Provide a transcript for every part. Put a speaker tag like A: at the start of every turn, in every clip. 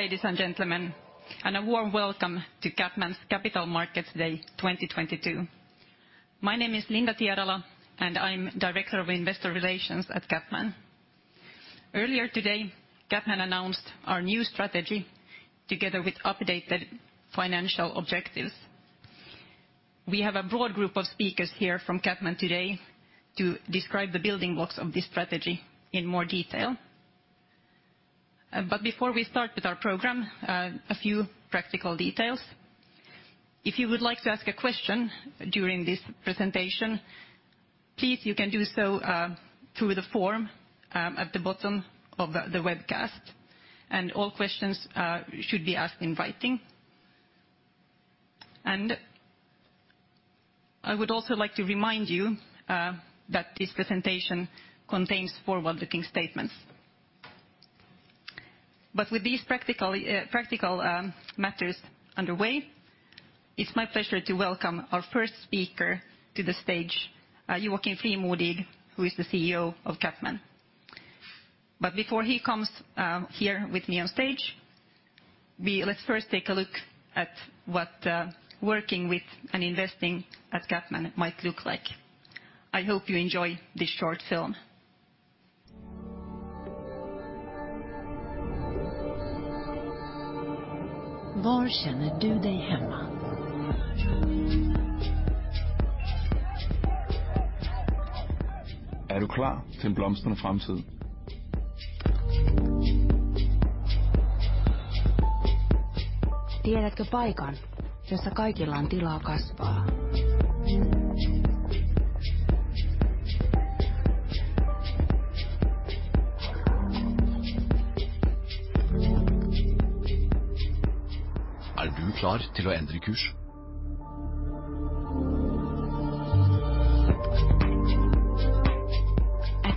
A: Good afternoon, ladies and gentlemen. A warm welcome to CapMan's Capital Markets Day 2022. My name is Linda Tierala, and I'm Director of Investor Relations at CapMan. Earlier today, CapMan announced our new strategy together with updated financial objectives. We have a broad group of speakers here from CapMan today to describe the building blocks of this strategy in more detail. Before we start with our program, a few practical details. If you would like to ask a question during this presentation, please you can do so through the forum at the bottom of the webcast. All questions should be asked in writing. I would also like to remind you that this presentation contains forward-looking statements. With these practical... Practical matters underway, it's my pleasure to welcome our first speaker to the stage, Joakim Frimodig, who is the CEO of CapMan. Before he comes here with me on stage, let's first take a look at what working with and investing at CapMan might look like. I hope you enjoy this short film.
B: At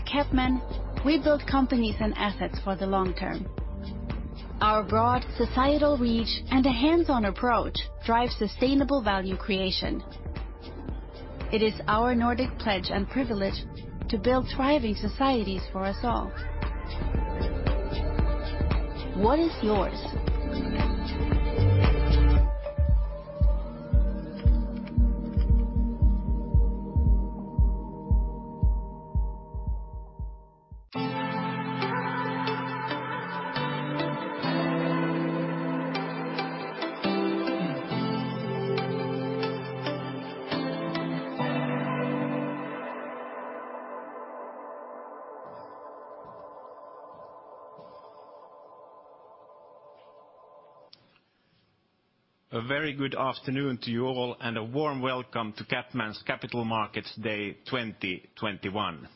B: CapMan, we build companies and assets for the long term. Our broad societal reach and a hands-on approach drives sustainable value creation. It is our Nordic pledge and privilege to build thriving societies for us all. What is yours?
C: A very good afternoon to you all, and a warm welcome to CapMan's Capital Markets Day 2021.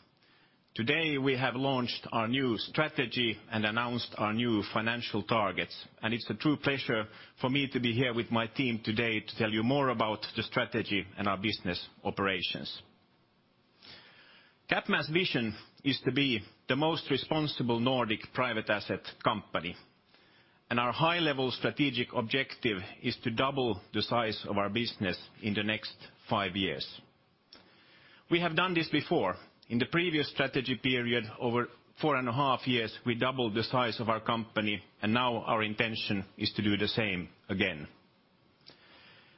C: Today, we have launched our new strategy and announced our new financial targets, and it's a true pleasure for me to be here with my team today to tell you more about the strategy and our business operations. CapMan's vision is to be the most responsible Nordic private asset company, and our high level strategic objective is to double the size of our business in the next five years. We have done this before. In the previous strategy period, over 4.5 Years, we doubled the size of our company, and now our intention is to do the same again.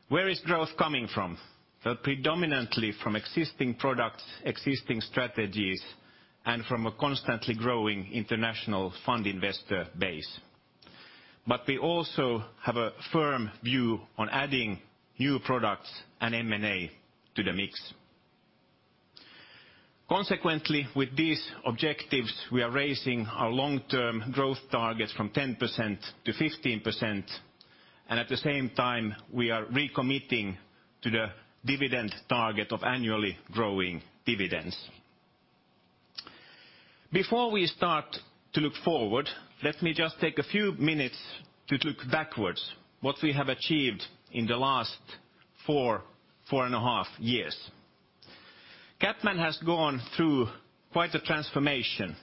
C: Where is growth coming from? Predominantly from existing products, existing strategies, and from a constantly growing international fund investor base. We also have a firm view on adding new products and M&A to the mix. Consequently, with these objectives, we are raising our long-term growth targets from 10%-15%, and at the same time, we are recommitting to the dividend target of annually growing dividends. Before we start to look forward, let me just take a few minutes to look backwards, what we have achieved in the last 4.5 Years. CapMan has gone through quite a transformation.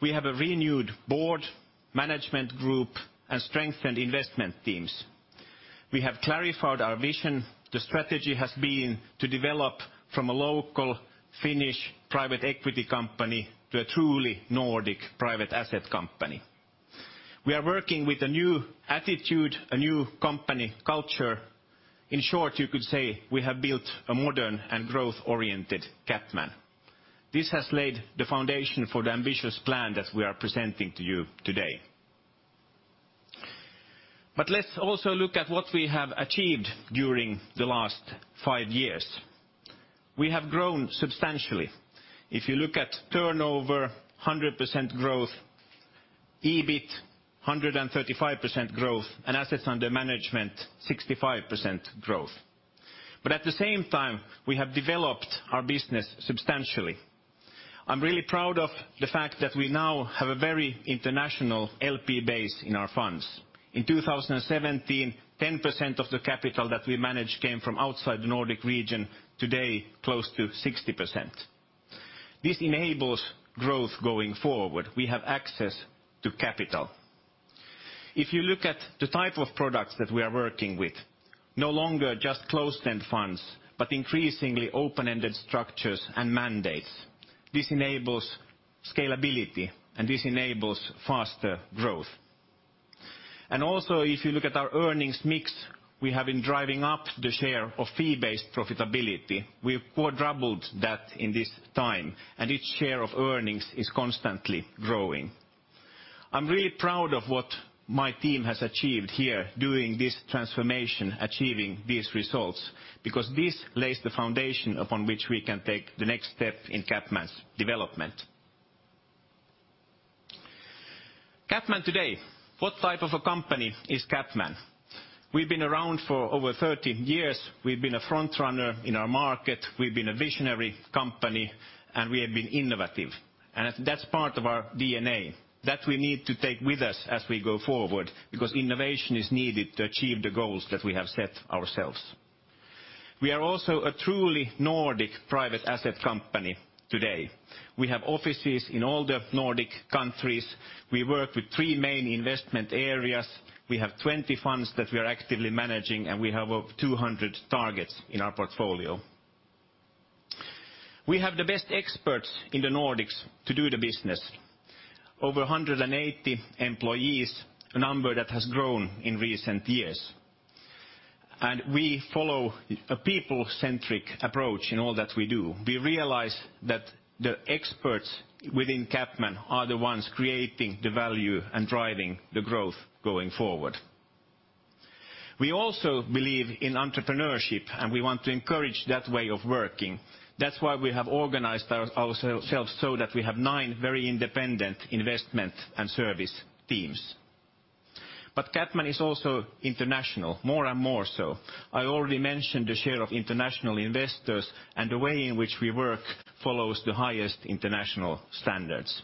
C: We have a renewed board, management group, and strengthened investment teams. We have clarified our vision. The strategy has been to develop from a local Finnish private equity company to a truly Nordic private asset company. We are working with a new attitude, a new company culture. In short, you could say we have built a modern and growth-oriented CapMan. This has laid the foundation for the ambitious plan that we are presenting to you today. Let's also look at what we have achieved during the last five years. We have grown substantially. If you look at turnover, 100% growth. EBIT, 135% growth. Assets under management, 65% growth. At the same time, we have developed our business substantially. I'm really proud of the fact that we now have a very international LP base in our funds. In 2017, 10% of the capital that we managed came from outside the Nordic region. Today, close to 60%. This enables growth going forward. We have access to capital. If you look at the type of products that we are working with, no longer just closed-end funds, but increasingly open-ended structures and mandates. This enables scalability, and this enables faster growth. Also, if you look at our earnings mix, we have been driving up the share of fee-based profitability. We've quadrupled that in this time, and each share of earnings is constantly growing. I'm really proud of what my team has achieved here doing this transformation, achieving these results, because this lays the foundation upon which we can take the next step in CapMan's development. CapMan today, what type of a company is CapMan? We've been around for over 30 years. We've been a front runner in our market. We've been a visionary company, and we have been innovative. And that's part of our DNA that we need to take with us as we go forward because innovation is needed to achieve the goals that we have set ourselves. We are also a truly Nordic private asset company today. We have offices in all the Nordic countries. We work with three main investment areas. We have 20 funds that we are actively managing, and we have over 200 targets in our portfolio. We have the best experts in the Nordics to do the business. Over 180 employees, a number that has grown in recent years. We follow a people-centric approach in all that we do. We realize that the experts within CapMan are the ones creating the value and driving the growth going forward. We also believe in entrepreneurship, and we want to encourage that way of working. That's why we have organized ourselves so that we have nine very independent investment and service teams. CapMan is also international, more and more so. I already mentioned the share of international investors, and the way in which we work follows the highest international standards.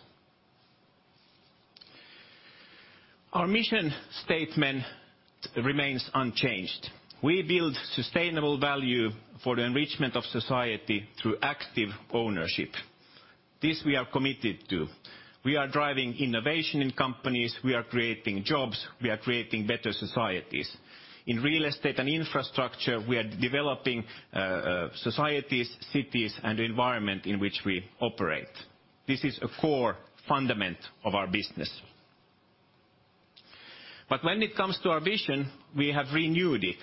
C: Our mission statement remains unchanged. We build sustainable value for the enrichment of society through active ownership. This we are committed to. We are driving innovation in companies. We are creating jobs. We are creating better societies. In real estate and infrastructure, we are developing societies, cities, and the environment in which we operate. This is a core fundamental of our business. When it comes to our vision, we have renewed it.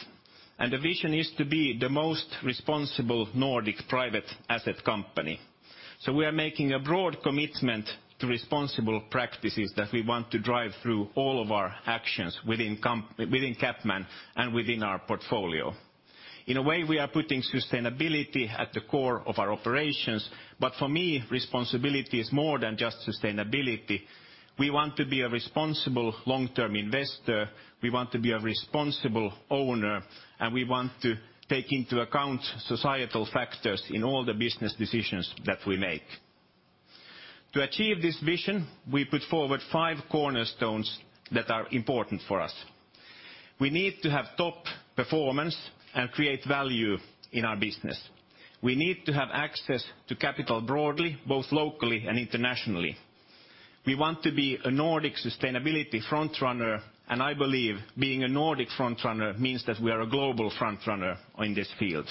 C: The vision is to be the most responsible Nordic private asset company. We are making a broad commitment to responsible practices that we want to drive through all of our actions within CapMan and within our portfolio. In a way, we are putting sustainability at the core of our operations, but for me, responsibility is more than just sustainability. We want to be a responsible long-term investor. We want to be a responsible owner, and we want to take into account societal factors in all the business decisions that we make. To achieve this vision, we put forward five cornerstones that are important for us. We need to have top performance and create value in our business. We need to have access to capital broadly, both locally and internationally. We want to be a Nordic sustainability front runner, and I believe being a Nordic front runner means that we are a global front runner in this field.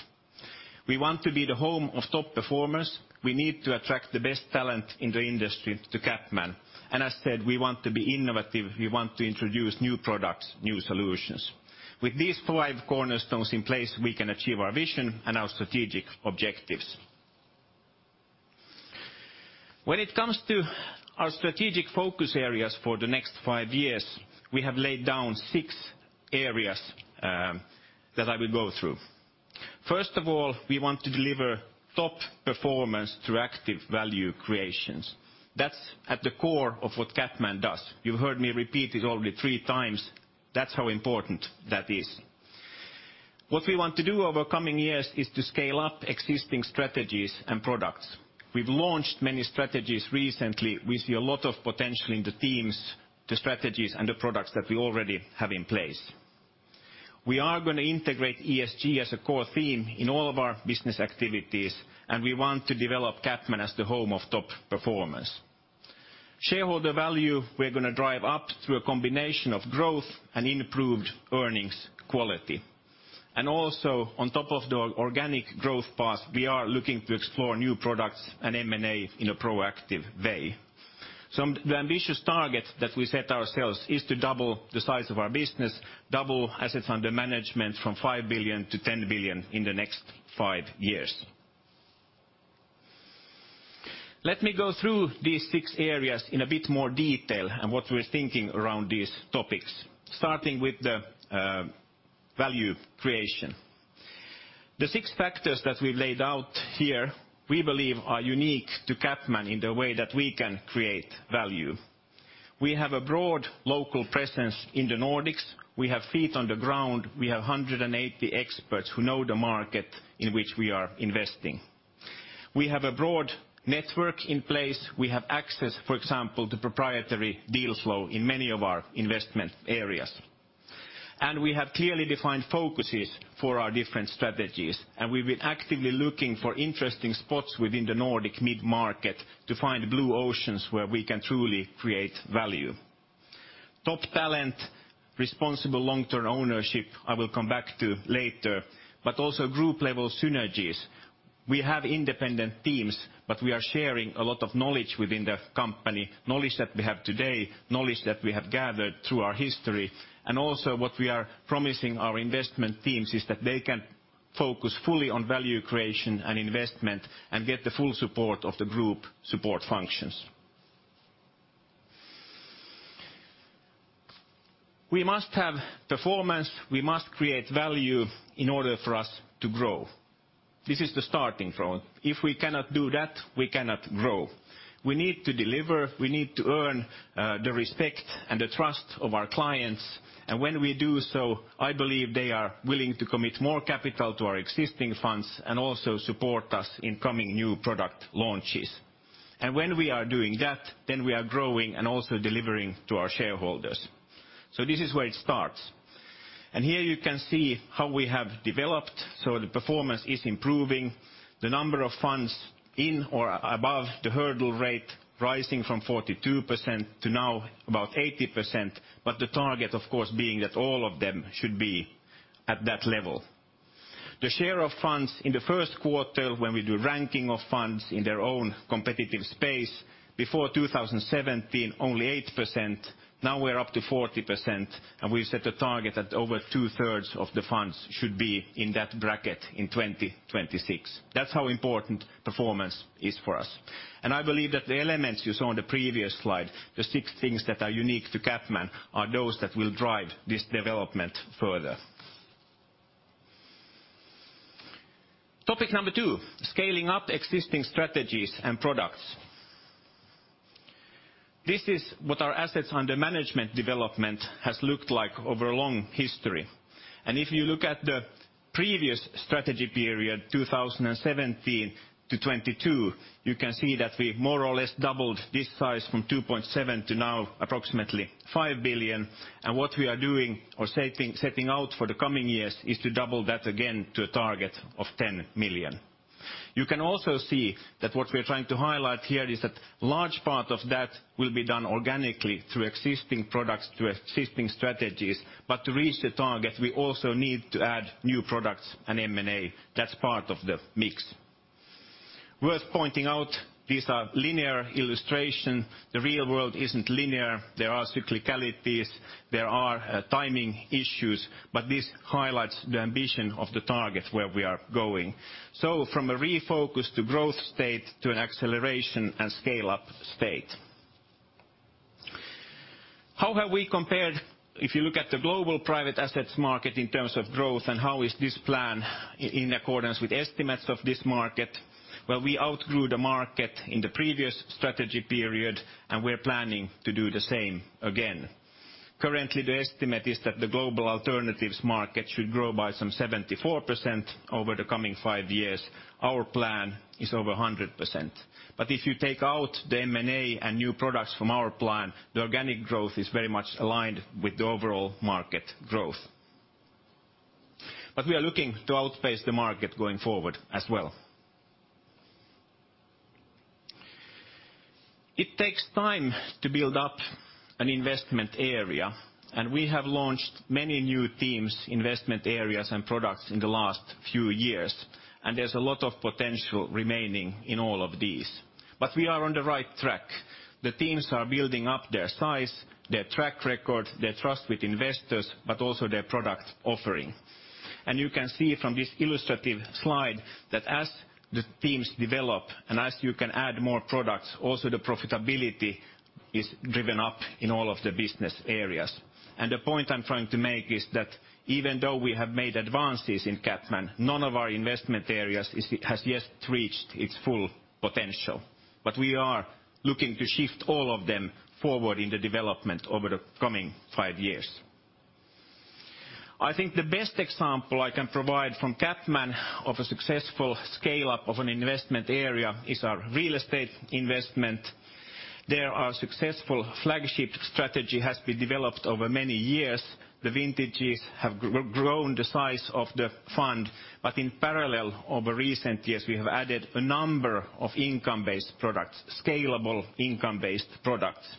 C: We want to be the home of top performers. We need to attract the best talent in the industry to CapMan. As said, we want to be innovative. We want to introduce new products, new solutions. With these five cornerstones in place, we can achieve our vision and our strategic objectives. When it comes to our strategic focus areas for the next five years, we have laid down six areas that I will go through. First of all, we want to deliver top performance through active value creations. That's at the core of what CapMan does. You've heard me repeat it already three times. That's how important that is. What we want to do over coming years is to scale up existing strategies and products. We've launched many strategies recently. We see a lot of potential in the teams, the strategies, and the products that we already have in place. We are gonna integrate ESG as a core theme in all of our business activities, and we want to develop CapMan as the home of top performance. Shareholder value, we're gonna drive up through a combination of growth and improved earnings quality. Also on top of the organic growth path, we are looking to explore new products and M&A in a proactive way. The ambitious target that we set ourselves is to double the size of our business, double assets under management from 5 billion-10 billion in the next five years. Let me go through these six areas in a bit more detail and what we're thinking around these topics, starting with the value creation. The six factors that we've laid out here, we believe are unique to CapMan in the way that we can create value. We have a broad local presence in the Nordics. We have feet on the ground. We have 180 experts who know the market in which we are investing. We have a broad network in place. We have access, for example, to proprietary deal flow in many of our investment areas. We have clearly defined focuses for our different strategies, and we've been actively looking for interesting spots within the Nordic mid-market to find blue oceans where we can truly create value. Top talent, responsible long-term ownership, I will come back to later, but also group level synergies. We have independent teams, but we are sharing a lot of knowledge within the company. Knowledge that we have today, knowledge that we have gathered through our history, and also what we are promising our investment teams is that they can focus fully on value creation and investment and get the full support of the group support functions. We must have performance, we must create value in order for us to grow. This is the starting point. If we cannot do that, we cannot grow. We need to deliver, we need to earn the respect and the trust of our clients. When we do so, I believe they are willing to commit more capital to our existing funds and also support us in coming new product launches. When we are doing that, then we are growing and also delivering to our shareholders. This is where it starts. Here you can see how we have developed. The performance is improving. The number of funds in or above the hurdle rate rising from 42% to now about 80%. The target of course being that all of them should be at that level. The share of funds in the first quarter when we do ranking of funds in their own competitive space, before 2017, only 8%, now we're up to 40%. We've set a target that over 2/3 of the funds should be in that bracket in 2026. That's how important performance is for us. I believe that the elements you saw on the previous slide, the six things that are unique to CapMan, are those that will drive this development further. Topic number two, scaling up existing strategies and products. This is what our assets under management development has looked like over a long history. If you look at the previous strategy period, 2017 to 2022, you can see that we've more or less doubled this size from 2.7 billion to now approximately 5 billion. What we are doing or setting out for the coming years is to double that again to a target of 10 billion. You can also see that what we're trying to highlight here is that large part of that will be done organically through existing products, through existing strategies. To reach the target, we also need to add new products and M&A. That's part of the mix. Worth pointing out, these are linear illustration. The real world isn't linear. There are cyclicalities, there are, timing issues, but this highlights the ambition of the target where we are going. From a refocus to growth state to an acceleration and scale-up state. How have we compared if you look at the global private assets market in terms of growth, and how is this plan in accordance with estimates of this market? Well, we outgrew the market in the previous strategy period, and we're planning to do the same again. Currently, the estimate is that the global alternatives market should grow by some 74% over the coming five years. Our plan is over 100%. If you take out the M&A and new products from our plan, the organic growth is very much aligned with the overall market growth. We are looking to outpace the market going forward as well. It takes time to build up an investment area, and we have launched many new teams, investment areas, and products in the last few years, and there's a lot of potential remaining in all of these. We are on the right track. The teams are building up their size, their track record, their trust with investors, but also their product offering. You can see from this illustrative slide that as the teams develop and as you can add more products, also the profitability is driven up in all of the business areas. The point I'm trying to make is that even though we have made advances in CapMan, none of our investment areas has yet reached its full potential. We are looking to shift all of them forward in the development over the coming five years. I think the best example I can provide from CapMan of a successful scale-up of an investment area is our real estate investment. There our successful flagship strategy has been developed over many years. The vintages have grown the size of the fund, but in parallel over recent years, we have added a number of income-based products, scalable income-based products.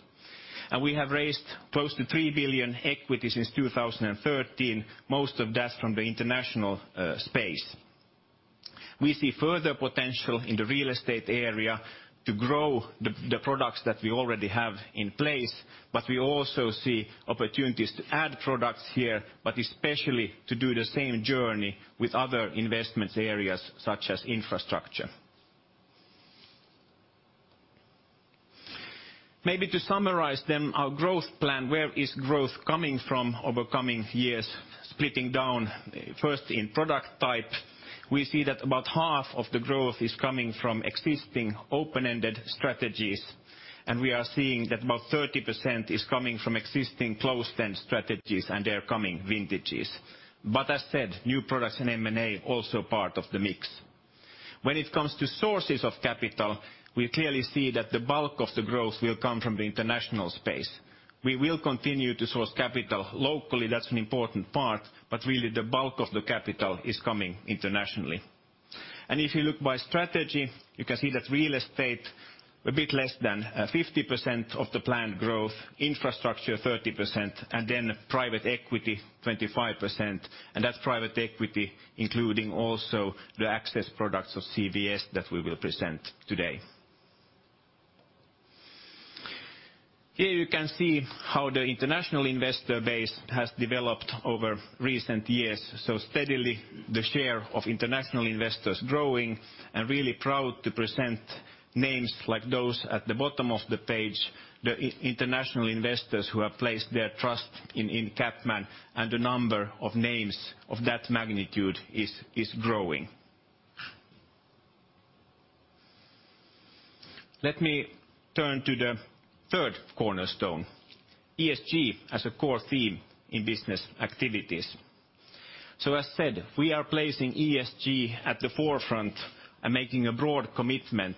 C: We have raised close to 3 billion equity since 2013, most of that from the international space. We see further potential in the real estate area to grow the products that we already have in place, but we also see opportunities to add products here, but especially to do the same journey with other investment areas such as infrastructure. Maybe to summarize our growth plan, where is growth coming from over coming years, splitting down first in product type. We see that about half of the growth is coming from existing open-ended strategies, and we are seeing that about 30% is coming from existing closed-end strategies and their coming vintages. As said, new products in M&A also part of the mix. When it comes to sources of capital, we clearly see that the bulk of the growth will come from the international space. We will continue to source capital locally, that's an important part, but really the bulk of the capital is coming internationally. If you look by strategy, you can see that real estate a bit less than 50% of the planned growth, infrastructure 30%, and then private equity 25%. That's private equity, including also the access products of CWS that we will present today. Here you can see how the international investor base has developed over recent years. Steadily the share of international investors growing and really proud to present names like those at the bottom of the page, the international investors who have placed their trust in CapMan and the number of names of that magnitude is growing. Let me turn to the third cornerstone, ESG as a core theme in business activities. As said, we are placing ESG at the forefront and making a broad commitment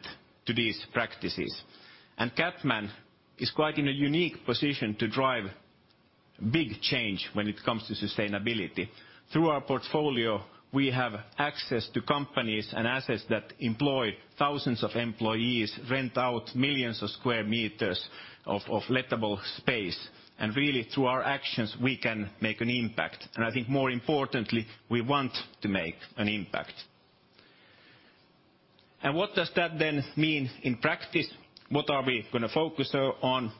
C: to these practices. CapMan is quite in a unique position to drive big change when it comes to sustainability. Through our portfolio, we have access to companies and assets that employ thousands of employees, rent out millions of square meters of lettable space. Really through our actions, we can make an impact. I think more importantly, we want to make an impact. What does that then mean in practice? What are we going to focus on?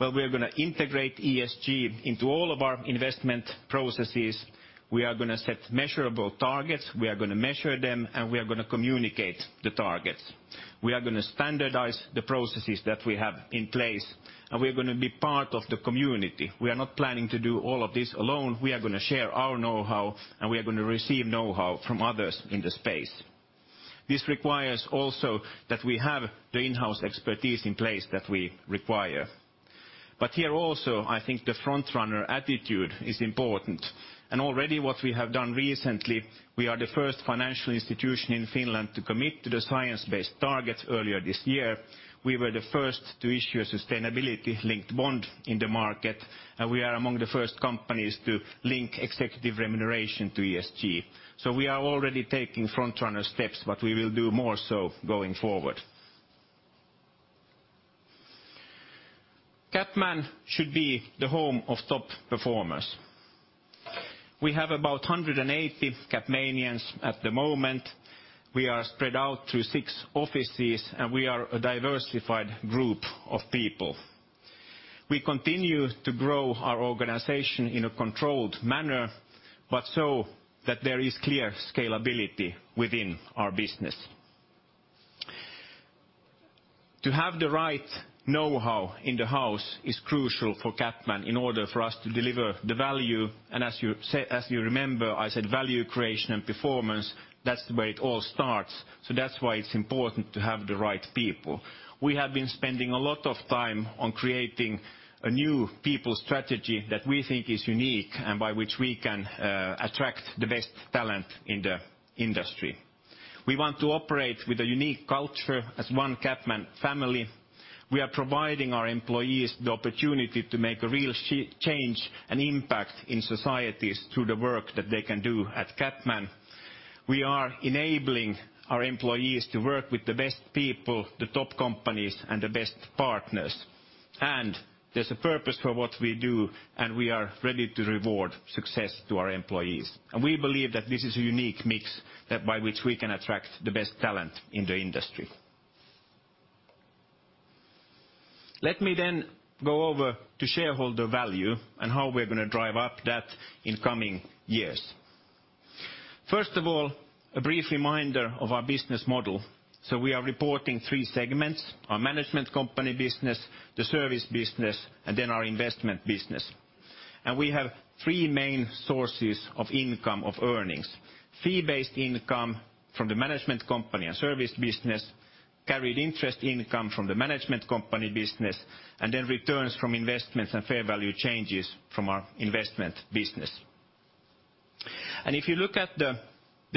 C: Well, we're going to integrate ESG into all of our investment processes. We are going to set measurable targets. We are going to measure them, and we are going to communicate the targets. We are going to standardize the processes that we have in place, and we're going to be part of the community. We are not planning to do all of this alone. We are going to share our know-how, and we are going to receive know-how from others in the space. This requires also that we have the in-house expertise in place that we require. But here also, I think the front-runner attitude is important. Already what we have done recently, we are the first financial institution in Finland to commit to the science-based targets earlier this year. We were the first to issue a sustainability-linked bond in the market, and we are among the first companies to link executive remuneration to ESG. We are already taking front runner steps, but we will do more so going forward. CapMan should be the home of top performers. We have about 180 CapManians at the moment. We are spread out to six offices, and we are a diversified group of people. We continue to grow our organization in a controlled manner, but so that there is clear scalability within our business. To have the right knowhow in the house is crucial for CapMan in order for us to deliver the value. As you remember, I said value creation and performance, that's the way it all starts. That's why it's important to have the right people. We have been spending a lot of time on creating a new people strategy that we think is unique and by which we can attract the best talent in the industry. We want to operate with a unique culture as one CapMan family. We are providing our employees the opportunity to make a real change and impact in societies through the work that they can do at CapMan. We are enabling our employees to work with the best people, the top companies, and the best partners. There's a purpose for what we do, and we are ready to reward success to our employees. We believe that this is a unique mix that by which we can attract the best talent in the industry. Let me go over to shareholder value and how we're going to drive up that in coming years. First of all, a brief reminder of our business model. We are reporting three segments: our management company business, the service business, and then our investment business. We have three main sources of income of earnings: fee-based income from the management company and service business, carried interest income from the management company business, and then returns from investments and fair value changes from our investment business. If you look at the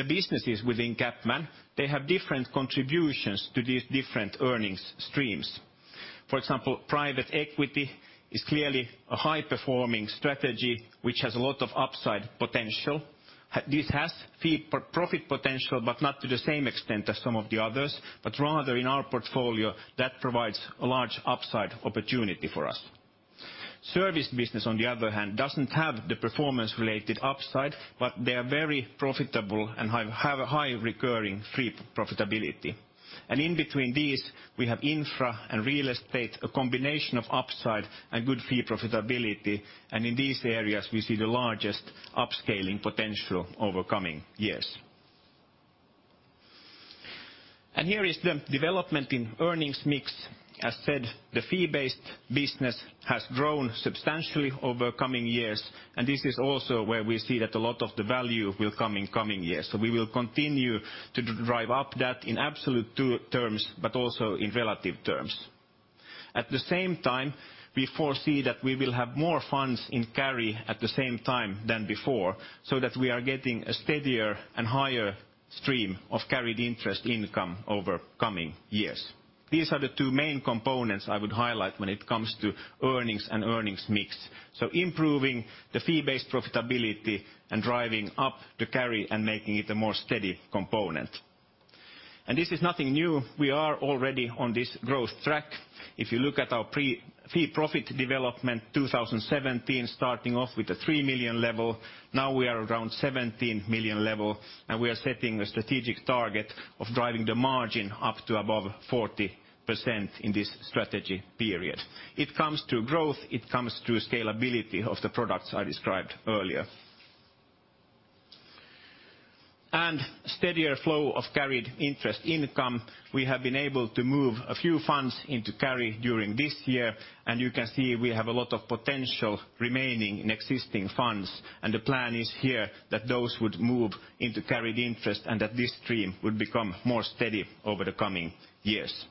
C: businesses within CapMan, they have different contributions to these different earnings streams. For example, private equity is clearly a high-performing strategy which has a lot of upside potential. This has fee and profit potential, but not to the same extent as some of the others, but rather in our portfolio that provides a large upside opportunity for us. Service business, on the other hand, doesn't have the performance-related upside, but they are very profitable and have a high recurring fee profitability. In between these, we have infra and real estate, a combination of upside and good fee profitability. In these areas, we see the largest upscaling potential over coming years. Here is the development in earnings mix. As said, the fee-based business has grown substantially over coming years, and this is also where we see that a lot of the value will come in coming years. We will continue to drive up that in absolute terms, but also in relative terms. At the same time, we foresee that we will have more funds in carry at the same time than before, so that we are getting a steadier and higher stream of carried interest income over coming years. These are the two main components I would highlight when it comes to earnings and earnings mix. Improving the fee-based profitability and driving up the carry and making it a more steady component. This is nothing new. We are already on this growth track. If you look at our pre-fee profit development, 2017, starting off with a 3 million level. Now we are around 17 million level, and we are setting a strategic target of driving the margin up to above 40% in this strategy period. It comes to growth, it comes to scalability of the products I described earlier. Steadier flow of carried interest income. We have been able to move a few funds into carry during this year, and you can see we have a lot of potential remaining in existing funds. The plan is here that those would move into carried interest, and that this stream would become more steady over the coming years.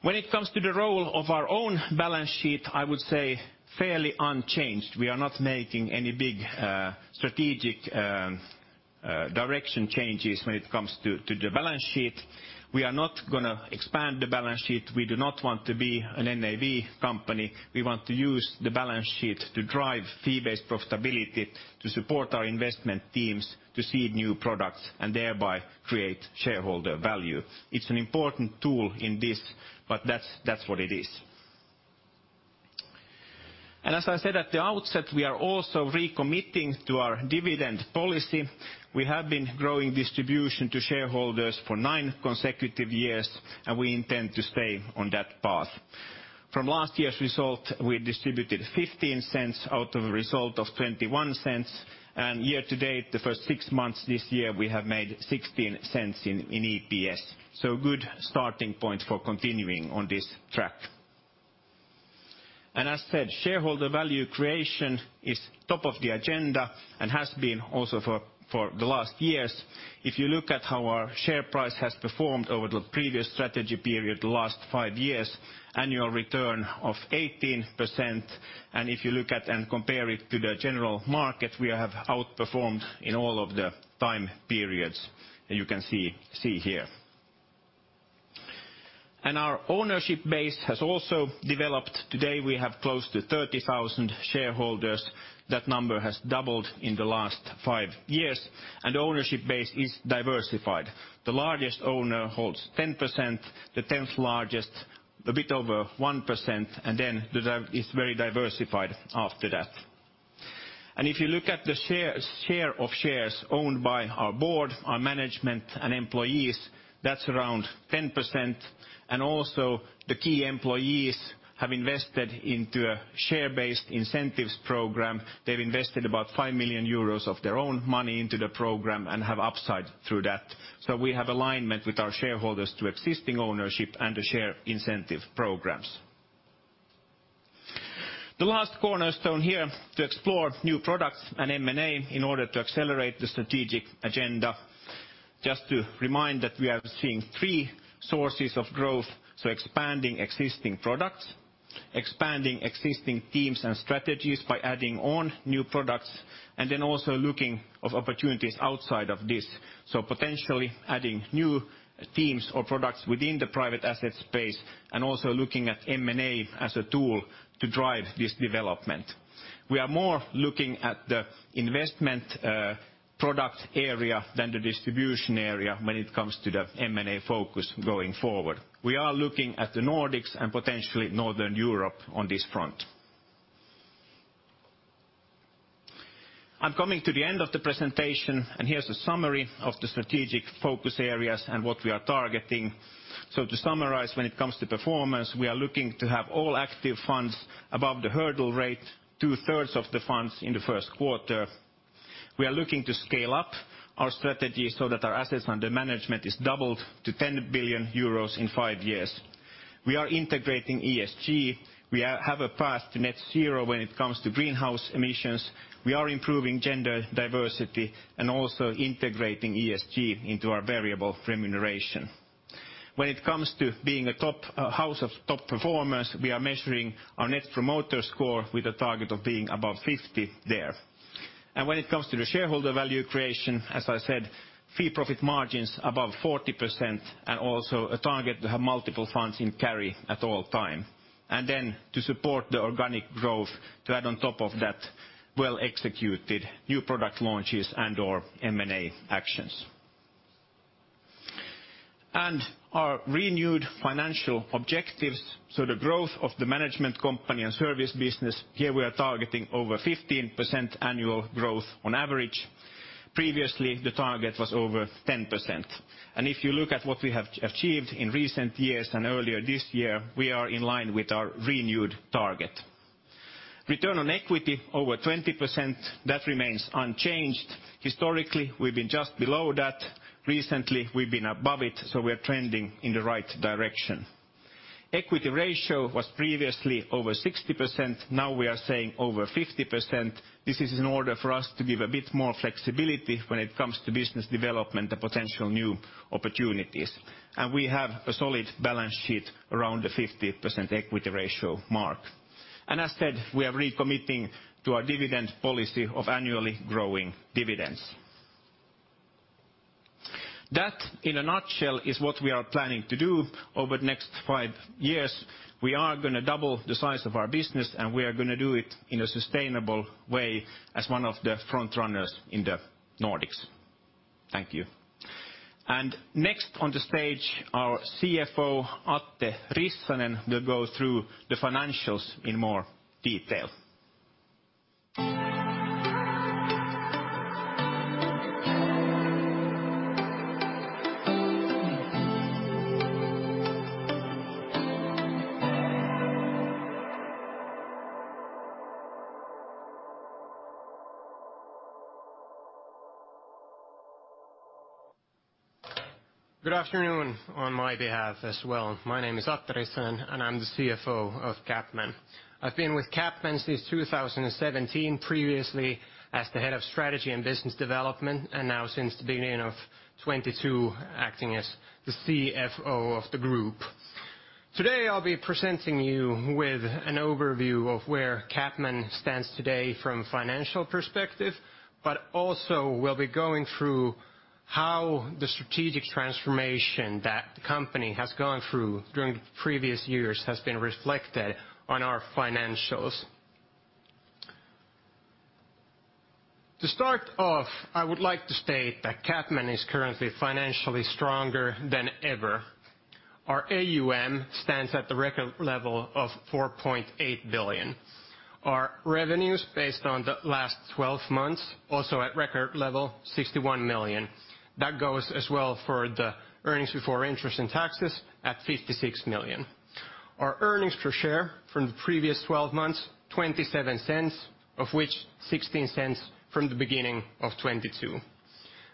C: When it comes to the role of our own balance sheet, I would say fairly unchanged. We are not making any big, strategic, direction changes when it comes to the balance sheet. We are not gonna expand the balance sheet. We do not want to be an NAV company. We want to use the balance sheet to drive fee-based profitability to support our investment teams to seed new products and thereby create shareholder value. It's an important tool in this, but that's what it is. As I said at the outset, we are also recommitting to our dividend policy. We have been growing distribution to shareholders for nine consecutive years, and we intend to stay on that path. From last year's result, we distributed 0.15 out of a result of 0.21. Year-to-date, the first six months this year, we have made 0.16 in EPS. Good starting point for continuing on this track. As said, shareholder value creation is top of the agenda and has been also for the last years. If you look at how our share price has performed over the previous strategy period, the last five years, annual return of 18%. If you look at and compare it to the general market, we have outperformed in all of the time periods you can see here. Our ownership base has also developed. Today, we have close to 30,000 shareholders. That number has doubled in the last five years, and ownership base is diversified. The largest owner holds 10%, the 10th-largest a bit over 1%, and then is very diversified after that. If you look at the share of shares owned by our board, our management, and employees, that's around 10%. Also the key employees have invested into a share-based incentives program. They've invested about 5 million euros of their own money into the program and have upside through that. We have alignment with our shareholders to existing ownership and the share incentive programs. The last cornerstone here, to explore new products and M&A in order to accelerate the strategic agenda. Just to remind that we are seeing three sources of growth, expanding existing products, expanding existing teams and strategies by adding on new products, and then also looking for opportunities outside of this. Potentially adding new teams or products within the private asset space and also looking at M&A as a tool to drive this development. We are more looking at the investment, product area than the distribution area when it comes to the M&A focus going forward. We are looking at the Nordics and potentially Northern Europe on this front. I'm coming to the end of the presentation, and here's a summary of the strategic focus areas and what we are targeting. To summarize, when it comes to performance, we are looking to have all active funds above the hurdle rate, two-thirds of the funds in the first quarter. We are looking to scale up our strategy so that our assets under management is doubled to 10 billion euros in five years. We are integrating ESG. We have a path to net zero when it comes to greenhouse emissions. We are improving gender diversity and also integrating ESG into our variable remuneration. When it comes to being a top house of top performers, we are measuring our net promoter score with a target of being above 50% there. When it comes to the shareholder value creation, as I said, fee profit margins above 40% and also a target to have multiple funds in carry at all times. To support the organic growth, to add on top of that, well-executed new product launches and/or M&A actions. Our renewed financial objectives. The growth of the management company and service business, here we are targeting over 15% annual growth on average. Previously, the target was over 10%. If you look at what we have achieved in recent years and earlier this year, we are in line with our renewed target. Return on equity over 20%, that remains unchanged. Historically, we've been just below that. Recently, we've been above it, so we're trending in the right direction. Equity ratio was previously over 60%, now we are saying over 50%. This is in order for us to give a bit more flexibility when it comes to business development and potential new opportunities. We have a solid balance sheet around the 50% equity ratio mark. As said, we are recommitting to our dividend policy of annually growing dividends. That, in a nutshell, is what we are planning to do over the next five years. We are gonna double the size of our business, and we are gonna do it in a sustainable way as one of the front runners in the Nordics. Thank you. Next on the stage, our CFO, Atte Rissanen, will go through the financials in more detail.
D: Good afternoon on my behalf as well. My name is Atte Rissanen, and I'm the CFO of CapMan. I've been with CapMan since 2017, previously as the head of Strategy and Business Development, and now since the beginning of 2022 acting as the CFO of the group. Today, I'll be presenting you with an overview of where CapMan stands today from financial perspective, but also we'll be going through how the strategic transformation that the company has gone through during the previous years has been reflected on our financials. To start off, I would like to state that CapMan is currently financially stronger than ever. Our AUM stands at the record level of 4.8 billion. Our revenues based on the last 12 months, also at record level, 61 million. That goes as well for the earnings before interest and taxes at 56 million. Our earnings per share from the previous 12 months, 0.27, of which 0.16 from the beginning of 2022.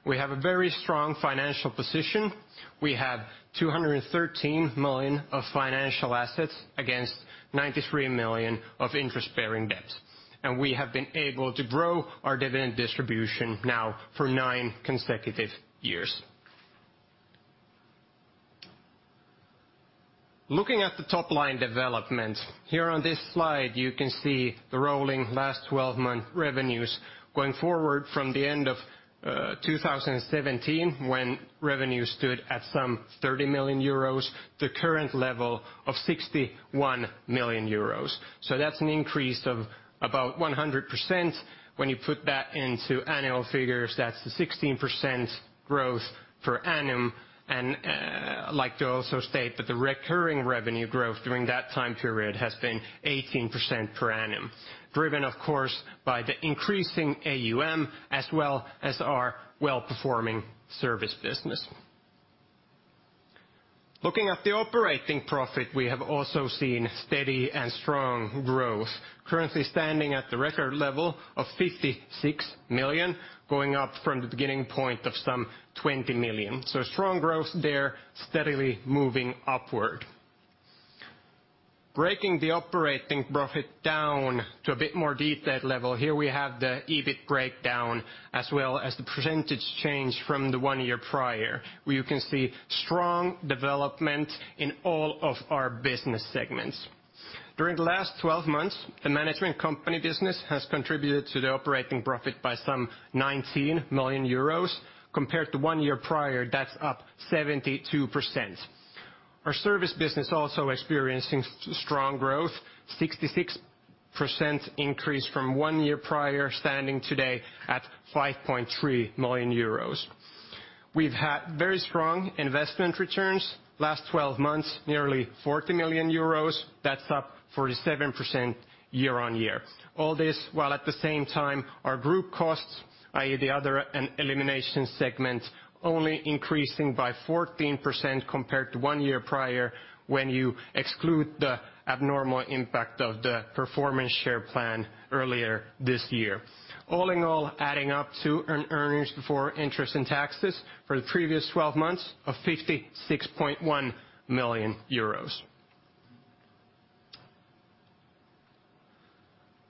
D: We have a very strong financial position. We have 213 million of financial assets against 93 million of interest-bearing debts. We have been able to grow our dividend distribution now for nine consecutive years. Looking at the top-line development, here on this slide, you can see the rolling last 12-month revenues going forward from the end of 2017, when revenue stood at some 30 million euros, the current level of 61 million euros. That's an increase of about 100%. When you put that into annual figures, that's the 16% growth per annum. I'd like to also state that the recurring revenue growth during that time period has been 18% per annum. Driven, of course, by the increasing AUM as well as our well-performing service business. Looking at the operating profit, we have also seen steady and strong growth, currently standing at the record level of 56 million, going up from the beginning point of some 20 million. Strong growth there, steadily moving upward. Breaking the operating profit down to a bit more detailed level, here we have the EBIT breakdown as well as the percentage change from the one year prior, where you can see strong development in all of our business segments. During the last 12 months, the management company business has contributed to the operating profit by some 19 million euros. Compared to one year prior, that's up 72%. Our service business also experiencing strong growth, 66% increase from one year prior, standing today at 5.3 million euros. We've had very strong investment returns. Last 12 months, nearly 40 million euros. That's up 47% year-on-year. All this while at the same time, our group costs, i.e., the other and elimination segment, only increasing by 14% compared to one year prior when you exclude the abnormal impact of the performance share plan earlier this year. All in all, adding up to an earnings before interest and taxes for the previous 12 months of 56.1 million euros.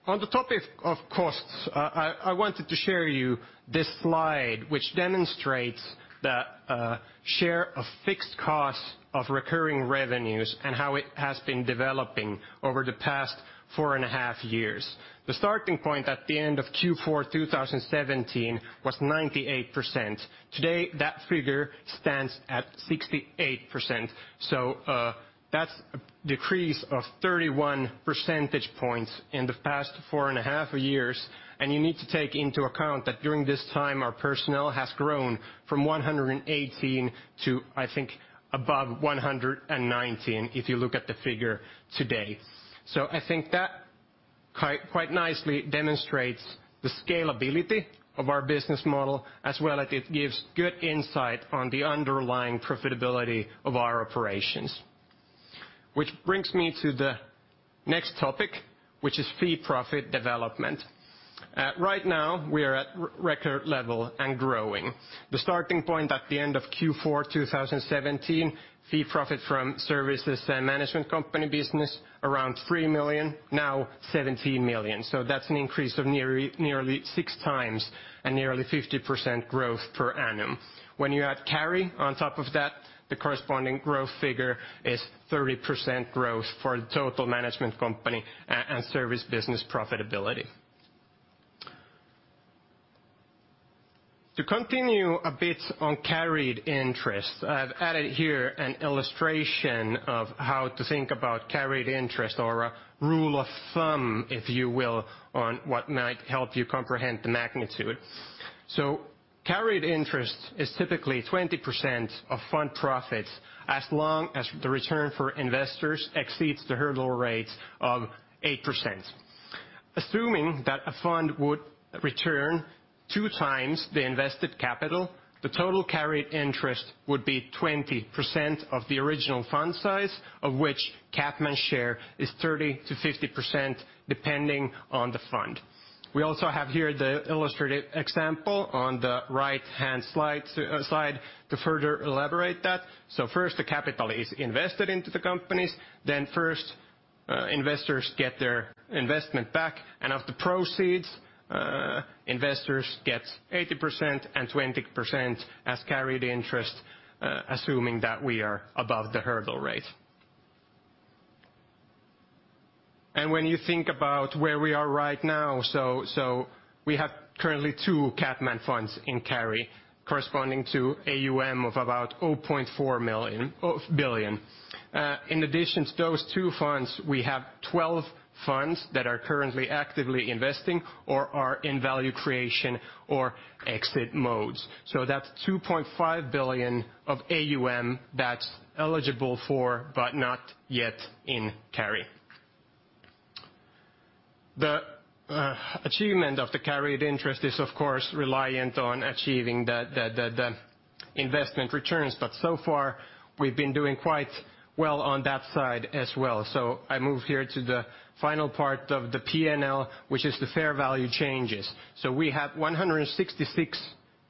D: On the topic of costs, I wanted to share with you this slide, which demonstrates the share of fixed costs of recurring revenues and how it has been developing over the past 4.5 years. The starting point at the end of Q4 2017 was 98%. Today, that figure stands at 68%. That's a decrease of 31 percentage points in the past 4.5 years. You need to take into account that during this time, our personnel has grown from 118 to, I think, above 119 if you look at the figure today. I think that quite nicely demonstrates the scalability of our business model, as well as it gives good insight on the underlying profitability of our operations. Which brings me to the next topic, which is fee profit development. Right now we are at record level and growing. The starting point at the end of Q4 2017, fee profit from services and management company business around 3 million, now 17 million. That's an increase of nearly 6x and nearly 50% growth per annum. When you add carry on top of that, the corresponding growth figure is 30% growth for the total management company and service business profitability. To continue a bit on carried interest, I've added here an illustration of how to think about carried interest or a rule of thumb, if you will, on what might help you comprehend the magnitude. Carried interest is typically 20% of fund profits as long as the return for investors exceeds the hurdle rate of 8%. Assuming that a fund would return 2x the invested capital, the total carried interest would be 20% of the original fund size, of which CapMan's share is 30%-50%, depending on the fund. We also have here the illustrative example on the right-hand slide, too, to further elaborate that. First, the capital is invested into the companies, then investors get their investment back, and of the proceeds, investors get 80% and 20% as carried interest, assuming that we are above the hurdle rate. When you think about where we are right now, we have currently two CapMan funds in carry corresponding to AUM of about 0.4 billion. In addition to those two funds, we have 12 funds that are currently actively investing or are in value creation or exit modes. That's 2.5 billion of AUM that's eligible for, but not yet in carry. The achievement of the carried interest is of course reliant on achieving the investment returns, but so far we've been doing quite well on that side as well. I move here to the final part of the P&L, which is the fair value changes. We have 166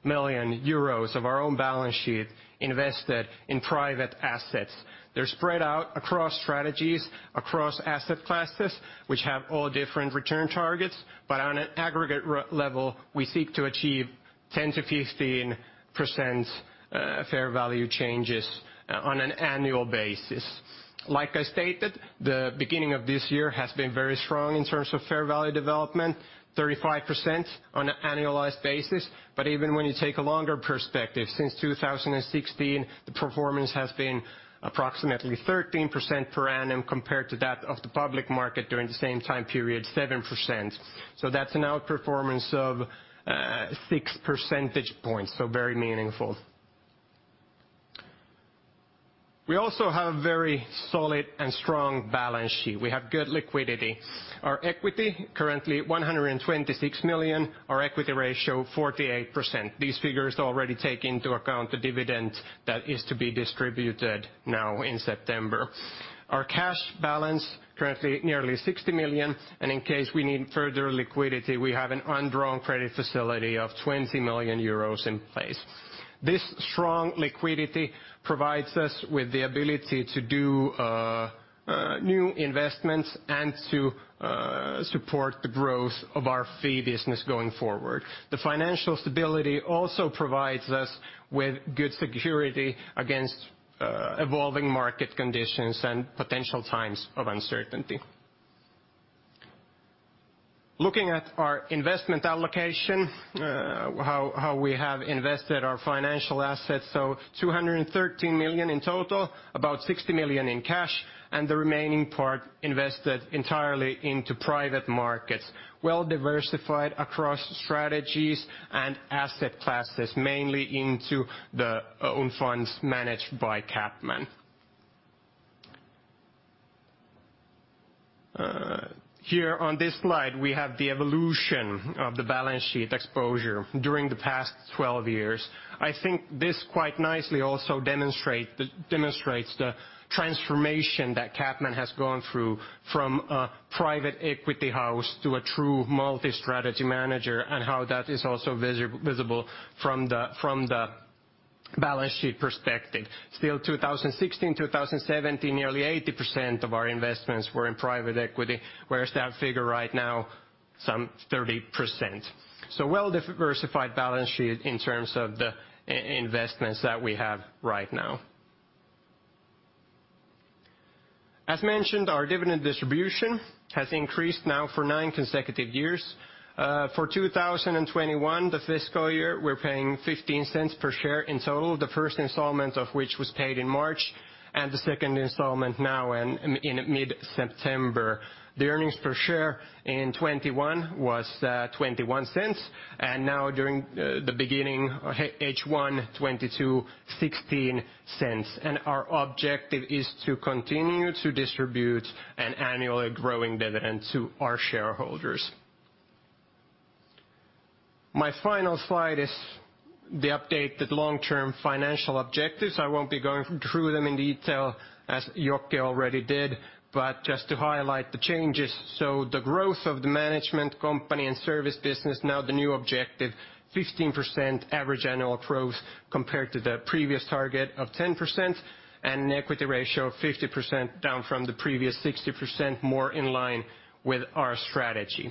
D: million euros of our own balance sheet invested in private assets. They're spread out across strategies, across asset classes, which have all different return targets, but on an aggregate level, we seek to achieve 10%-15% fair value changes on an annual basis. Like I stated, the beginning of this year has been very strong in terms of fair value development, 35% on an annualized basis. Even when you take a longer perspective, since 2016, the performance has been approximately 13% per annum compared to that of the public market during the same time period, 7%. That's an outperformance of 6 percentage points, so very meaningful. We also have very solid and strong balance sheet. We have good liquidity. Our equity currently 126 million, our equity ratio 48%. These figures already take into account the dividend that is to be distributed now in September. Our cash balance currently nearly 60 million, and in case we need further liquidity, we have an undrawn credit facility of 20 million euros in place. This strong liquidity provides us with the ability to do new investments and to support the growth of our fee business going forward. The financial stability also provides us with good security against evolving market conditions and potential times of uncertainty. Looking at our investment allocation, how we have invested our financial assets, so 213 million in total, about 60 million in cash, and the remaining part invested entirely into private markets, well diversified across strategies and asset classes, mainly into the own funds managed by CapMan. Here on this slide, we have the evolution of the balance sheet exposure during the past 12 years. I think this quite nicely also demonstrates the transformation that CapMan has gone through from a private equity house to a true multi-strategy manager and how that is also visible from the balance sheet perspective. Still 2016, 2017, nearly 80% of our investments were in private equity, whereas that figure right now some 30%. Well diversified balance sheet in terms of the investments that we have right now. As mentioned, our dividend distribution has increased now for nine consecutive years. For 2021, the fiscal year, we're paying 0.15 per share in total, the first installment of which was paid in March, and the second installment now in mid-September. The earnings per share in 2021 was 0.21, and now during the beginning H1 2022, EUR 0.16. Our objective is to continue to distribute an annually growing dividend to our shareholders. My final slide is the updated long-term financial objectives. I won't be going through them in detail as Jokke already did, but just to highlight the changes. The growth of the management company and service business, now the new objective, 15% average annual growth compared to the previous target of 10%, and an equity ratio of 50% down from the previous 60% more in line with our strategy.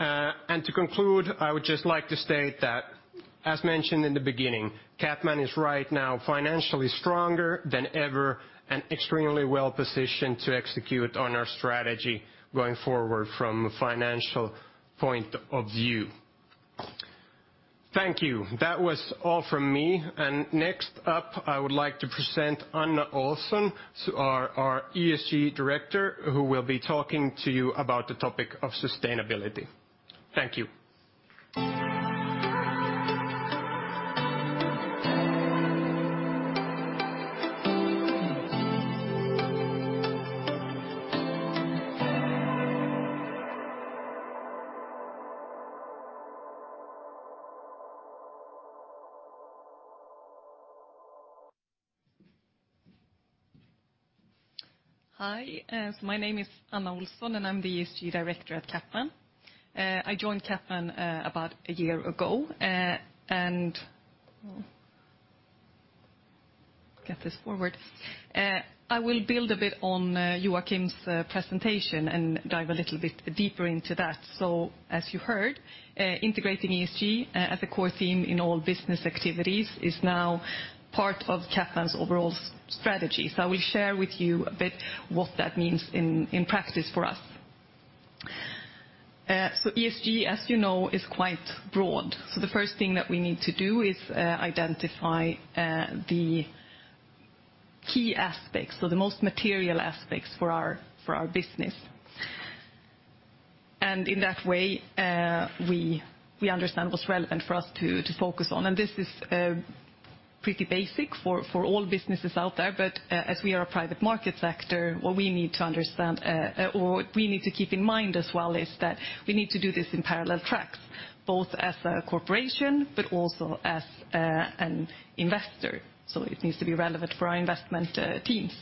D: To conclude, I would just like to state that, as mentioned in the beginning, CapMan is right now financially stronger than ever and extremely well-positioned to execute on our strategy going forward from a financial point of view. Thank you. That was all from me. Next up, I would like to present Anna Olsson, our ESG Director, who will be talking to you about the topic of sustainability. Thank you.
E: Hi, my name is Anna Olsson, and I'm the ESG Director at CapMan. I joined CapMan about a year ago. I will build a bit on Joakim's presentation and dive a little bit deeper into that. As you heard, integrating ESG as a core theme in all business activities is now part of CapMan's overall strategy. I will share with you a bit what that means in practice for us. ESG, as you know, is quite broad. The first thing that we need to do is identify the key aspects or the most material aspects for our business. In that way, we understand what's relevant for us to focus on. This is pretty basic for all businesses out there. As we are a private market sector, what we need to understand or what we need to keep in mind as well is that we need to do this in parallel tracks, both as a corporation, but also as an investor. It needs to be relevant for our investment teams.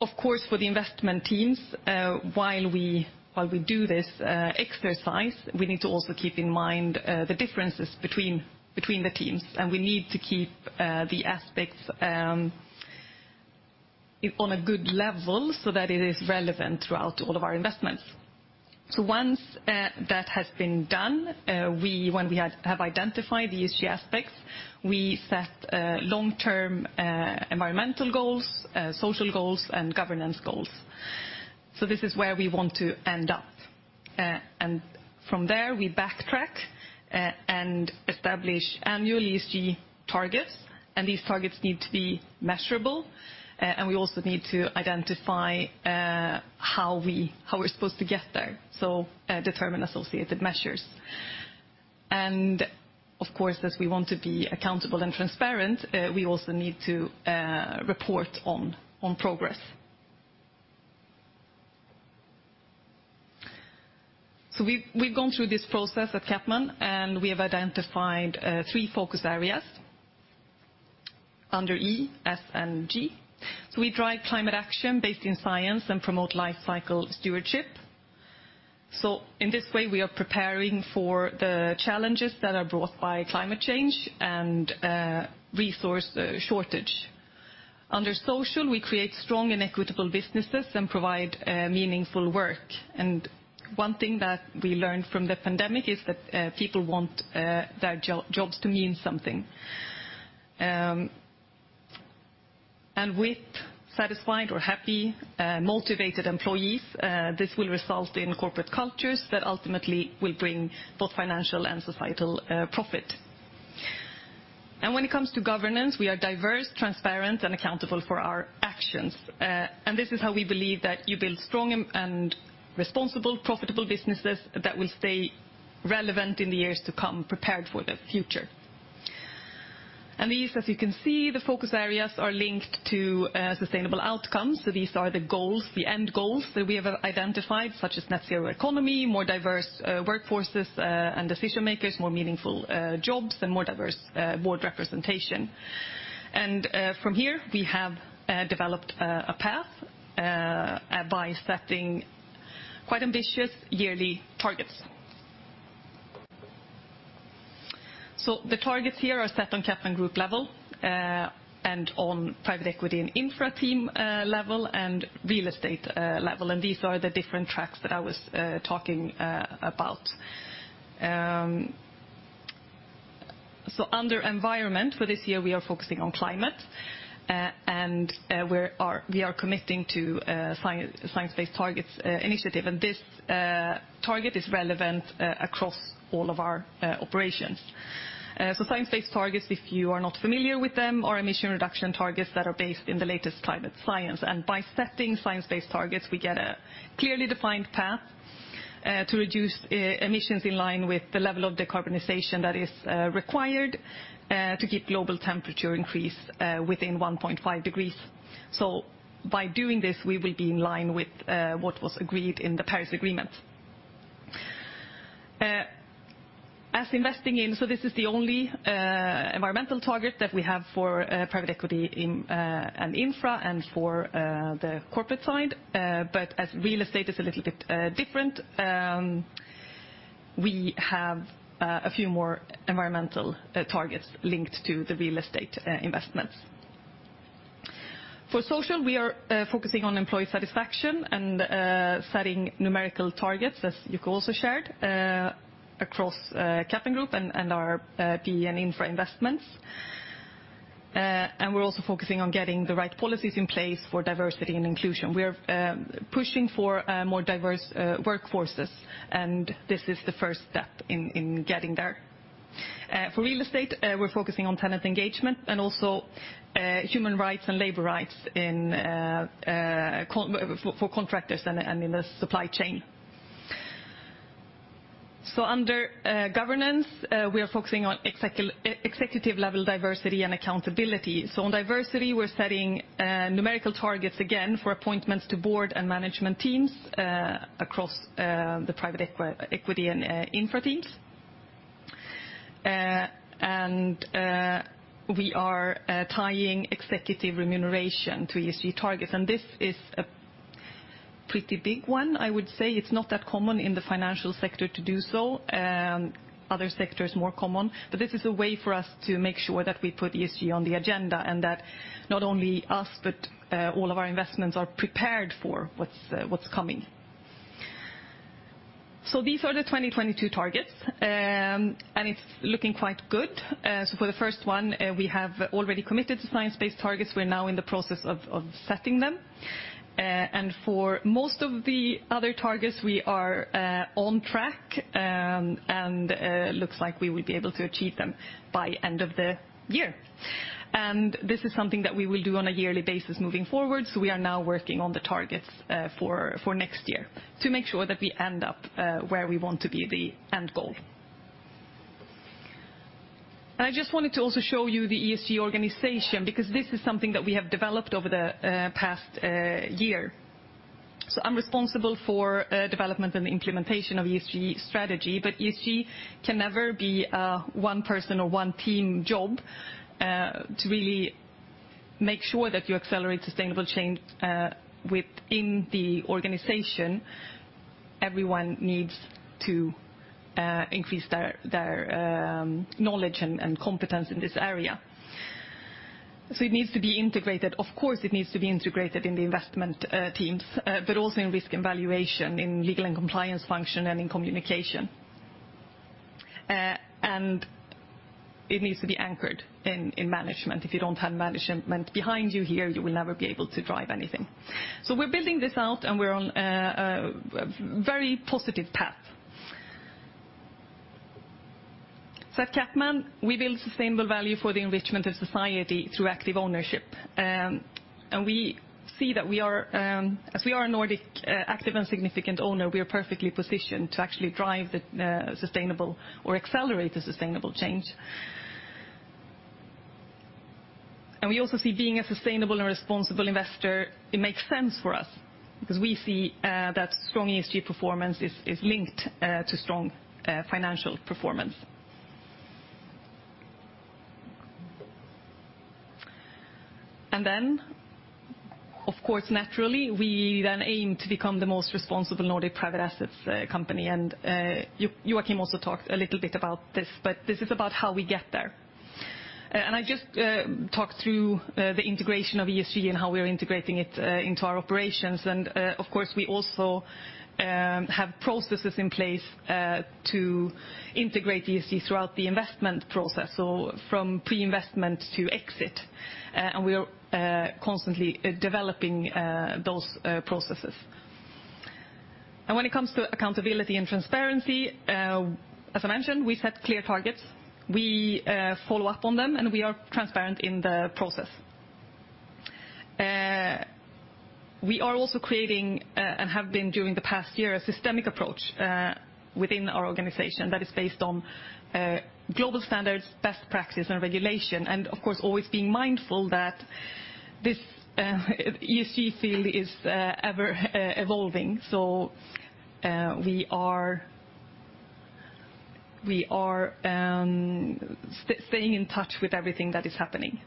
E: Of course, for the investment teams, while we do this exercise, we need to also keep in mind the differences between the teams, and we need to keep the aspects on a good level so that it is relevant throughout all of our investments. Once that has been done, when we have identified the ESG aspects, we set long-term environmental goals, social goals, and governance goals. This is where we want to end up. From there, we backtrack and establish annual ESG targets, and these targets need to be measurable. We also need to identify how we're supposed to get there, determine associated measures. Of course, as we want to be accountable and transparent, we also need to report on progress. We've gone through this process at CapMan, and we have identified three focus areas under E, S, and G. We drive climate action based in science and promote life cycle stewardship. In this way, we are preparing for the challenges that are brought by climate change and resource shortage. Under social, we create strong and equitable businesses and provide meaningful work. One thing that we learned from the pandemic is that people want their jobs to mean something. With satisfied or happy, motivated employees, this will result in corporate cultures that ultimately will bring both financial and societal profit. When it comes to governance, we are diverse, transparent, and accountable for our actions. This is how we believe that you build strong and responsible, profitable businesses that will stay relevant in the years to come prepared for the future. These, as you can see, the focus areas are linked to sustainable outcomes. These are the goals, the end goals that we have identified, such as net zero economy, more diverse workforces and decision makers, more meaningful jobs, and more diverse board representation. From here, we have developed a path by setting quite ambitious yearly targets. The targets here are set on CapMan group level, and on private equity and infra team level, and real estate level, and these are the different tracks that I was talking about. Under environment, for this year we are focusing on climate, and we are committing to Science Based Targets initiative. This target is relevant across all of our operations. Science-Based Targets, if you are not familiar with them, are emission reduction targets that are based on the latest climate science. By setting Science-Based Targets, we get a clearly defined path to reduce emissions in line with the level of decarbonization that is required to keep global temperature increase within 1.5 degrees. By doing this, we will be in line with what was agreed in the Paris Agreement. This is the only environmental target that we have for private equity and infra and for the corporate side. As real estate is a little bit different, we have a few more environmental targets linked to the real estate investments. For social, we are focusing on employee satisfaction and setting numerical targets as Jokke also shared across CapMan Group and our PE and infra investments. We're also focusing on getting the right policies in place for diversity and inclusion. We are pushing for more diverse workforces, and this is the first step in getting there. For real estate, we're focusing on tenant engagement and also human rights and labor rights in construction for contractors and in the supply chain. Under governance, we are focusing on executive level diversity and accountability. On diversity, we're setting numerical targets again for appointments to board and management teams across the private equity and infra teams. We are tying executive remuneration to ESG targets. This is a pretty big one, I would say. It's not that common in the financial sector to do so. Other sectors more common. This is a way for us to make sure that we put ESG on the agenda and that not only us, but all of our investments are prepared for what's coming. These are the 2022 targets. It's looking quite good. For the first one, we have already committed to science-based targets. We're now in the process of setting them. For most of the other targets, we are on track, and looks like we will be able to achieve them by end of the year. This is something that we will do on a yearly basis moving forward, so we are now working on the targets for next year to make sure that we end up where we want to be the end goal. I just wanted to also show you the ESG organization because this is something that we have developed over the past year. I'm responsible for development and implementation of ESG strategy, but ESG can never be a one person or one team job. To really make sure that you accelerate sustainable change within the organization, everyone needs to increase their knowledge and competence in this area. It needs to be integrated. Of course, it needs to be integrated in the investment teams, but also in risk and valuation, in legal and compliance function, and in communication. It needs to be anchored in management. If you don't have management behind you here, you will never be able to drive anything. We're building this out, and we're on a very positive path. At CapMan, we build sustainable value for the enrichment of society through active ownership. We see that we are, as we are a Nordic active and significant owner, we are perfectly positioned to actually drive the sustainable or accelerate the sustainable change. We also see being a sustainable and responsible investor, it makes sense for us because we see that strong ESG performance is linked to strong financial performance. Then, of course, naturally, we aim to become the most responsible Nordic private assets company. Joakim also talked a little bit about this, but this is about how we get there. I just talked through the integration of ESG and how we are integrating it into our operations. Of course, we also have processes in place to integrate ESG throughout the investment process, so from pre-investment to exit. We are constantly developing those processes. When it comes to accountability and transparency, as I mentioned, we set clear targets. We follow up on them, and we are transparent in the process. We are also creating and have been during the past year, a systemic approach within our organization that is based on global standards, best practice, and regulation. Of course, always being mindful that this ESG field is ever evolving. We are staying in touch with everything that is happening.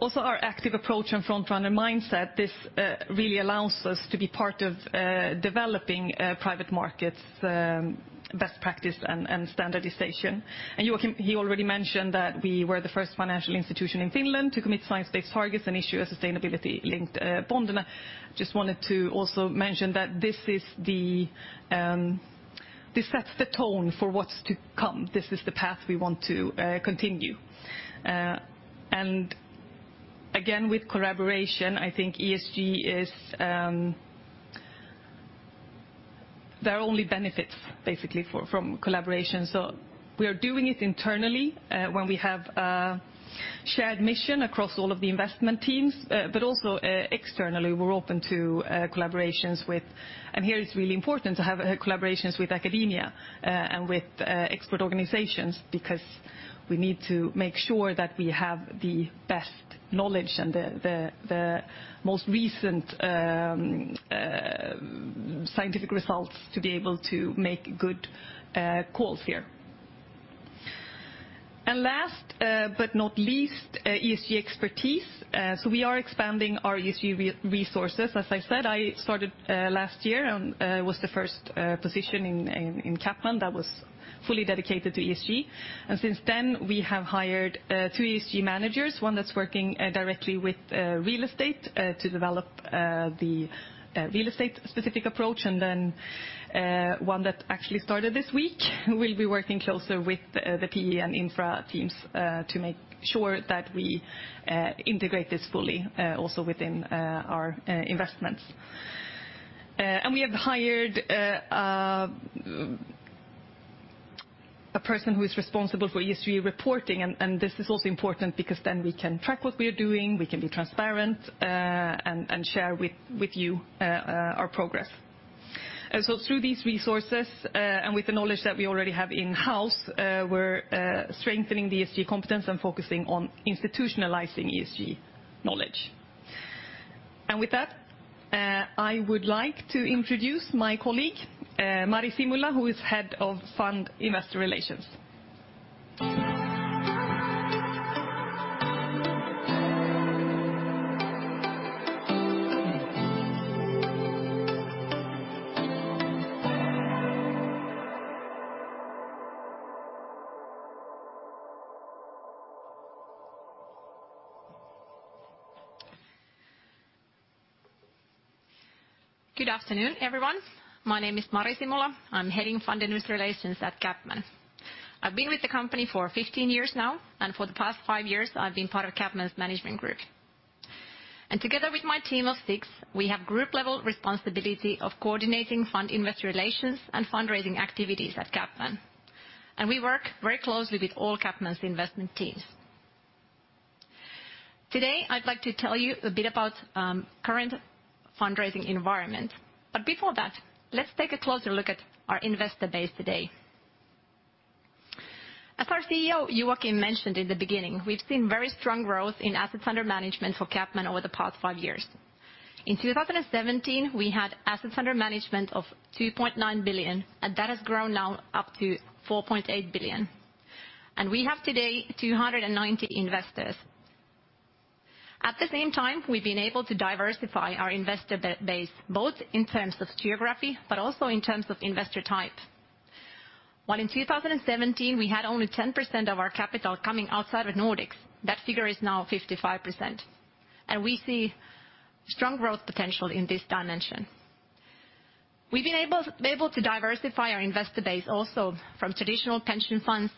E: Also, our active approach and front-runner mindset, this really allows us to be part of developing private markets best practice and standardization. Joakim, he already mentioned that we were the first financial institution in Finland to commit science-based targets and issue a sustainability-linked bond. I just wanted to also mention that this is the, this sets the tone for what's to come. This is the path we want to continue. Again, with collaboration, I think ESG is. There are only benefits, basically, from collaboration. We are doing it internally, when we have a shared mission across all of the investment teams. But also externally, we're open to collaborations with... Here it's really important to have collaborations with academia and with expert organizations because we need to make sure that we have the best knowledge and the most recent scientific results to be able to make good calls here. Last but not least, ESG expertise. So we are expanding our ESG resources. As I said, I started last year and was the first position in CapMan that was fully dedicated to ESG. Since then, we have hired three ESG managers, one that's working directly with real estate to develop the real estate specific approach, and then one that actually started this week will be working closer with the PE and infra teams to make sure that we integrate this fully also within our investments. We have hired a person who is responsible for ESG reporting. This is also important because then we can track what we are doing, we can be transparent and share with you our progress. Through these resources and with the knowledge that we already have in-house, we're strengthening the ESG competence and focusing on institutionalizing ESG knowledge. With that, I would like to introduce my colleague, Mari Simula, who is Head of Fund Investor Relations.
F: Good afternoon, everyone. My name is Mari Simula. I'm heading fund investor relations at CapMan. I've been with the company for 15 years now, and for the past five years I've been part of CapMan's management group. Together with my team of six, we have group level responsibility of coordinating fund investor relations and fundraising activities at CapMan. We work very closely with all CapMan's investment teams. Today, I'd like to tell you a bit about current fundraising environment. Before that, let's take a closer look at our investor base today. As our CEO, Joakim, mentioned in the beginning, we've seen very strong growth in assets under management for CapMan over the past five years. In 2017, we had assets under management of 2.9 billion, and that has grown now up to 4.8 billion. We have today 290 investors. At the same time, we've been able to diversify our investor base, both in terms of geography but also in terms of investor type. While in 2017, we had only 10% of our capital coming outside of Nordics, that figure is now 55%. We see strong growth potential in this dimension. We've been able to diversify our investor base also from traditional pension funds,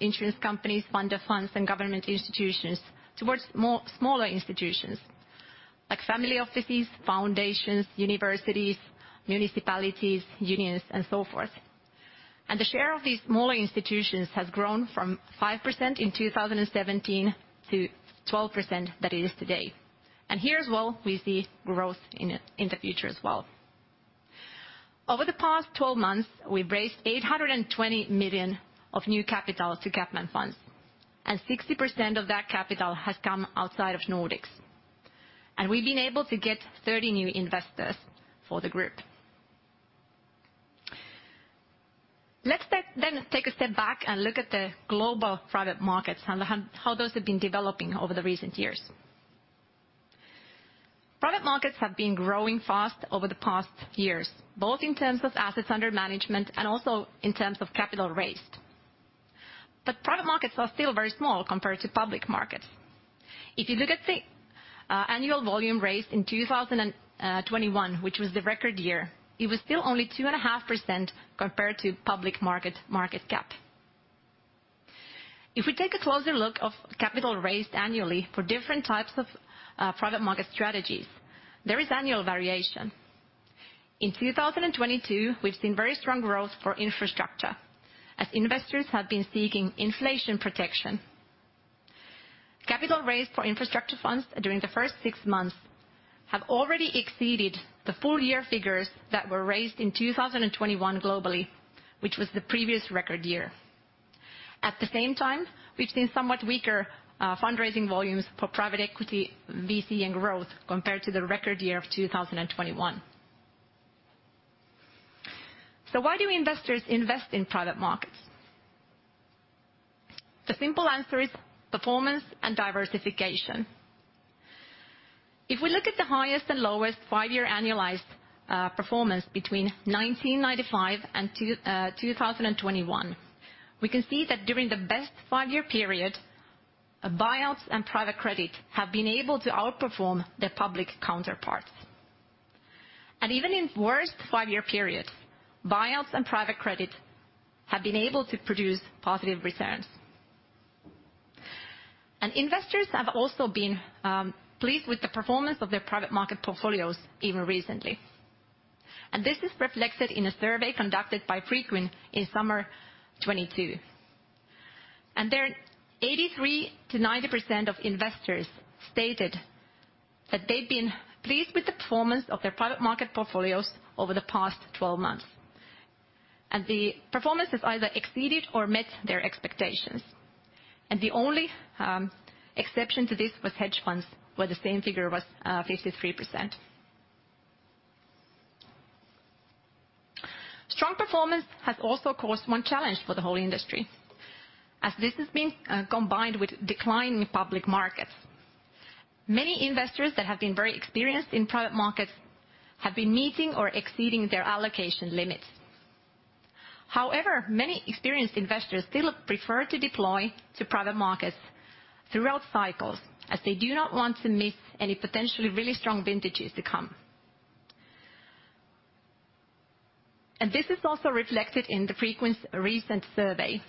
F: insurance companies, fund of funds, and government institutions towards smaller institutions like family offices, foundations, universities, municipalities, unions, and so forth. The share of these smaller institutions has grown from 5% in 2017 to 12% that it is today. Here as well, we see growth in the future as well. Over the past 12 months, we've raised 820 million of new capital to CapMan funds, and 60% of that capital has come outside of Nordics. We've been able to get 30 new investors for the group. Let's take a step back and look at the global private markets and how those have been developing over the recent years. Private markets have been growing fast over the past years, both in terms of assets under management and also in terms of capital raised. Private markets are still very small compared to public markets. If you look at annual volume raised in 2021, which was the record year, it was still only 2.5% compared to public market market cap. If we take a closer look of capital raised annually for different types of private market strategies, there is annual variation. In 2022, we've seen very strong growth for infrastructure as investors have been seeking inflation protection. Capital raised for infrastructure funds during the first six months have already exceeded the full year figures that were raised in 2021 globally, which was the previous record year. At the same time, we've seen somewhat weaker fundraising volumes for private equity, VC, and growth compared to the record year of 2021. Why do investors invest in private markets? The simple answer is performance and diversification. If we look at the highest and lowest five-year annualized performance between 1995 and 2021, we can see that during the best five-year period, buyouts and private credit have been able to outperform their public counterparts. Even in worst five-year periods, buyouts and private credit have been able to produce positive returns. Investors have also been pleased with the performance of their private market portfolios even recently, and this is reflected in a survey conducted by Preqin in Summer 2022. There, 83%-90% of investors stated that they'd been pleased with the performance of their private market portfolios over the past 12 months, and the performance has either exceeded or met their expectations. The only exception to this was hedge funds, where the same figure was 53%. Strong performance has also caused one challenge for the whole industry. As this has been combined with decline in public markets, many investors that have been very experienced in private markets have been meeting or exceeding their allocation limits. However, many experienced investors still prefer to deploy to private markets throughout cycles, as they do not want to miss any potentially really strong vintages to come. This is also reflected in the Preqin's recent survey,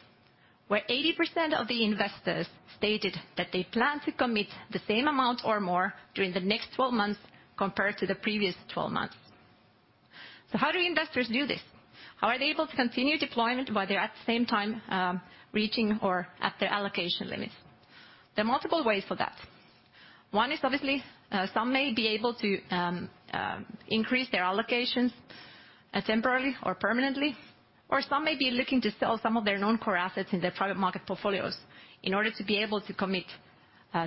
F: where 80% of the investors stated that they plan to commit the same amount or more during the next 12 months compared to the previous 12 months. How do investors do this? How are they able to continue deployment while they're at the same time reaching or at their allocation limits? There are multiple ways for that. One is obviously, some may be able to increase their allocations temporarily or permanently, or some may be looking to sell some of their non-core assets in their private market portfolios in order to be able to commit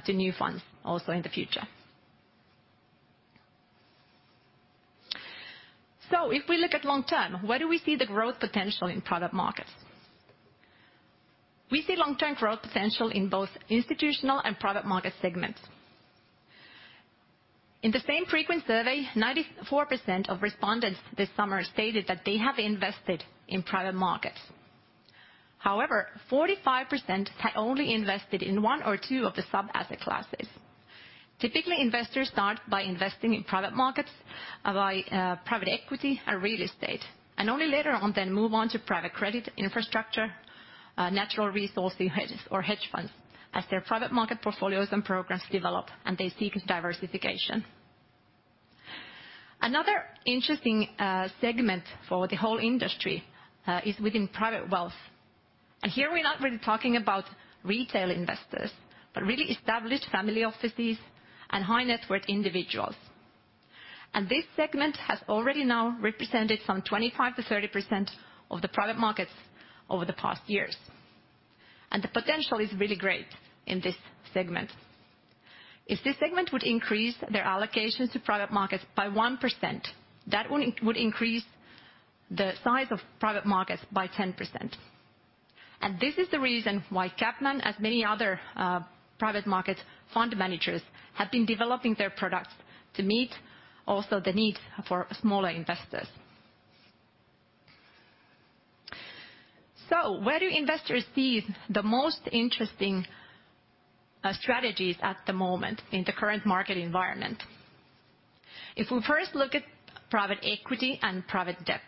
F: to new funds also in the future. If we look at long term, where do we see the growth potential in private markets? We see long-term growth potential in both institutional and private market segments. In the same Preqin survey, 94% of respondents this summer stated that they have invested in private markets. However, 45% had only invested in one or two of the sub-asset classes. Typically, investors start by investing in private markets, by, private equity and real estate, and only later on then move on to private credit infrastructure, natural resources or hedge funds as their private market portfolios and programs develop and they seek diversification. Another interesting, segment for the whole industry, is within private wealth. Here we're not really talking about retail investors, but really established family offices and high-net-worth individuals. This segment has already now represented some 25%-30% of the private markets over the past years. The potential is really great in this segment. If this segment would increase their allocations to private markets by 1%, that would would increase the size of private markets by 10%. This is the reason why CapMan, as many other, private market fund managers, have been developing their products to meet also the need for smaller investors. Where do investors see the most interesting, strategies at the moment in the current market environment? If we first look at private equity and private debt,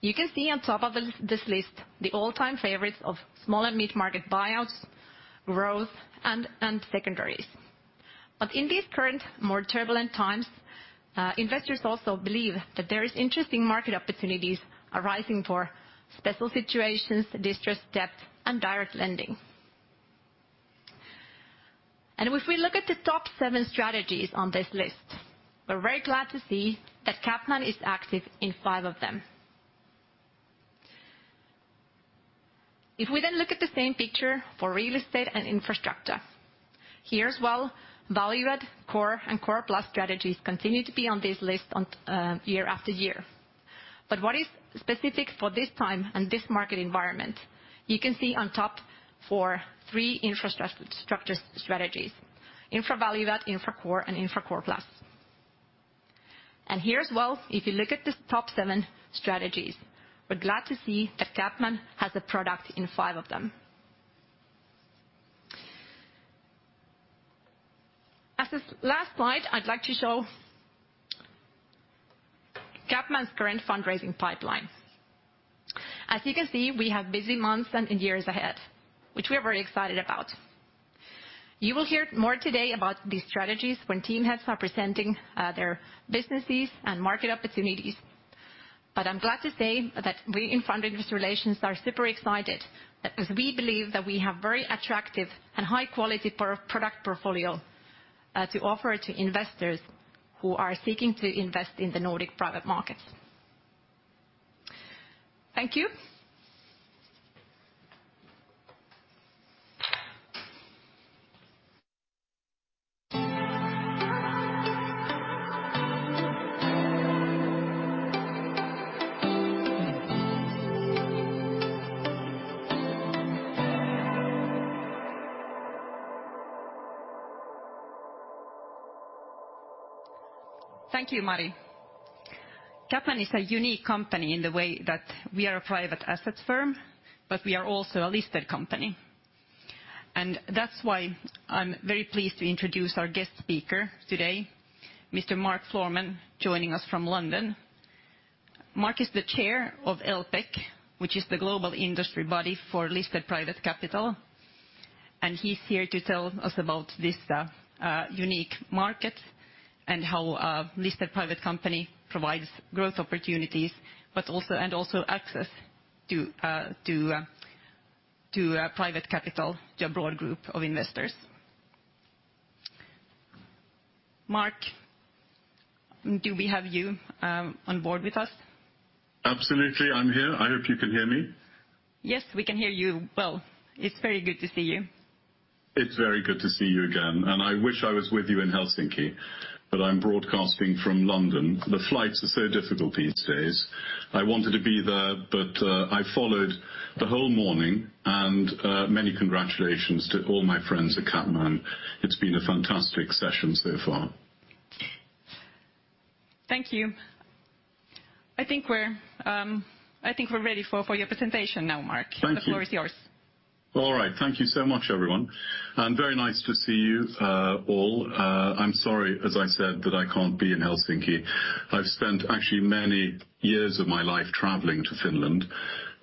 F: you can see on top of this list the all-time favorites of small and mid-market buyouts, growth and secondaries. In these current, more turbulent times, investors also believe that there is interesting market opportunities arising for special situations, distressed debt, and direct lending. If we look at the top seven strategies on this list, we're very glad to see that CapMan is active in five of them. If we then look at the same picture for real estate and infrastructure. Here as well, value add, core, and core plus strategies continue to be on this list year after year. What is specific for this time and this market environment, you can see on top for three infrastructure strategies: infra value add, infra core, and infra core plus. Here as well, if you look at the top seven strategies, we're glad to see that CapMan has a product in five of them. On this last slide, I'd like to show CapMan's current fundraising pipeline. As you can see, we have busy months and years ahead, which we are very excited about. You will hear more today about these strategies when team heads are presenting their businesses and market opportunities. I'm glad to say that we in fund relations are super excited as we believe that we have very attractive and high-quality product portfolio to offer to investors who are seeking to invest in the Nordic private markets. Thank you.
A: Thank you, Mari. CapMan is a unique company in the way that we are a private asset firm, but we are also a listed company. That's why I'm very pleased to introduce our guest speaker today, Mr. Mark Florman, joining us from London. Mark is the chair of LPeC, which is the global industry body for Listed Private Capital, and he's here to tell us about this unique market and how a listed private company provides growth opportunities, but also and also access to private capital to a broad group of investors. Mark, do we have you on board with us?
G: Absolutely. I'm here. I hope you can hear me.
A: Yes, we can hear you well. It's very good to see you.
G: It's very good to see you again. I wish I was with you in Helsinki, but I'm broadcasting from London. The flights are so difficult these days. I wanted to be there, but I followed the whole morning, and many congratulations to all my friends at CapMan. It's been a fantastic session so far.
A: Thank you. I think we're ready for your presentation now, Mark.
G: Thank you.
A: The floor is yours.
G: All right. Thank you so much, everyone, and very nice to see you all. I'm sorry, as I said, that I can't be in Helsinki. I've spent actually many years of my life traveling to Finland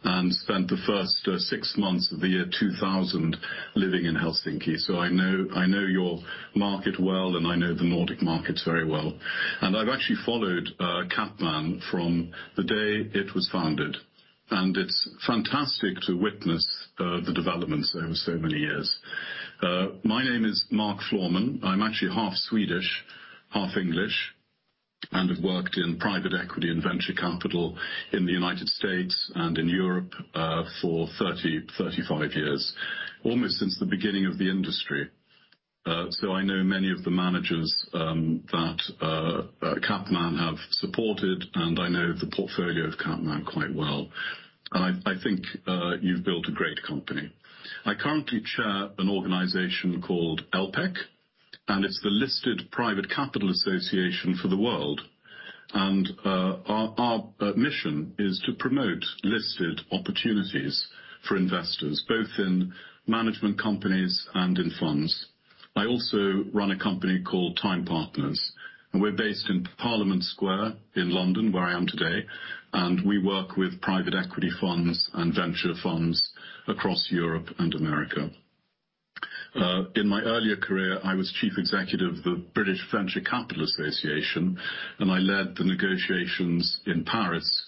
G: and spent the first six months of the year 2000 living in Helsinki, so I know your market well, and I know the Nordic markets very well. I've actually followed CapMan from the day it was founded, and it's fantastic to witness the developments over so many years. My name is Mark Florman. I'm actually half Swedish, half English, and have worked in private equity and venture capital in the United States and in Europe for 35 years, almost since the beginning of the industry. I know many of the managers that CapMan have supported, and I know the portfolio of CapMan quite well. I think you've built a great company. I currently chair an organization called LPeC, and it's the Listed Private Capital Association for the world. Our mission is to promote listed opportunities for investors, both in management companies and in funds. I also run a company called Time Partners, and we're based in Parliament Square in London, where I am today, and we work with private equity funds and venture funds across Europe and America. In my earlier career, I was chief executive of the British Venture Capital Association, and I led the negotiations in Paris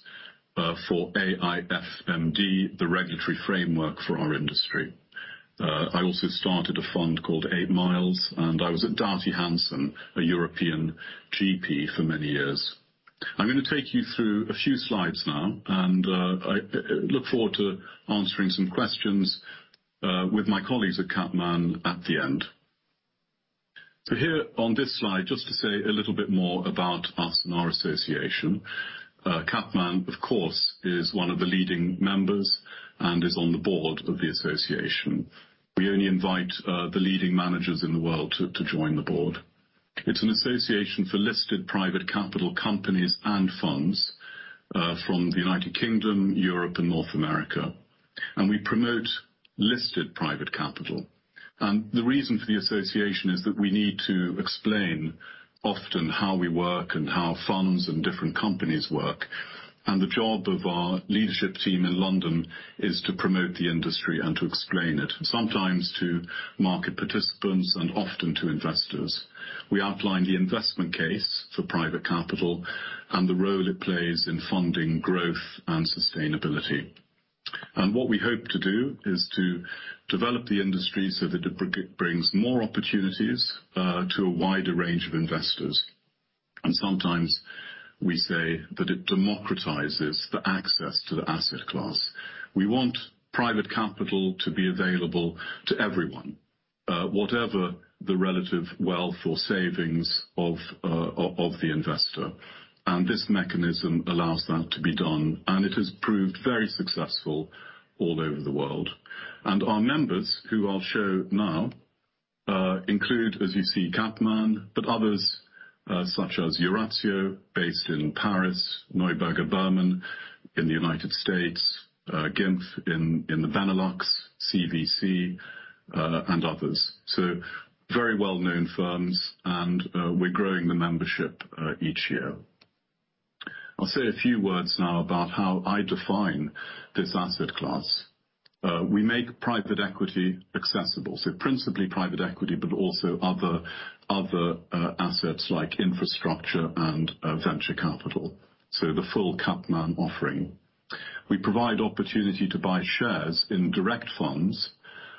G: for AIFMD, the regulatory framework for our industry. I also started a fund called 8 Miles, and I was at Doughty Hanson, a European GP, for many years. I'm gonna take you through a few slides now, and I look forward to answering some questions with my colleagues at CapMan at the end. Here on this slide, just to say a little bit more about us and our association. CapMan, of course, is one of the leading members and is on the board of the association. We only invite the leading managers in the world to join the board. It's an association for listed private capital companies and funds from the United Kingdom, Europe, and North America, and we promote listed private capital. The reason for the association is that we need to explain often how we work and how funds and different companies work. The job of our leadership team in London is to promote the industry and to explain it, sometimes to market participants and often to investors. We outline the investment case for private capital and the role it plays in funding growth and sustainability. What we hope to do is to develop the industry so that it brings more opportunities to a wider range of investors. Sometimes we say that it democratizes the access to the asset class. We want private capital to be available to everyone, whatever the relative wealth or savings of the investor. This mechanism allows that to be done, and it has proved very successful all over the world. Our members, who I'll show now, include, as you see, CapMan, but others, such as Eurazeo, based in Paris, Neuberger Berman in the United States, Gimv in the Benelux, CVC, and others. Very well-known firms, and we're growing the membership each year. I'll say a few words now about how I define this asset class. We make private equity accessible, so principally private equity, but also other assets like infrastructure and venture capital, so the full CapMan offering. We provide opportunity to buy shares in direct funds,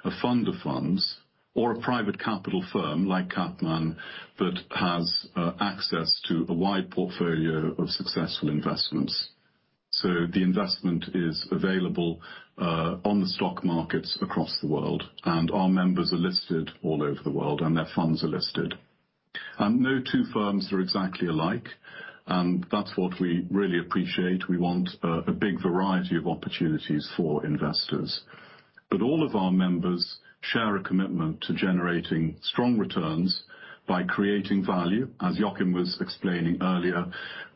G: a fund of funds, or a private capital firm like CapMan that has access to a wide portfolio of successful investments. The investment is available on the stock markets across the world, and our members are listed all over the world, and their funds are listed. No two firms are exactly alike, and that's what we really appreciate. We want a big variety of opportunities for investors. All of our members share a commitment to generating strong returns by creating value, as Joakim was explaining earlier,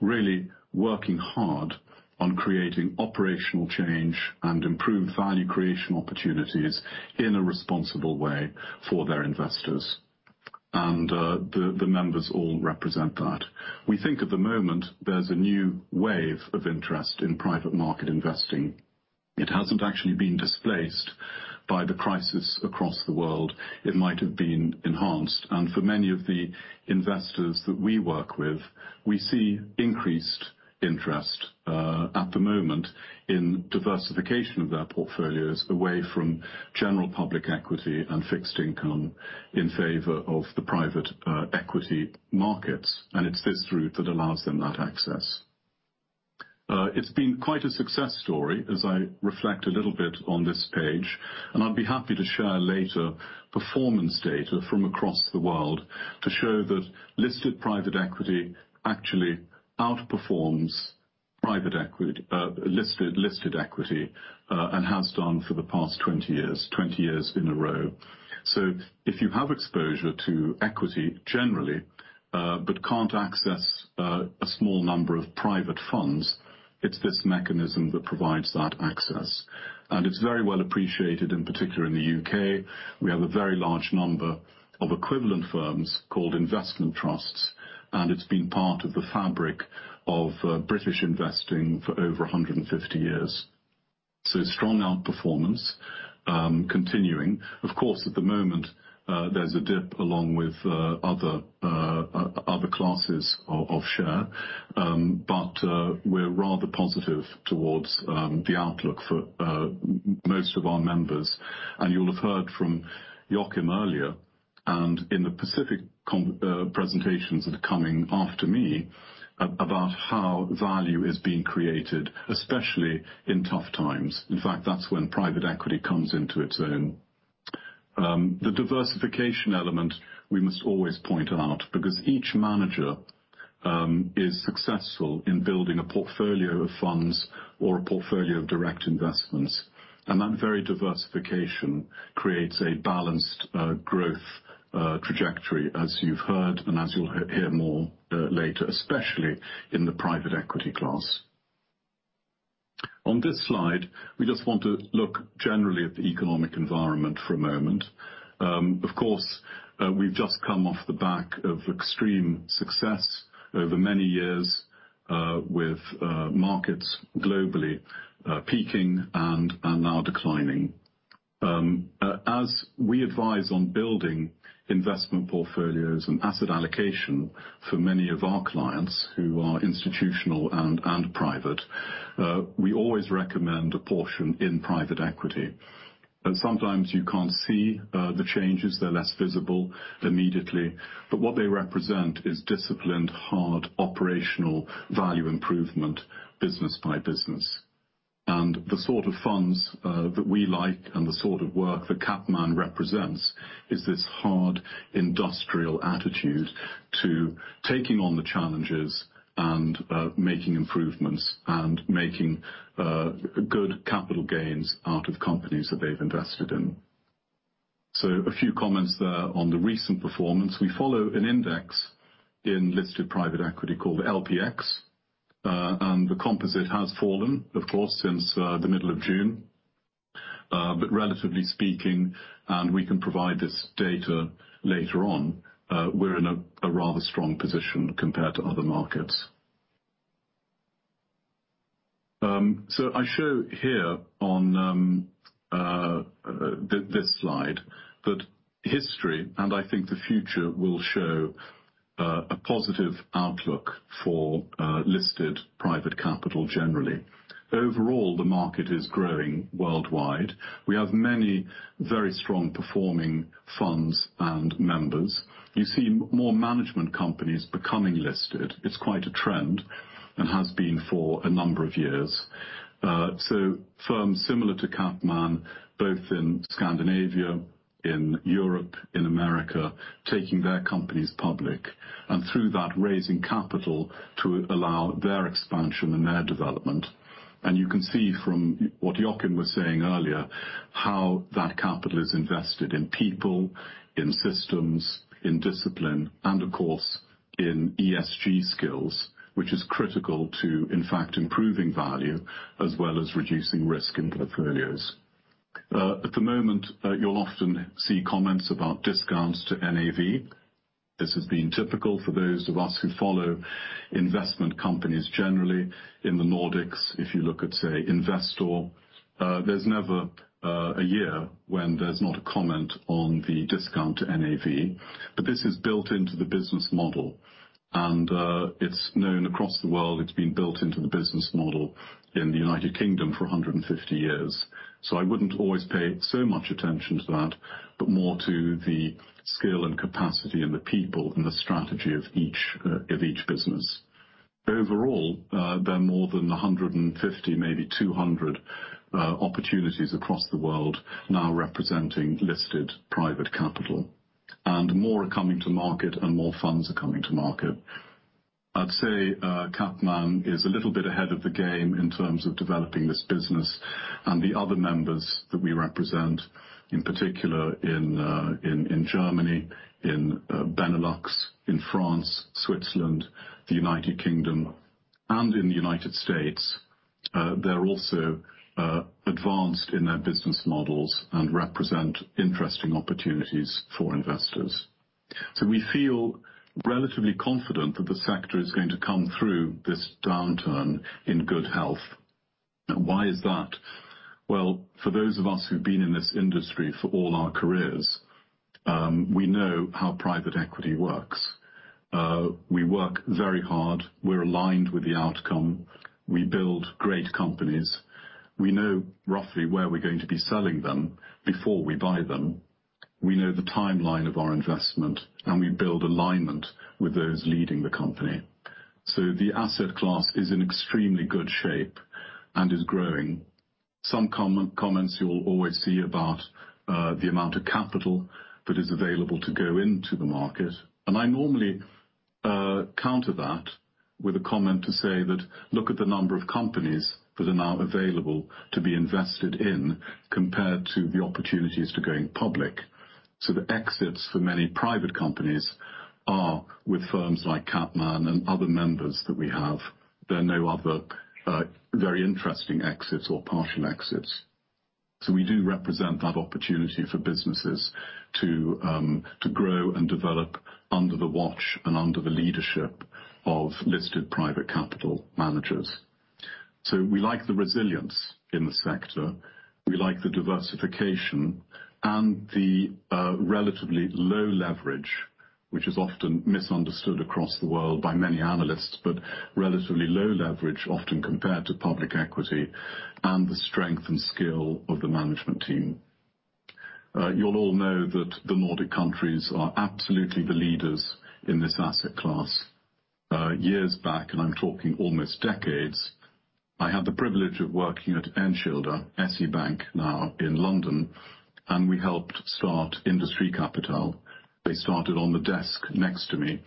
G: really working hard on creating operational change and improved value creation opportunities in a responsible way for their investors. The members all represent that. We think at the moment there's a new wave of interest in private market investing. It hasn't actually been displaced by the crisis across the world. It might have been enhanced. For many of the investors that we work with, we see increased interest at the moment in diversification of their portfolios away from general public equity and fixed income in favor of the private equity markets, and it's this route that allows them that access. It's been quite a success story as I reflect a little bit on this page, and I'd be happy to share later performance data from across the world to show that listed private equity actually outperforms private equity listed equity and has done for the past 20 years, 20 years in a row. If you have exposure to equity generally but can't access a small number of private funds, it's this mechanism that provides that access. It's very well appreciated, in particular in the U.K. We have a very large number of equivalent firms called investment trusts, and it's been part of the fabric of British investing for over 150 years. Strong outperformance continuing. Of course, at the moment, there's a dip along with other classes of share. We're rather positive towards the outlook for most of our members. You'll have heard from Joakim earlier, and in the presentations that are coming after me about how value is being created, especially in tough times. In fact, that's when private equity comes into its own. The diversification element we must always point out because each manager is successful in building a portfolio of funds or a portfolio of direct investments. That very diversification creates a balanced growth trajectory, as you've heard, and as you'll hear more later, especially in the private equity class. On this slide, we just want to look generally at the economic environment for a moment. Of course, we've just come off the back of extreme success over many years with markets globally peaking and now declining. As we advise on building investment portfolios and asset allocation for many of our clients who are institutional and private, we always recommend a portion in private equity. Sometimes you can't see the changes. They're less visible immediately. What they represent is disciplined, hard operational value improvement business by business. The sort of funds that we like and the sort of work that CapMan represents is this hard industrial attitude to taking on the challenges and making improvements and making good capital gains out of companies that they've invested in. A few comments there on the recent performance. We follow an index in listed private equity called LPX. The composite has fallen, of course, since the middle of June. Relatively speaking, and we can provide this data later on, we're in a rather strong position compared to other markets. I show here on this slide that history, and I think the future will show a positive outlook for listed private capital generally. Overall, the market is growing worldwide. We have many very strong performing funds and members. You see more management companies becoming listed. It's quite a trend and has been for a number of years. Firms similar to CapMan, both in Scandinavia, in Europe, in America, taking their companies public, and through that, raising capital to allow their expansion and their development. You can see from what Joakim was saying earlier, how that capital is invested in people, in systems, in discipline, and of course, in ESG skills, which is critical to, in fact, improving value as well as reducing risk in portfolios. At the moment, you'll often see comments about discounts to NAV. This has been typical for those of us who follow investment companies generally in the Nordics. If you look at, say, Investor, there's never a year when there's not a comment on the discount to NAV. This is built into the business model, and it's known across the world. It's been built into the business model in the United Kingdom for 150 years. I wouldn't always pay so much attention to that, but more to the skill and capacity and the people and the strategy of each of each business. Overall, there are more than 150, maybe 200, opportunities across the world now representing listed private capital. More are coming to market and more funds are coming to market. I'd say, CapMan is a little bit ahead of the game in terms of developing this business and the other members that we represent, in particular in Germany, Benelux, France, Switzerland, the United Kingdom, and in the United States. They're also advanced in their business models and represent interesting opportunities for investors. We feel relatively confident that the sector is going to come through this downturn in good health. Why is that? Well, for those of us who've been in this industry for all our careers, we know how private equity works. We work very hard. We're aligned with the outcome. We build great companies. We know roughly where we're going to be selling them before we buy them. We know the timeline of our investment, and we build alignment with those leading the company. The asset class is in extremely good shape and is growing. Some comments you'll always see about the amount of capital that is available to go into the market, and I normally counter that with a comment to say that look at the number of companies that are now available to be invested in compared to the opportunities to going public. The exits for many private companies are with firms like CapMan and other members that we have. There are no other very interesting exits or partial exits. We do represent that opportunity for businesses to grow and develop under the watch and under the leadership of listed private capital managers. We like the resilience in the sector. We like the diversification and the relatively low leverage, which is often misunderstood across the world by many analysts, but relatively low leverage, often compared to public equity, and the strength and skill of the management team. You'll all know that the Nordic countries are absolutely the leaders in this asset class. Years back, and I'm talking almost decades, I had the privilege of working at Enskilda, SEB Bank now in London, and we helped start Industri Kapital. They started on the desk next to me.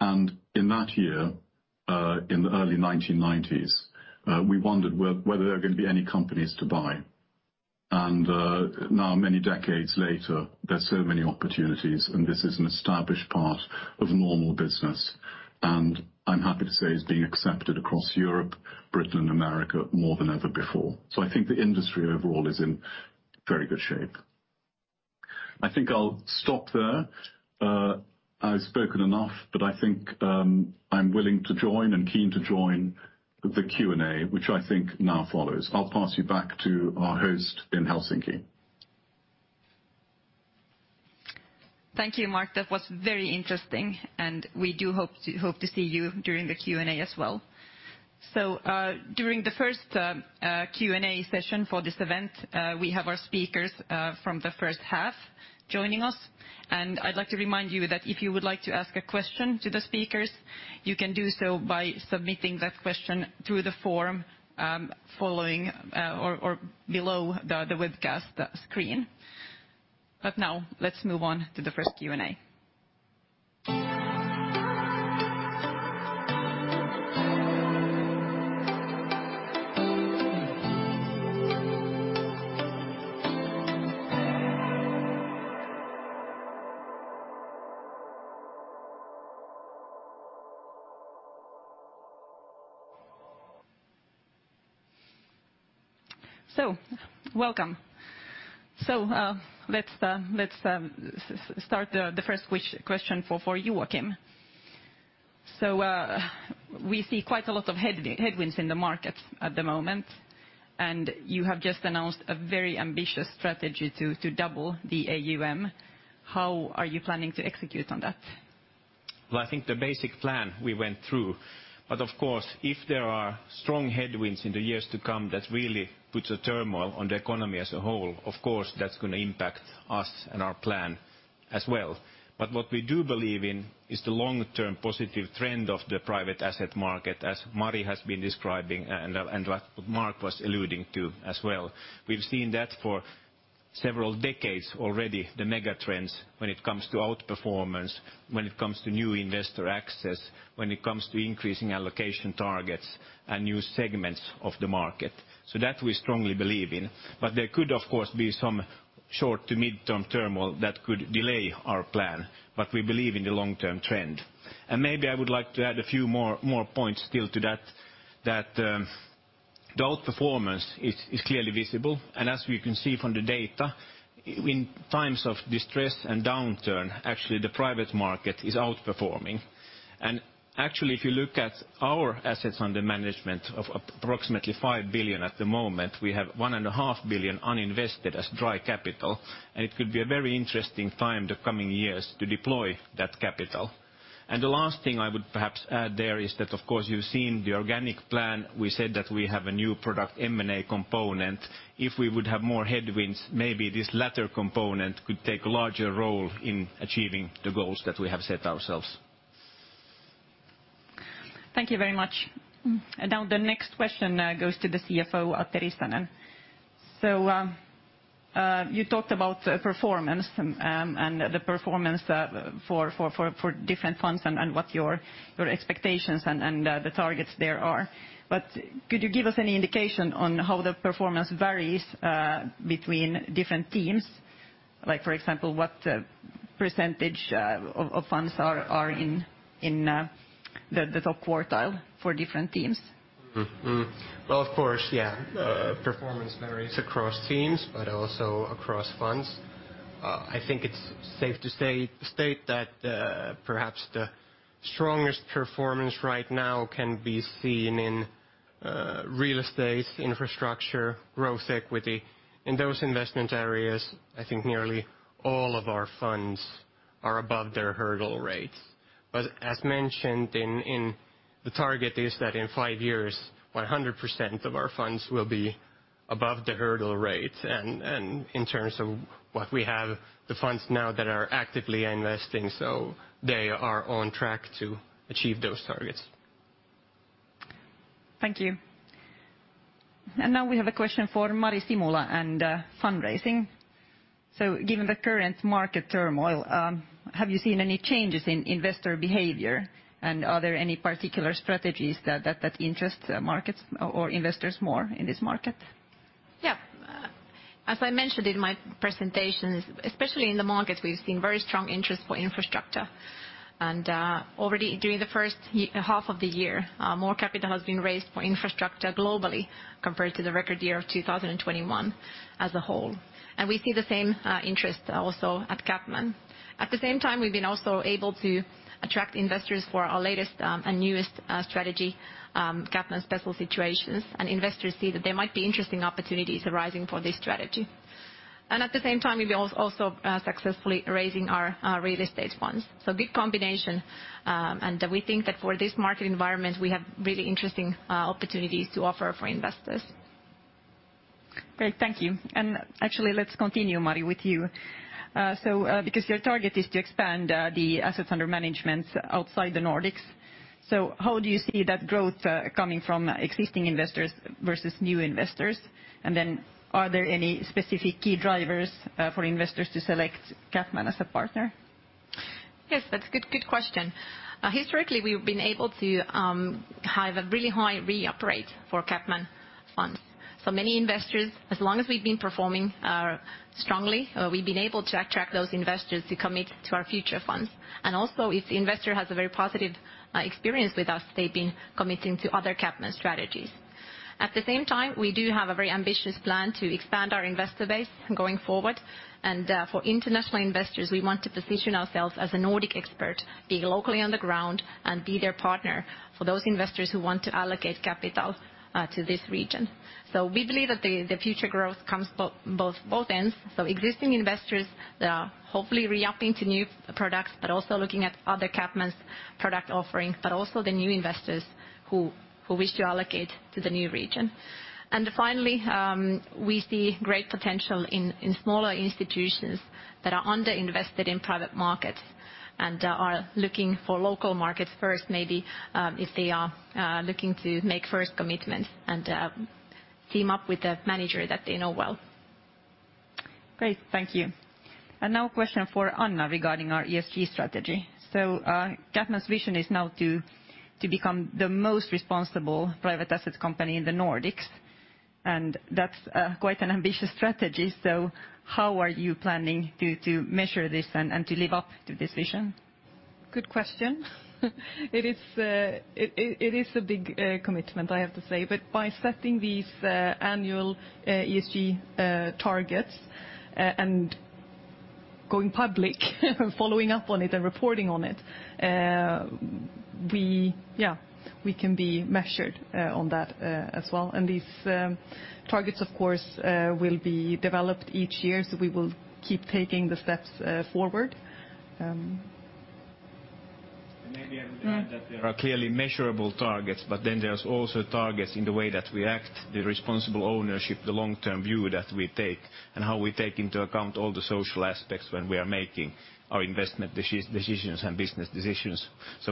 G: In that year, in the early 1990s, we wondered whether there were gonna be any companies to buy. Now many decades later, there's so many opportunities, and this is an established part of normal business, and I'm happy to say it's being accepted across Europe, Britain and America more than ever before. I think the industry overall is in very good shape. I think I'll stop there. I've spoken enough, but I think, I'm willing to join and keen to join the Q&A, which I think now follows. I'll pass you back to our host in Helsinki.
A: Thank you, Mark. That was very interesting, and we do hope to see you during the Q&A as well. During the first Q&A session for this event, we have our speakers from the first half joining us, and I'd like to remind you that if you would like to ask a question to the speakers, you can do so by submitting that question through the form following or below the webcast screen. Now let's move on to the first Q&A. Welcome. Let's start the first question for you, Joakim. We see quite a lot of headwinds in the market at the moment, and you have just announced a very ambitious strategy to double the AUM. How are you planning to execute on that?
C: Well, I think the basic plan we went through, but of course, if there are strong headwinds in the years to come, that really puts a turmoil on the economy as a whole. Of course, that's gonna impact us and our plan as well. What we do believe in is the long-term positive trend of the private asset market, as Mari has been describing and what Mark was alluding to as well. We've seen that for several decades already, the megatrends when it comes to outperformance, when it comes to new investor access, when it comes to increasing allocation targets and new segments of the market. That we strongly believe in. There could, of course, be some short to mid-term turmoil that could delay our plan, but we believe in the long-term trend. Maybe I would like to add a few more points still to that, the outperformance is clearly visible. As we can see from the data, in times of distress and downturn, actually the private market is outperforming. Actually, if you look at our assets under management of approximately 5 billion at the moment, we have 1.5 billion uninvested as dry capital, and it could be a very interesting time the coming years to deploy that capital. The last thing I would perhaps add there is that of course you've seen the organic plan. We said that we have a new product, M&A component. If we would have more headwinds, maybe this latter component could take a larger role in achieving the goals that we have set ourselves.
A: Thank you very much. Now the next question goes to the CFO, Atte Rissanen. You talked about performance and the performance for different funds and what your expectations and the targets there are. Could you give us any indication on how the performance varies between different teams? Like, for example, what percentage of funds are in the top quartile for different teams?
D: Well, of course, yeah. Performance varies across teams, but also across funds. I think it's safe to state that perhaps the strongest performance right now can be seen in real estate, infrastructure, growth equity. In those investment areas, I think nearly all of our funds are above their hurdle rates. As mentioned, the target is that in five years 100% of our funds will be above the hurdle rate. In terms of what we have the funds now that are actively investing, they are on track to achieve those targets.
A: Thank you. Now we have a question for Mari Simula and fundraising. Given the current market turmoil, have you seen any changes in investor behavior? Are there any particular strategies that interests markets or investors more in this market?
F: Yeah. As I mentioned in my presentations, especially in the markets, we've seen very strong interest for infrastructure. Already during the first half of the year, more capital has been raised for infrastructure globally compared to the record year of 2021 as a whole. We see the same interest also at CapMan. At the same time, we've been also able to attract investors for our latest and newest strategy, CapMan Special Situations, and investors see that there might be interesting opportunities arising for this strategy. At the same time, we've also successfully raising our real estate funds. Good combination, and we think that for this market environment, we have really interesting opportunities to offer for investors.
A: Great. Thank you. Actually, let's continue, Mari, with you. Because your target is to expand the assets under management outside the Nordics. How do you see that growth coming from existing investors versus new investors? Are there any specific key drivers for investors to select CapMan as a partner?
F: Yes, that's good question. Historically, we've been able to have a really high re-up rate for CapMan funds. Many investors, as long as we've been performing strongly, we've been able to attract those investors to commit to our future funds. Also if the investor has a very positive experience with us, they've been committing to other CapMan strategies. At the same time, we do have a very ambitious plan to expand our investor base going forward. For international investors, we want to position ourselves as a Nordic expert, be locally on the ground and be their partner for those investors who want to allocate capital to this region. We believe that the future growth comes from both ends, so existing investors that are hopefully re-upping to new products but also looking at other CapMan's product offering, but also the new investors who wish to allocate to the new region. Finally, we see great potential in smaller institutions that are under-invested in private markets and are looking for local markets first, maybe, if they are looking to make first commitments and team up with a manager that they know well.
A: Great. Thank you. Now a question for Anna regarding our ESG strategy. CapMan's vision is now to become the most responsible private assets company in the Nordics, and that's quite an ambitious strategy. How are you planning to measure this and to live up to this vision?
E: Good question. It is a big commitment, I have to say. By setting these annual ESG targets and going public and following up on it and reporting on it, we can be measured on that as well. These targets of course will be developed each year, so we will keep taking the steps forward.
C: Mm. Maybe I would add that there are clearly measurable targets, but then there's also targets in the way that we act, the responsible ownership, the long-term view that we take, and how we take into account all the social aspects when we are making our investment decisions and business decisions.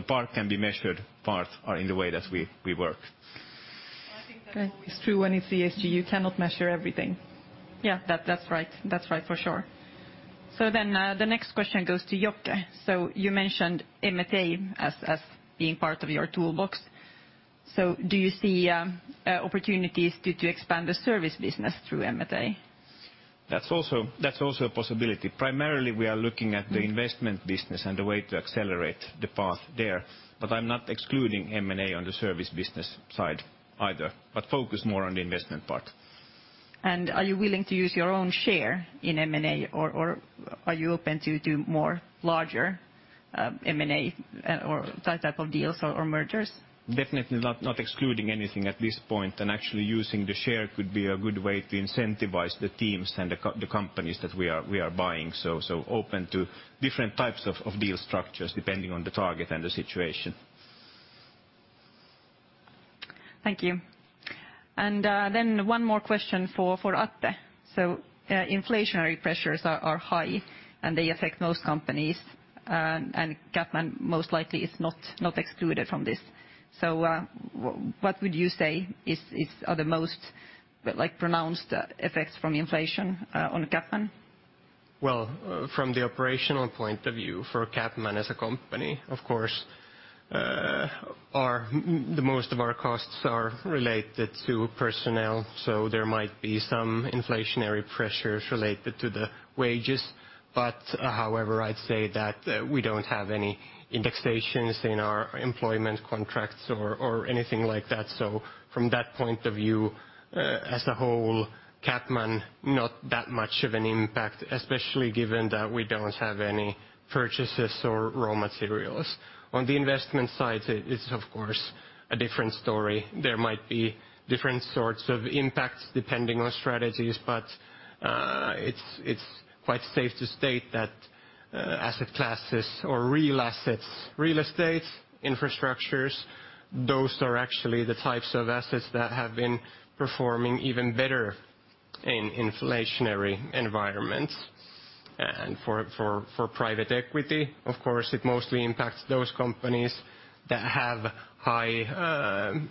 C: Part can be measured, part are in the way that we work.
A: I think that's always true.
F: Great
A: When it's ESG, you cannot measure everything. Yeah. That's right for sure. The next question goes to Jokke. You mentioned M&A as being part of your toolbox. Do you see opportunities to expand the service business through M&A?
C: That's also a possibility. Primarily, we are looking at the investment business and the way to accelerate the path there, but I'm not excluding M&A on the service business side either, but focus more on the investment part.
A: Are you willing to use your own share in M&A or are you open to more larger M&A or that type of deals or mergers?
C: Definitely not excluding anything at this point, and actually using the share could be a good way to incentivize the teams and the companies that we are buying. Open to different types of deal structures depending on the target and the situation.
A: Thank you. One more question for Atte. Inflationary pressures are high and they affect most companies, and CapMan most likely is not excluded from this. What would you say are the most, like, pronounced effects from inflation on CapMan?
D: Well, from the operational point of view, for CapMan as a company, of course, most of our costs are related to personnel, so there might be some inflationary pressures related to the wages. However, I'd say that we don't have any indexations in our employment contracts or anything like that. So from that point of view, as a whole, CapMan not that much of an impact, especially given that we don't have any purchases or raw materials. On the investment side, it's of course a different story. There might be different sorts of impacts depending on strategies, but it's quite safe to state that asset classes or real assets, real estate, infrastructures, those are actually the types of assets that have been performing even better in inflationary environments. For private equity, of course, it mostly impacts those companies that have high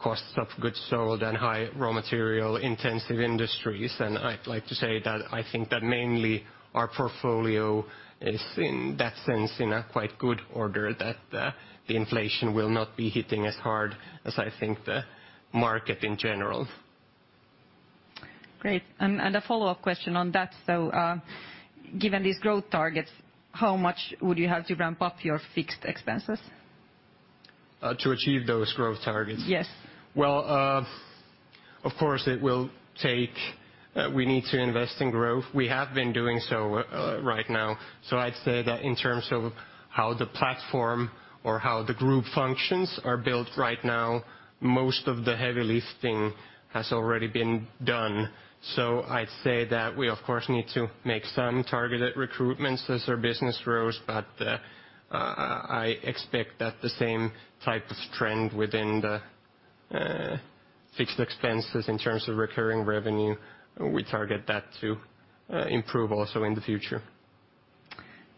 D: costs of goods sold and high raw material intensive industries. I'd like to say that I think that mainly our portfolio is in that sense in a quite good order that the inflation will not be hitting as hard as I think the market in general.
A: Great. A follow-up question on that. Given these growth targets, how much would you have to ramp up your fixed expenses?
D: To achieve those growth targets?
A: Yes.
D: We need to invest in growth. We have been doing so right now. I'd say that in terms of how the platform or how the group functions are built right now, most of the heavy lifting has already been done. I'd say that we of course need to make some targeted recruitments as our business grows, but I expect that the same type of trend within the fixed expenses in terms of recurring revenue, we target that to improve also in the future.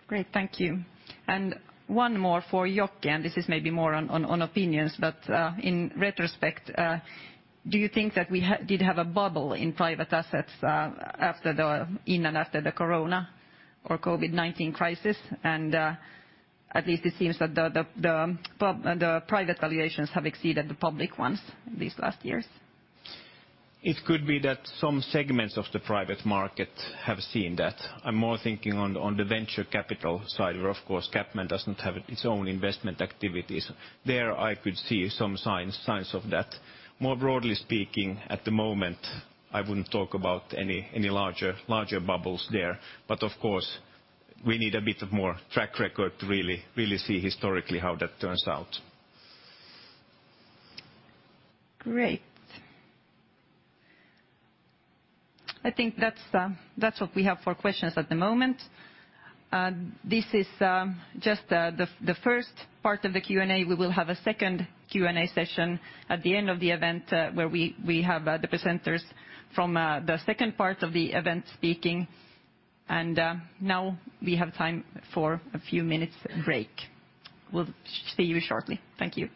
A: Great. Thank you. One more for Joakim, and this is maybe more on opinions, but in retrospect, do you think that we did have a bubble in private assets in and after the corona or COVID-19 crisis? At least it seems that the private valuations have exceeded the public ones these last years.
C: It could be that some segments of the private market have seen that. I'm more thinking on the venture capital side, where of course CapMan doesn't have its own investment activities. There I could see some signs of that. More broadly speaking, at the moment, I wouldn't talk about any larger bubbles there. Of course we need a bit of more track record to really see historically how that turns out.
A: Great. I think that's what we have for questions at the moment. This is just the first part of the Q&A. We will have a second Q&A session at the end of the event, where we have the presenters from the second part of the event speaking. Now we have time for a few minutes break. We'll see you shortly. Thank you.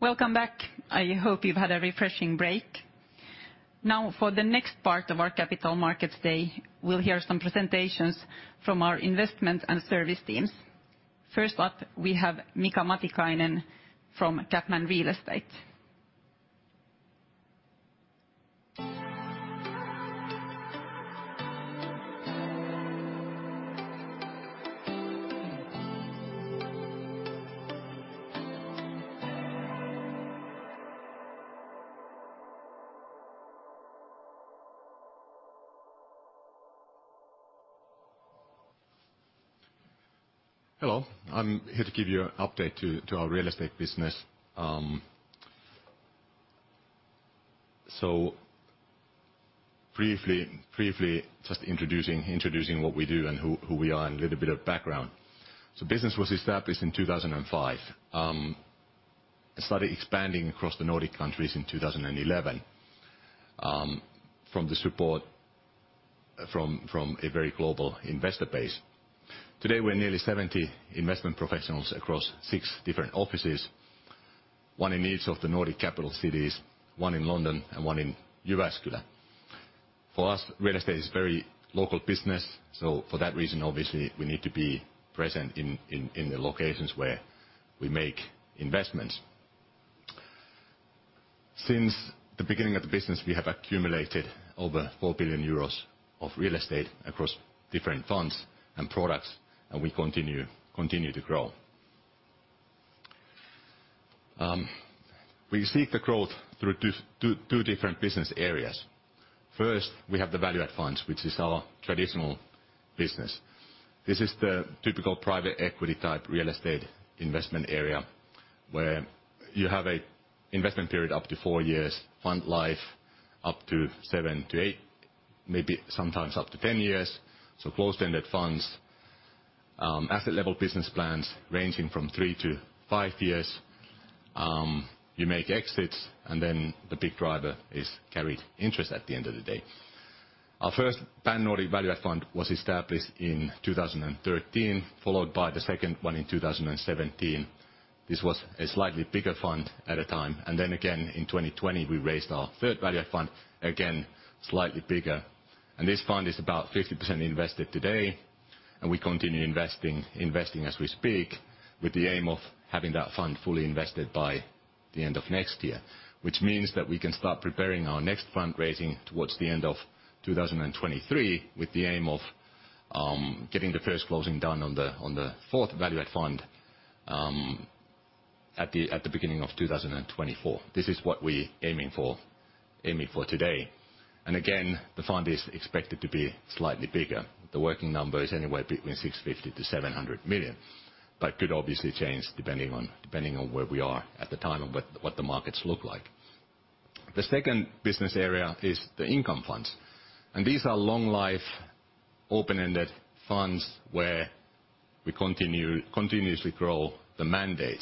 A: Welcome back. I hope you've had a refreshing break. Now for the next part of our capital markets day, we'll hear some presentations from our investment and service teams. First up, we have Mika Matikainen from CapMan Real Estate.
H: Hello. I'm here to give you an update to our real estate business. Briefly just introducing what we do and who we are and a little bit of background. Business was established in 2005. It started expanding across the Nordic countries in 2011 with support from a very global investor base. Today we're nearly 70 investment professionals across six different offices, one in each of the Nordic capital cities, one in London and one in Jyväskylä. For us, real estate is very local business, so for that reason, obviously we need to be present in the locations where we make investments. Since the beginning of the business, we have accumulated over 4 billion euros of real estate across different funds and products, and we continue to grow. We seek the growth through two different business areas. First, we have the value-add funds, which is our traditional business. This is the typical private equity type real estate investment area where you have a investment period up to four years, fund life up to seven to eight, maybe sometimes up to 10 years. Closed-ended funds. Asset level business plans ranging from three to five years. You make exits, and then the big driver is carried interest at the end of the day. Our first Pan-Nordic value-add fund was established in 2013, followed by the second one in 2017. This was a slightly bigger fund at the time. Then again, in 2020, we raised our third value-add fund, again, slightly bigger. This fund is about 50% invested today, and we continue investing as we speak, with the aim of having that fund fully invested by the end of next year. Which means that we can start preparing our next fundraising towards the end of 2023 with the aim of getting the first closing done on the fourth Value Add Fund at the beginning of 2024. This is what we're aiming for today. The fund is expected to be slightly bigger. The working number is anywhere between 650 million-700 million, but could obviously change depending on where we are at the time of what the markets look like. The second business area is the income funds. These are long-life, open-ended funds where we continuously grow the mandate.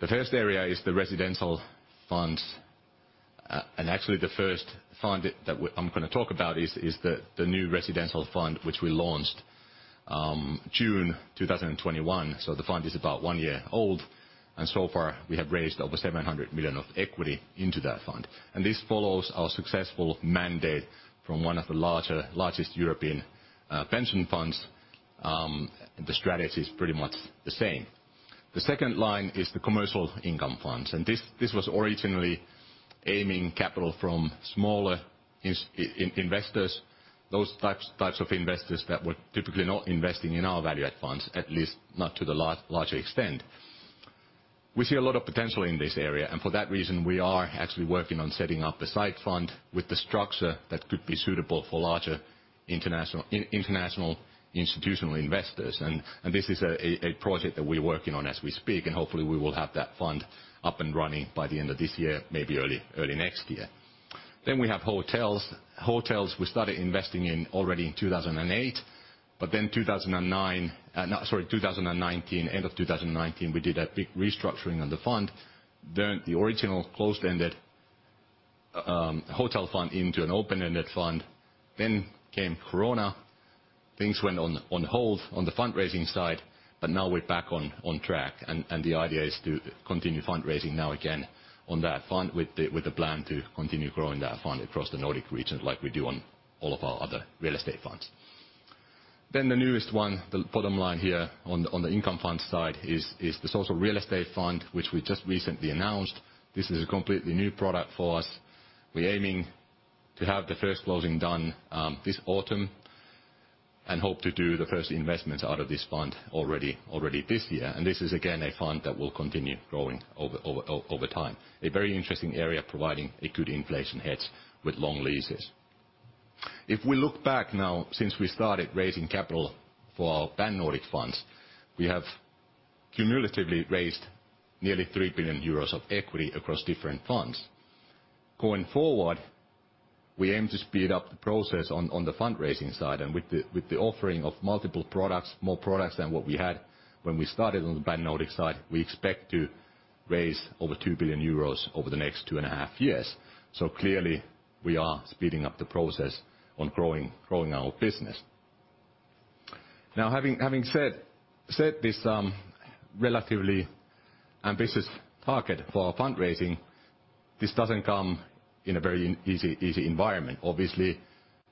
H: The first area is the residential funds. Actually the first fund that I'm gonna talk about is the new residential fund which we launched June 2021. The fund is about one year old. So far, we have raised over 700 million of equity into that fund. This follows our successful mandate from one of the largest European pension funds, and the strategy is pretty much the same. The second line is the commercial income funds, and this was originally aiming capital from smaller investors, those types of investors that were typically not investing in our Value Add Funds, at least not to the larger extent. We see a lot of potential in this area, and for that reason, we are actually working on setting up a side fund with the structure that could be suitable for larger international institutional investors. This is a project that we're working on as we speak, and hopefully we will have that fund up and running by the end of this year, maybe early next year. We have hotels. We started investing in hotels already in 2008, but then 2019, end of 2019, we did a big restructuring on the fund. The original closed-ended hotel fund into an open-ended fund. Corona came. Things went on hold on the fundraising side, but now we're back on track. The idea is to continue fundraising now again on that fund with the plan to continue growing that fund across the Nordic region like we do on all of our other real estate funds. The newest one, the bottom line here on the income fund side is the social real estate fund which we just recently announced. This is a completely new product for us. We're aiming to have the first closing done this autumn and hope to do the first investments out of this fund already this year. This is again a fund that will continue growing over time. A very interesting area providing a good inflation hedge with long leases. If we look back now since we started raising capital for our Pan-Nordic funds, we have cumulatively raised nearly 3 billion euros of equity across different funds. Going forward, we aim to speed up the process on the fundraising side and with the offering of multiple products, more products than what we had when we started on the Pan-Nordic side, we expect to raise over 2 billion euros over the next 2.5 years. Clearly, we are speeding up the process on growing our business. Now having said this, relatively ambitious target for our fundraising, this doesn't come in a very easy environment. Obviously,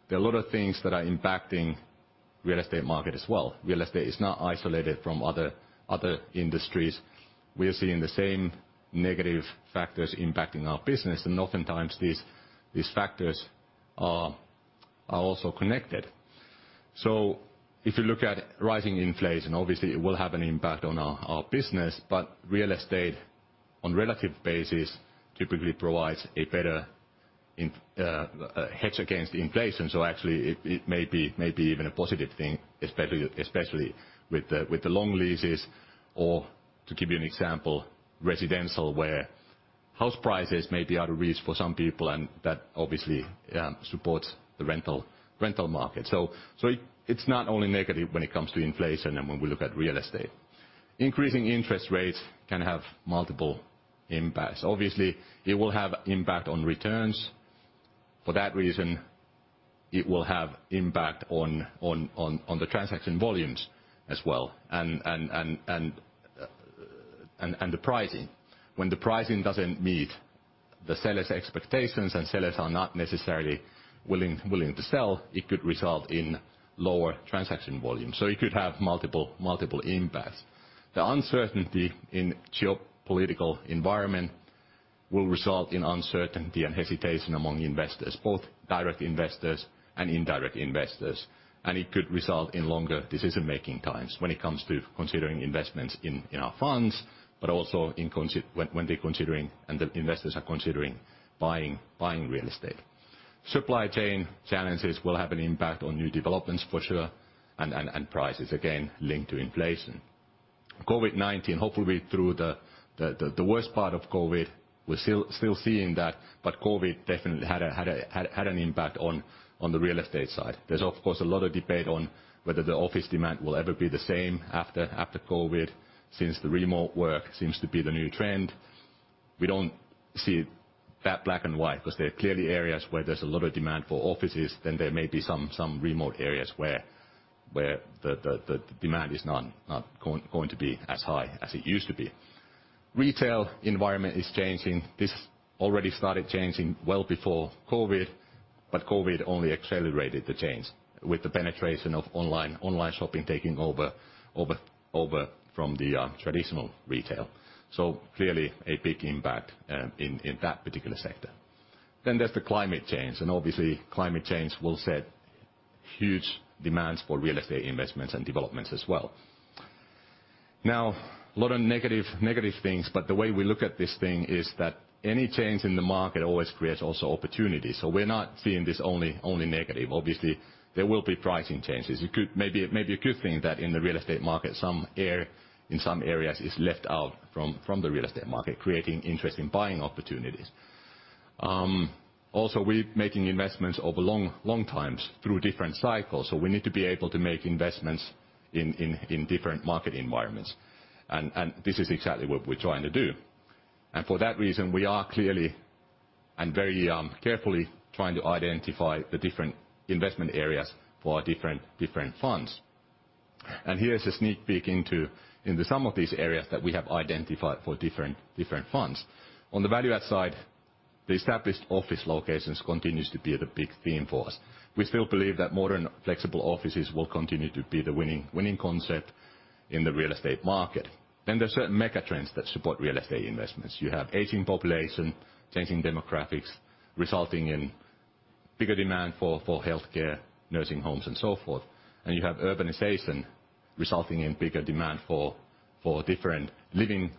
H: there are a lot of things that are impacting real estate market as well. Real estate is not isolated from other industries. We are seeing the same negative factors impacting our business, and oftentimes these factors are also connected. If you look at rising inflation, obviously it will have an impact on our business, but real estate, on relative basis, typically provides a better hedge against inflation. Actually it may be even a positive thing, especially with the long leases, or to give you an example, residential, where house prices may be out of reach for some people, and that obviously supports the rental market. It's not only negative when it comes to inflation and when we look at real estate. Increasing interest rates can have multiple impacts. Obviously, it will have impact on returns. For that reason, it will have impact on the transaction volumes as well and the pricing. When the pricing doesn't meet the seller's expectations and sellers are not necessarily willing to sell, it could result in lower transaction volume. It could have multiple impacts. The uncertainty in geopolitical environment will result in uncertainty and hesitation among investors, both direct investors and indirect investors. It could result in longer decision-making times when it comes to considering investments in our funds, but also when they're considering and the investors are considering buying real estate. Supply chain challenges will have an impact on new developments for sure and prices again linked to inflation. COVID-19, hopefully through the worst part of COVID, we're still seeing that, but COVID definitely had an impact on the real estate side. There's of course a lot of debate on whether the office demand will ever be the same after COVID, since the remote work seems to be the new trend. We don't see it that black and white because there are clearly areas where there's a lot of demand for offices, then there may be some remote areas where the demand is not going to be as high as it used to be. Retail environment is changing. This already started changing well before COVID, but COVID only accelerated the change with the penetration of online shopping taking over from the traditional retail. Clearly a big impact in that particular sector. There is the climate change, and obviously climate change will set huge demands for real estate investments and developments as well. Now, a lot of negative things, but the way we look at this thing is that any change in the market always creates also opportunities. We're not seeing this only negative. Obviously, there will be pricing changes. It could maybe a good thing that in the real estate market in some areas is let out from the real estate market, creating interesting buying opportunities. Also we're making investments over long times through different cycles, so we need to be able to make investments in different market environments, and this is exactly what we're trying to do. For that reason, we are clearly and very carefully trying to identify the different investment areas for our different funds. Here's a sneak peek into some of these areas that we have identified for different funds. On the value add side, the established office locations continues to be the big theme for us. We still believe that modern, flexible offices will continue to be the winning concept in the real estate market. Then there are certain mega trends that support real estate investments. You have aging population, changing demographics, resulting in bigger demand for healthcare, nursing homes, and so forth. You have urbanization, resulting in bigger demand for different living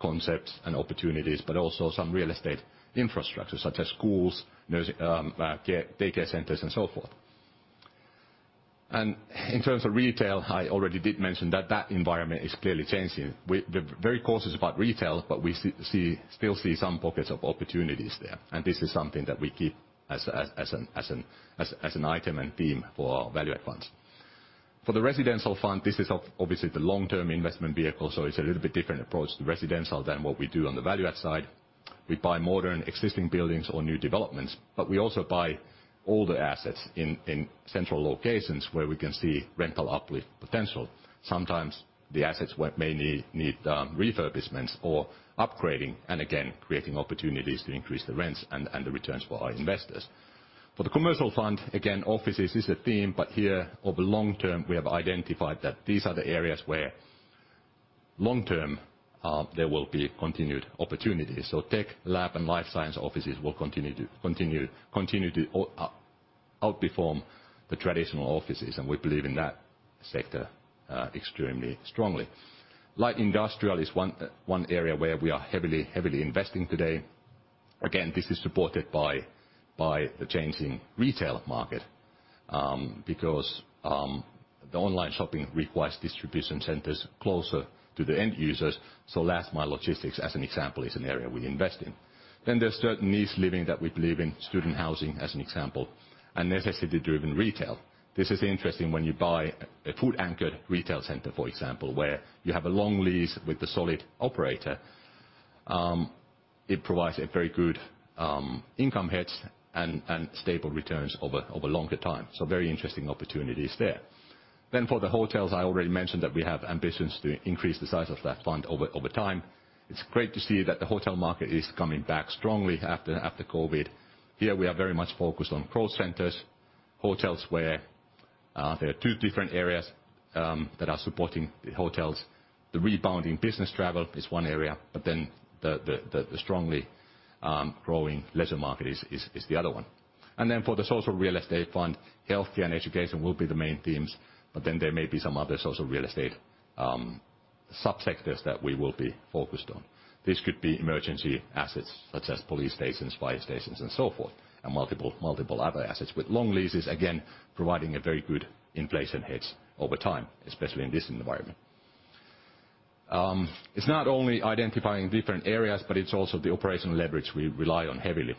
H: concepts and opportunities, but also some real estate infrastructure, such as schools, nursing care, daycare centers, and so forth. In terms of retail, I already did mention that the environment is clearly changing. We're very cautious about retail, but we still see some pockets of opportunities there. This is something that we keep as an item and theme for our value-add funds. For the residential fund, this is obviously the long-term investment vehicle, so it's a little bit different approach to residential than what we do on the value-add side. We buy modern existing buildings or new developments, but we also buy older assets in central locations where we can see rental uplift potential. Sometimes the assets may need refurbishments or upgrading, and again, creating opportunities to increase the rents and the returns for our investors. For the commercial fund, again, offices is a theme, but here over long term, we have identified that these are the areas where long term there will be continued opportunities. Tech, lab, and life science offices will continue to outperform the traditional offices, and we believe in that sector extremely strongly. Light industrial is one area where we are heavily investing today. Again, this is supported by the changing retail market, because the online shopping requires distribution centers closer to the end users, so last mile logistics, as an example, is an area we invest in. There's certain niche living that we believe in, student housing as an example, and necessity-driven retail. This is interesting when you buy a food-anchored retail center, for example, where you have a long lease with a solid operator. It provides a very good income hedge and stable returns over longer time. Very interesting opportunities there. For the hotels, I already mentioned that we have ambitions to increase the size of that fund over time. It's great to see that the hotel market is coming back strongly after COVID. Here we are very much focused on full-service hotels where there are two different areas that are supporting the hotels. The rebounding business travel is one area, but then the strongly growing leisure market is the other one. For the social real estate fund, healthcare and education will be the main themes, but then there may be some other social real estate sub-sectors that we will be focused on. This could be emergency assets such as police stations, fire stations, and so forth, and multiple other assets with long leases, again, providing a very good inflation hedge over time, especially in this environment. It's not only identifying different areas, but it's also the operational leverage we rely on heavily.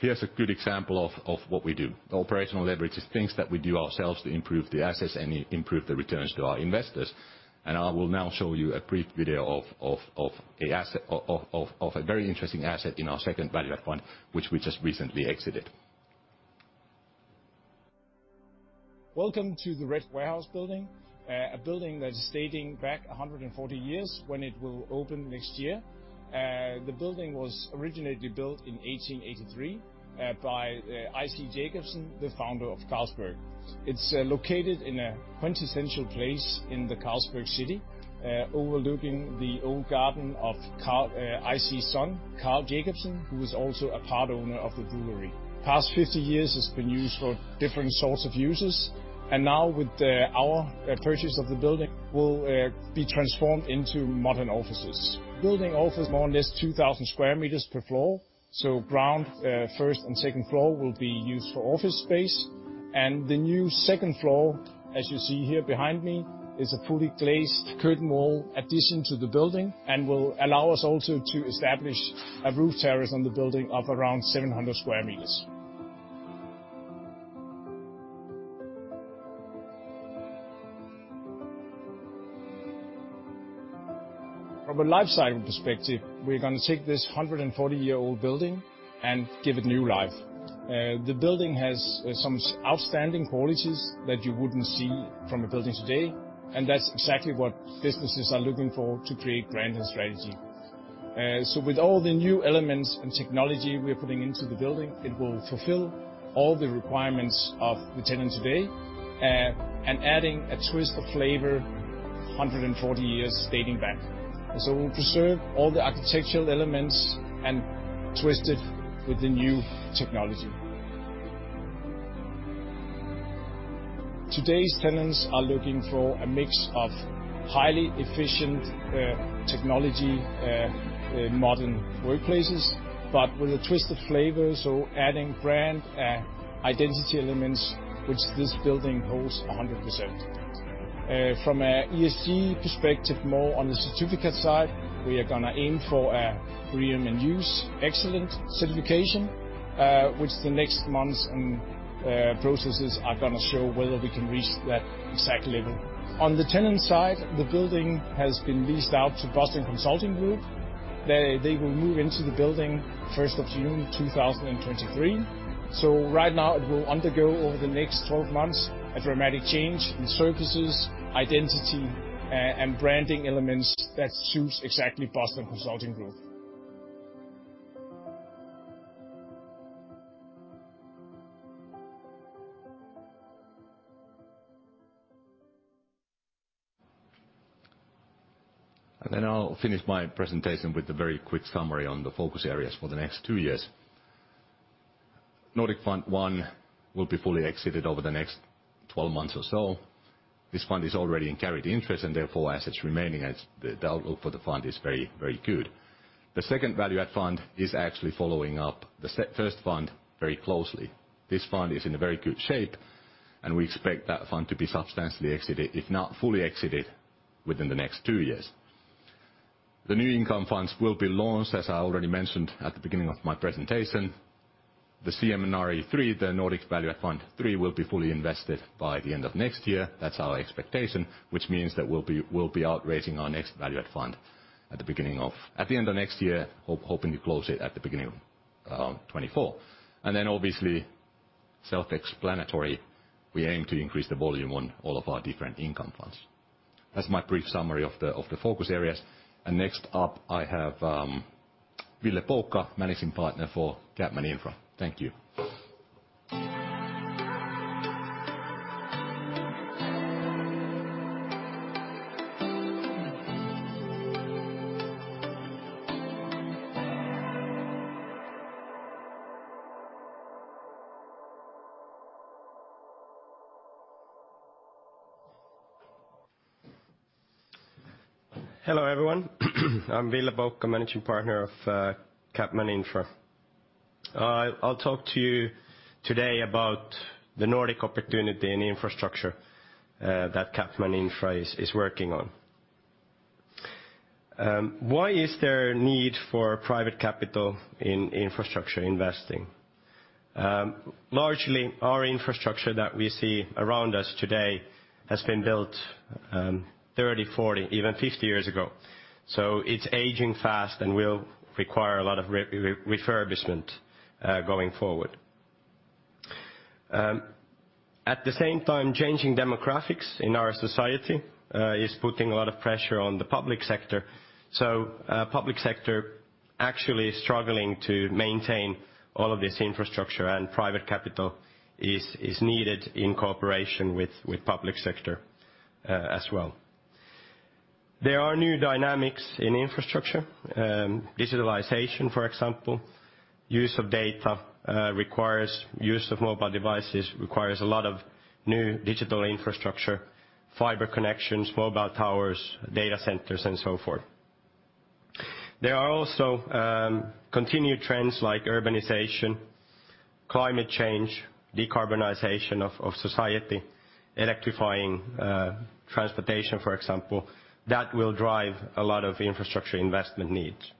H: Here's a good example of what we do. Operational leverage is things that we do ourselves to improve the assets and improve the returns to our investors. I will now show you a brief video of a very interesting asset in our second value add fund, which we just recently exited.
B: Welcome to the Red Warehouse building, a building that is dating back 140 years when it will open next year. The building was originally built in 1883 by J. C. Jacobsen. The founder of Carlsberg. It's located in a quintessential place in the Carlsberg City, overlooking the old garden of J. C.'s son, Carl Jacobsen, who was also a part owner of the brewery. Over the past 50 years, it's been used for different sorts of uses, and now with our purchase of the building, will be transformed into modern offices. Building offers more or less 2,000 square meters per floor, so ground, first and second floor will be used for office space. The new second floor, as you see here behind me, is a fully glazed curtain wall addition to the building and will allow us also to establish a roof terrace on the building of around 700 square meters. From a life cycle perspective, we're gonna take this 140-year-old building and give it new life. The building has some outstanding qualities that you wouldn't see from a building today, and that's exactly what businesses are looking for to create brand and strategy. With all the new elements and technology we're putting into the building, it will fulfill all the requirements of the tenant today, and adding a twist of flavor 140 years dating back. We'll preserve all the architectural elements and twist it with the new technology. Today's tenants are looking for a mix of highly efficient technology, modern workplaces, but with a twist of flavor, adding brand identity elements which this building holds 100%. From an ESG perspective, more on the certificate side, we are gonna aim for a BREEAM In-Use Excellent certification, which the next months and processes are gonna show whether we can reach that exact level. On the tenant side, the building has been leased out to Boston Consulting Group. They will move into the building 1st of June, 2023. Right now it will undergo over the next 12 months a dramatic change in services, identity, and branding elements that suits exactly Boston Consulting Group.
H: I'll finish my presentation with a very quick summary on the focus areas for the next two years. CapMan Nordic Real Estate I will be fully exited over the next 12 months or so. This fund is already in carried interest and therefore assets remaining as the outlook for the fund is very, very good. The second value-add fund is actually following up the first fund very closely. This fund is in a very good shape, and we expect that fund to be substantially exited, if not fully exited, within the next two years. The new income funds will be launched, as I already mentioned at the beginning of my presentation. The CMNRE III, the Nordic Value-Add Fund III, will be fully invested by the end of next year. That's our expectation, which means that we'll be out raising our next value-add fund at the end of next year, hoping to close it at the beginning of 2024. Then obviously, self-explanatory, we aim to increase the volume on all of our different income funds. That's my brief summary of the focus areas. Next up I have Ville Poukka, Managing Partner for CapMan Infra. Thank you.
I: Hello, everyone. I'm Ville Poukka, Managing Partner of CapMan Infra. I'll talk to you today about the Nordic opportunity and infrastructure that CapMan Infra is working on. Why is there a need for private capital in infrastructure investing? Largely our infrastructure that we see around us today has been built 30, 40, even 50 years ago. It's aging fast and will require a lot of refurbishment going forward. At the same time, changing demographics in our society is putting a lot of pressure on the public sector. Public sector actually struggling to maintain all of this infrastructure and private capital is needed in cooperation with public sector as well. There are new dynamics in infrastructure. Digitalization, for example. Use of data requires use of mobile devices, requires a lot of new digital infrastructure, fiber connections, mobile towers, data centers and so forth. There are also continued trends like urbanization, climate change, decarbonization of society, electrifying transportation, for example, that will drive a lot of infrastructure investment needs.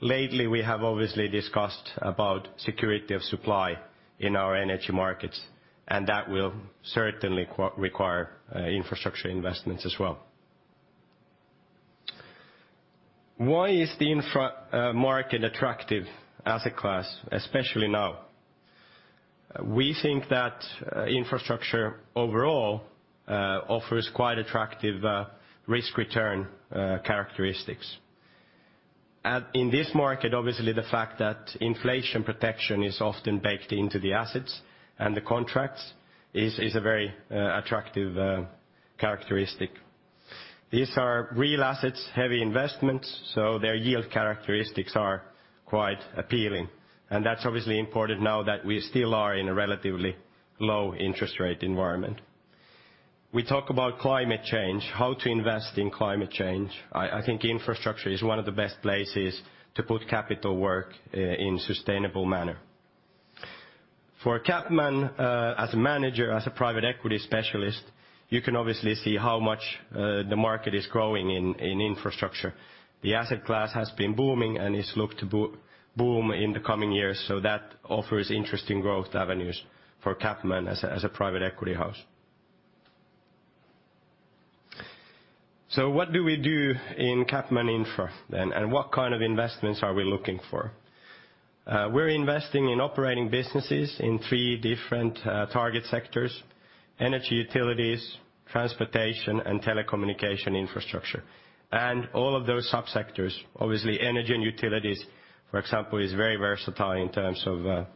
I: Lately, we have obviously discussed about security of supply in our energy markets, and that will certainly require infrastructure investments as well. Why is the infrastructure market attractive as a class, especially now? We think that infrastructure overall offers quite attractive risk-return characteristics. In this market, obviously, the fact that inflation protection is often baked into the assets and the contracts is a very attractive characteristic. These are real assets, heavy investments, so their yield characteristics are quite appealing, and that's obviously important now that we still are in a relatively low interest rate environment. We talk about climate change, how to invest in climate change. I think infrastructure is one of the best places to put capital to work in a sustainable manner. For CapMan, as a manager, as a private equity specialist, you can obviously see how much the market is growing in infrastructure. The asset class has been booming and is looked to boom in the coming years. That offers interesting growth avenues for CapMan as a private equity house. What do we do in CapMan Infra then, and what kind of investments are we looking for? We're investing in operating businesses in three different target sectors: energy utilities, transportation, and telecommunication infrastructure, and all of those subsectors. Obviously, energy and utilities, for example, is very versatile in terms of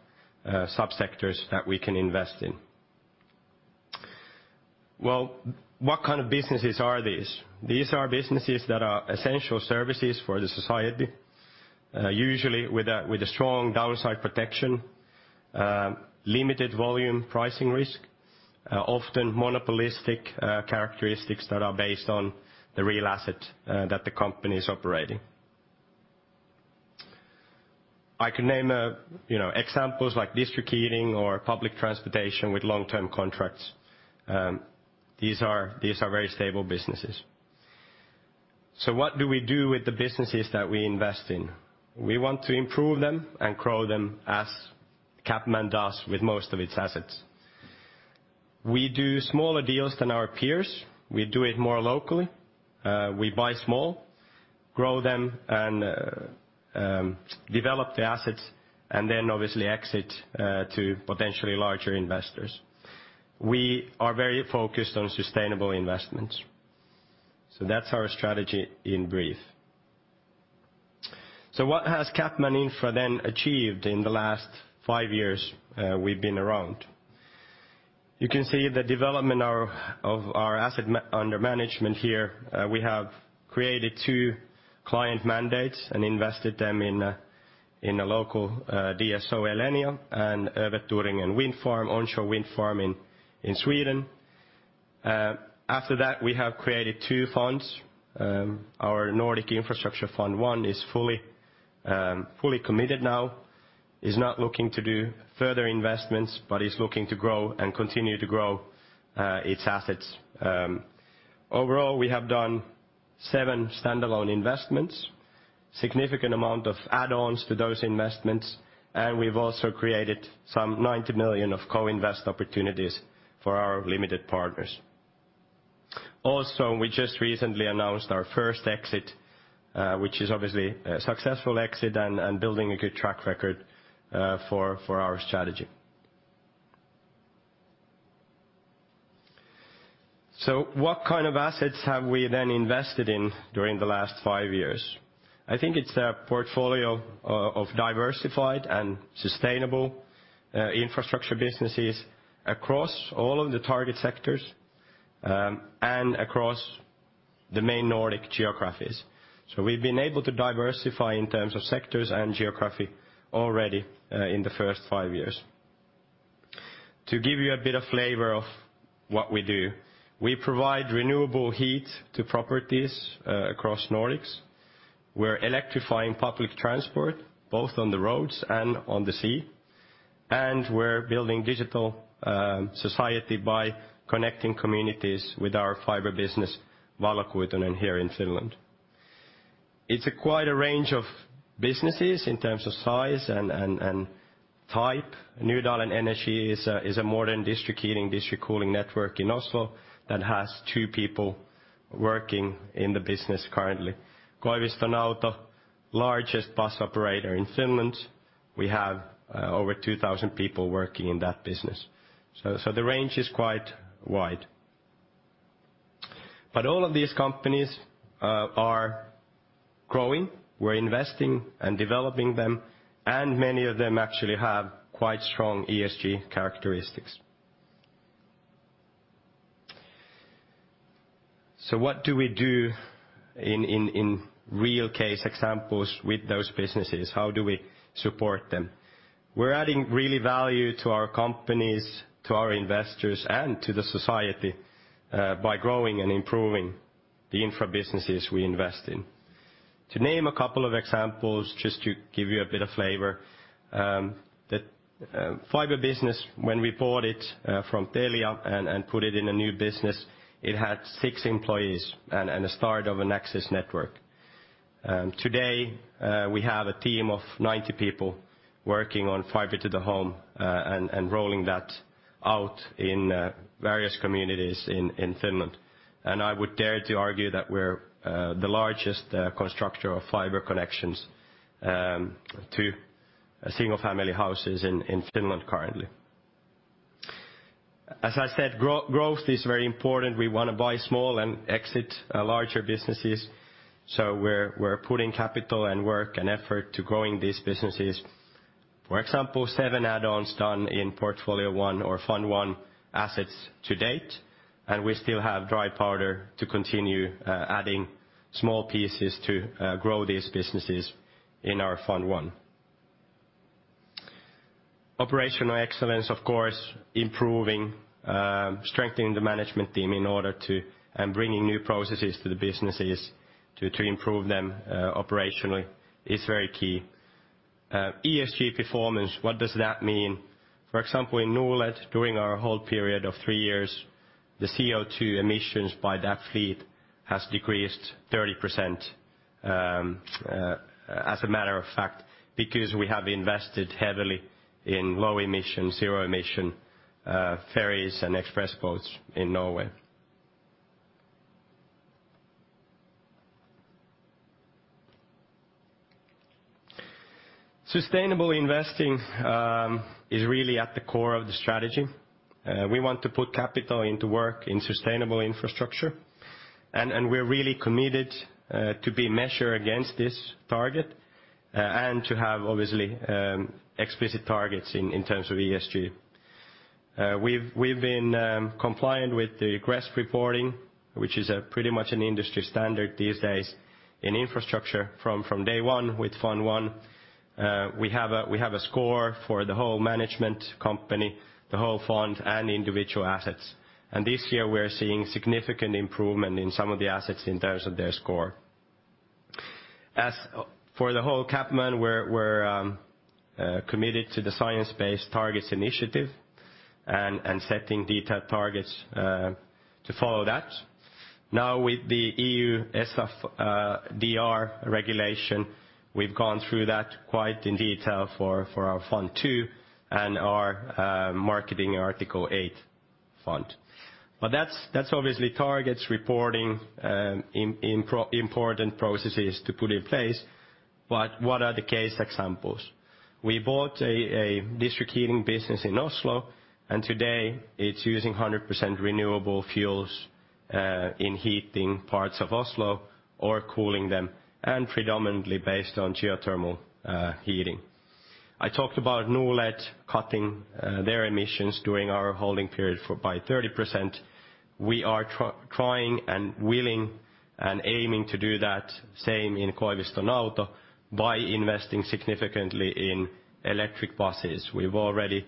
I: subsectors that we can invest in. Well, what kind of businesses are these? These are businesses that are essential services for the society, usually with a strong downside protection, limited volume pricing risk, often monopolistic characteristics that are based on the real asset that the company's operating. I can name, you know, examples like district heating or public transportation with long-term contracts. These are very stable businesses. What do we do with the businesses that we invest in? We want to improve them and grow them as CapMan does with most of its assets. We do smaller deals than our peers. We do it more locally. We buy small, grow them, and develop the assets, and then obviously exit to potentially larger investors. We are very focused on sustainable investments. That's our strategy in brief. What has CapMan Infra then achieved in the last five years we've been around? You can see the development of our assets under management here. We have created two client mandates and invested them in a local DSO, Elenia, and Överturingen Wind Farm, onshore wind farm in Sweden. After that, we have created two funds. Our Nordic Infrastructure I is fully committed now, is not looking to do further investments but is looking to grow and continue to grow its assets. Overall, we have done seven standalone investments, significant amount of add-ons to those investments, and we've also created some 90 million of co-invest opportunities for our limited partners. Also, we just recently announced our first exit, which is obviously a successful exit and building a good track record for our strategy. What kind of assets have we then invested in during the last five years? I think it's a portfolio of diversified and sustainable infrastructure businesses across all of the target sectors and across the main Nordic geographies. We've been able to diversify in terms of sectors and geography already in the first five years. To give you a bit of flavor of what we do, we provide renewable heat to properties across Nordics. We're electrifying public transport, both on the roads and on the sea, and we're building digital society by connecting communities with our fiber business, Valokuitunen, here in Finland. It's quite a range of businesses in terms of size and type. Nydalen Energi is a modern district heating, district cooling network in Oslo that has two people working in the business currently. Koiviston Auto, largest bus operator in Finland. We have over 2,000 people working in that business. The range is quite wide. All of these companies are growing. We're investing and developing them, and many of them actually have quite strong ESG characteristics. What do we do in real case examples with those businesses? How do we support them? We're adding really value to our companies, to our investors, and to the society by growing and improving the infra businesses we invest in. To name a couple of examples, just to give you a bit of flavor, the fiber business, when we bought it from Telia and put it in a new business, it had six employees and a start of an access network. Today, we have a team of 90 people working on fiber to the home and rolling that out in various communities in Finland. I would dare to argue that we're the largest constructor of fiber connections to single-family houses in Finland currently. As I said, growth is very important. We wanna buy small and exit larger businesses, so we're putting capital and work and effort to growing these businesses. For example, seven add-ons done in Portfolio One or Fund I assets to date, and we still have dry powder to continue adding small pieces to grow these businesses in our Fund I. Operational excellence, of course, improving, strengthening the management team and bringing new processes to the businesses to improve them operationally is very key. ESG performance, what does that mean? For example, in Norled, during our whole period of three years, the CO2 emissions by that fleet has decreased 30%, as a matter of fact, because we have invested heavily in low-emission, zero-emission ferries and express boats in Norway. Sustainable investing is really at the core of the strategy. We want to put capital to work in sustainable infrastructure, and we're really committed to be measured against this target, and to have, obviously, explicit targets in terms of ESG. We've been compliant with the GRESB reporting, which is pretty much an industry standard these days in infrastructure from day one, with Fund I. We have a score for the whole management company, the whole fund, and individual assets. This year we're seeing significant improvement in some of the assets in terms of their score. As for the whole CapMan, we're committed to the Science Based Targets Initiative and setting detailed targets to follow that. Now with the EU SFDR regulation, we've gone through that quite in detail for our Fund II and our marketing Article 8 fund. That's obviously targets reporting, important processes to put in place, but what are the case examples? We bought a district heating business in Oslo, and today it's using 100% renewable fuels in heating parts of Oslo or cooling them, and predominantly based on geothermal heating. I talked about Norled cutting their emissions during our holding period by 30%. We are trying and willing and aiming to do that same in Koiviston Auto by investing significantly in electric buses. We've already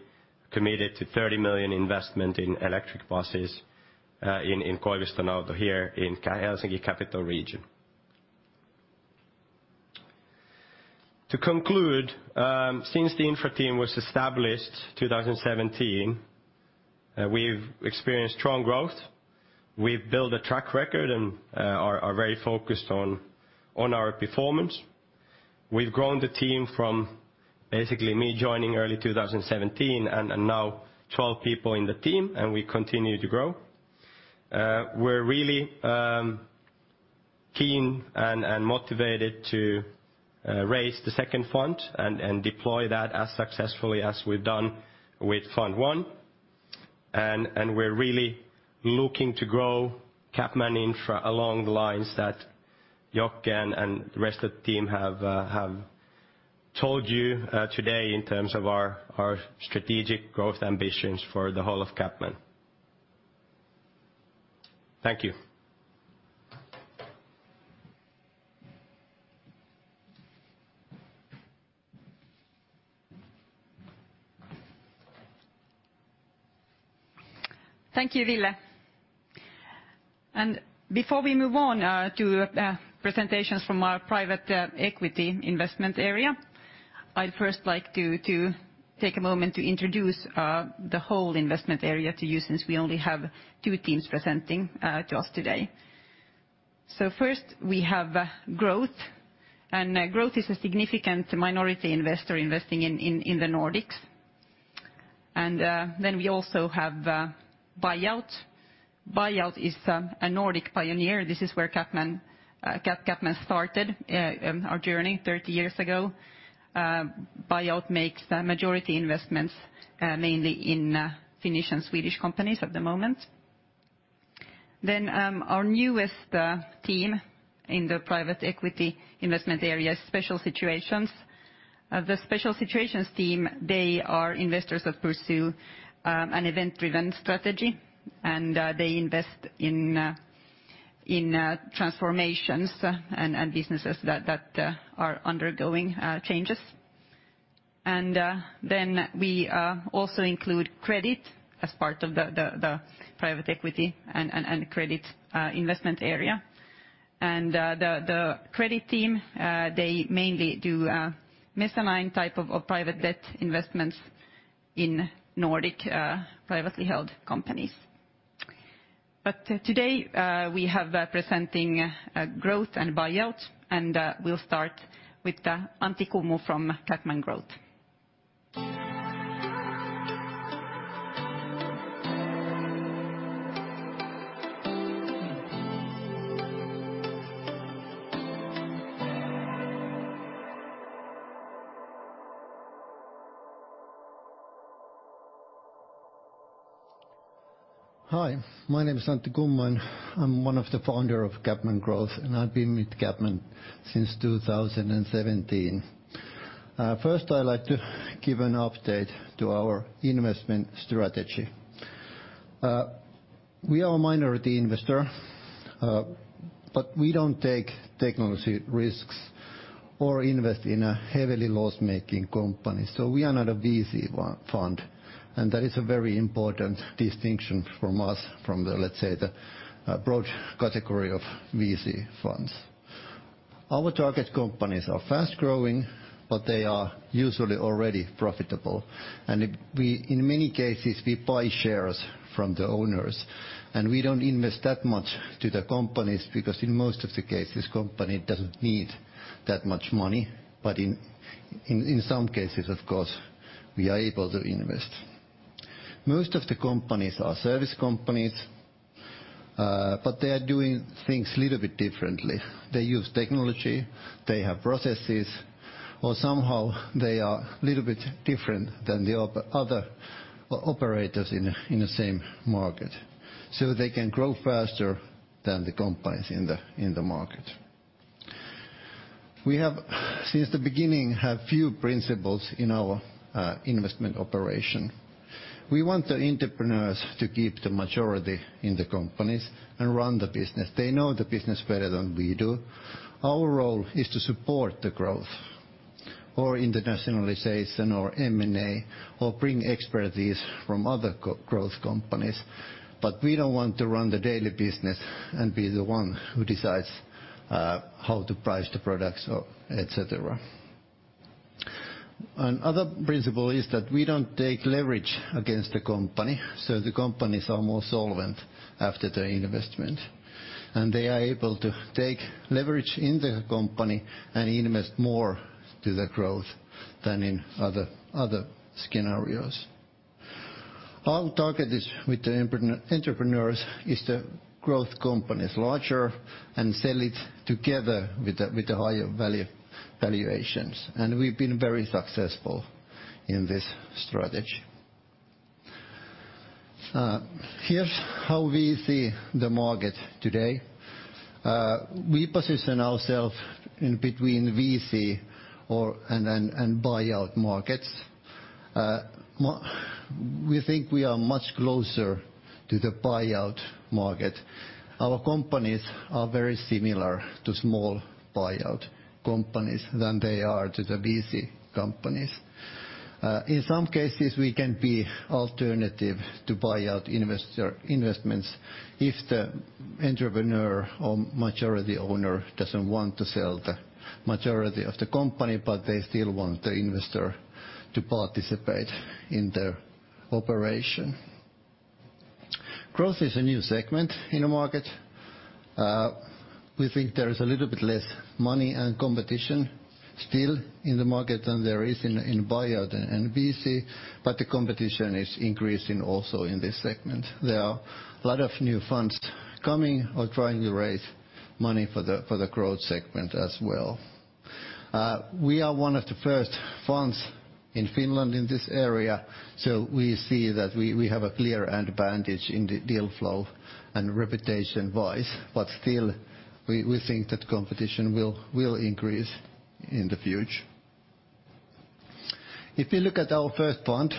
I: committed to 30 million investment in electric buses in Koiviston Auto here in Helsinki Capital Region. To conclude, since the Infra team was established 2017, we've experienced strong growth. We've built a track record and are very focused on our performance. We've grown the team from basically me joining early 2017 and now 12 people in the team, and we continue to grow. We're really keen and motivated to raise the second fund and deploy that as successfully as we've done with Fund I. We're really looking to grow CapMan Infra along the lines that Joakim and the rest of the team have told you today in terms of our strategic growth ambitions for the whole of CapMan. Thank you.
A: Thank you, Ville. Before we move on to presentations from our private equity investment area, I'd first like to take a moment to introduce the whole investment area to you since we only have two teams presenting to us today. First we have Growth, and Growth is a significant minority investor investing in the Nordics. Then we also have Buyout. Buyout is a Nordic pioneer. This is where CapMan started our journey 30 years ago. Buyout makes the majority investments mainly in Finnish and Swedish companies at the moment. Our newest team in the private equity investment area, Special Situations. The Special Situations team, they are investors that pursue an event-driven strategy and they invest in transformations and businesses that are undergoing changes. Then we also include credit as part of the private equity and credit investment area. The credit team, they mainly do mezzanine type of private debt investments in Nordic privately held companies. Today we have presenting Growth and Buyouts, and we'll start with Antti Kummu from CapMan Growth.
J: Hi, my name is Antti Kummu, and I'm one of the founder of CapMan Growth, and I've been with CapMan since 2017. First I'd like to give an update to our investment strategy. We are a minority investor, but we don't take technology risks or invest in a heavily loss-making company. We are not a VC fund, and that is a very important distinction between us and the, let's say, broad category of VC funds. Our target companies are fast-growing, but they are usually already profitable. In many cases, we buy shares from the owners, and we don't invest that much to the companies because in most of the cases, company doesn't need that much money. In some cases, of course, we are able to invest. Most of the companies are service companies, but they are doing things a little bit differently. They use technology, they have processes, or somehow they are a little bit different than the other operators in the same market, so they can grow faster than the companies in the market. We have, since the beginning, few principles in our investment operation. We want the entrepreneurs to keep the majority in the companies and run the business. They know the business better than we do. Our role is to support the growth or internationalization or M&A or bring expertise from other growth companies. But we don't want to run the daily business and be the one who decides how to price the products or et cetera. Another principle is that we don't take leverage against the company, so the companies are more solvent after the investment, and they are able to take leverage in the company and invest more to the growth than in other scenarios. Our target is with the entrepreneurs is the growth companies larger and sell it together with the higher value valuations, and we've been very successful in this strategy. Here's how we see the market today. We position ourselves in between VC and buyout markets. We think we are much closer to the buyout market. Our companies are very similar to small buyout companies than they are to the VC companies. In some cases, we can be alternative to buyout investor investments if the entrepreneur or majority owner doesn't want to sell the majority of the company, but they still want the investor to participate in the operation. Growth is a new segment in the market. We think there is a little bit less money and competition still in the market than there is in buyout and VC, but the competition is increasing also in this segment. There are a lot of new funds coming or trying to raise money for the growth segment as well. We are one of the first funds in Finland in this area, so we see that we have a clear advantage in the deal flow and reputation-wise. Still, we think that competition will increase in the future. If you look at our first fund,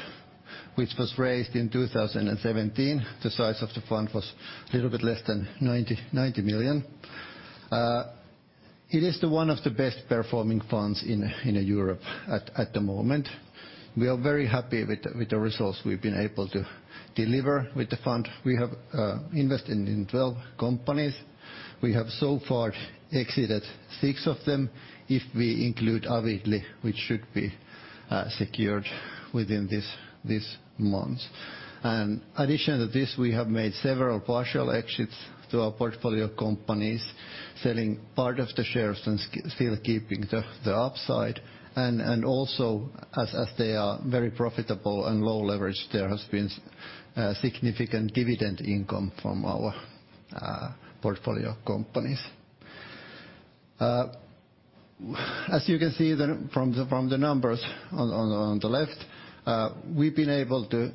J: which was raised in 2017, the size of the fund was a little bit less than 90 million. It is one of the best-performing funds in Europe at the moment. We are very happy with the results we've been able to deliver with the fund. We have invested in 12 companies. We have so far exited six of them if we include Avidly, which should be secured within this month. In addition to this, we have made several partial exits to our portfolio companies, selling part of the shares and still keeping the upside and also as they are very profitable and low leverage, there has been significant dividend income from our portfolio companies. As you can see from the numbers on the left, we've been able to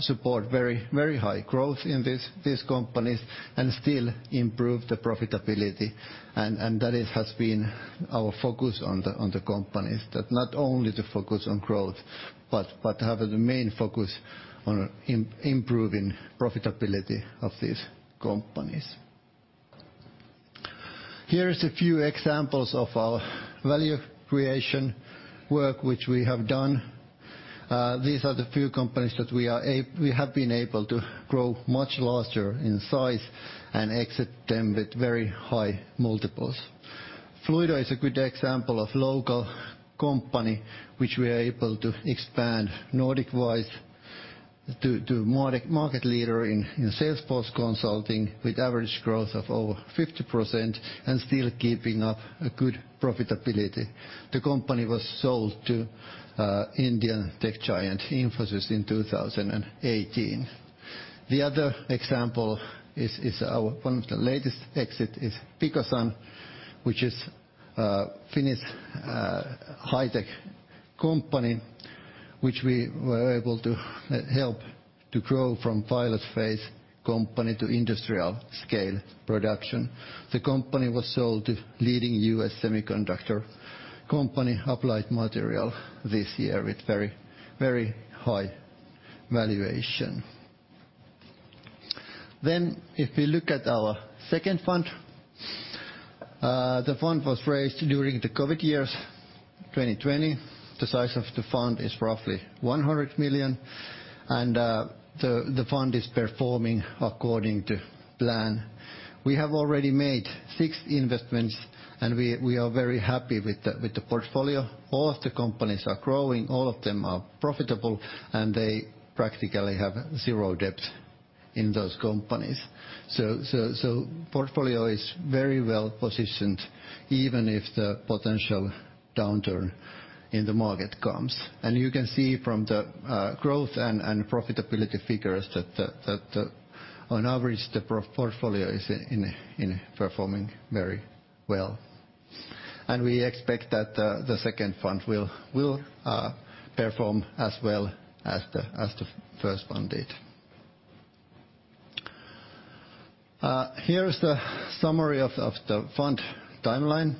J: support very high growth in these companies and still improve the profitability. That has been our focus on the companies, that not only to focus on growth but have the main focus on improving profitability of these companies. Here are a few examples of our value creation work which we have done. These are a few companies that we have been able to grow much larger in size and exit them with very high multiples. Fluido is a good example of a local company which we are able to expand Nordic-wise to market leader in Salesforce consulting with average growth of over 50% and still keeping up a good profitability. The company was sold to Indian tech giant Infosys in 2018. The other example is our one of the latest exits is Picosun, which is Finnish high-tech company, which we were able to help to grow from pilot phase company to industrial scale production. The company was sold to leading U.S. semiconductor company Applied Materials this year with very, very high valuation. If we look at our second fund, the fund was raised during the COVID years, 2020. The size of the fund is roughly 100 million, and the fund is performing according to plan. We have already made six investments, and we are very happy with the portfolio. All of the companies are growing, all of them are profitable, and they practically have zero debt in those companies. Portfolio is very well positioned even if the potential downturn in the market comes. You can see from the growth and profitability figures that, on average, the portfolio is performing very well. We expect that the second fund will perform as well as the first fund did. Here is the summary of the fund timeline.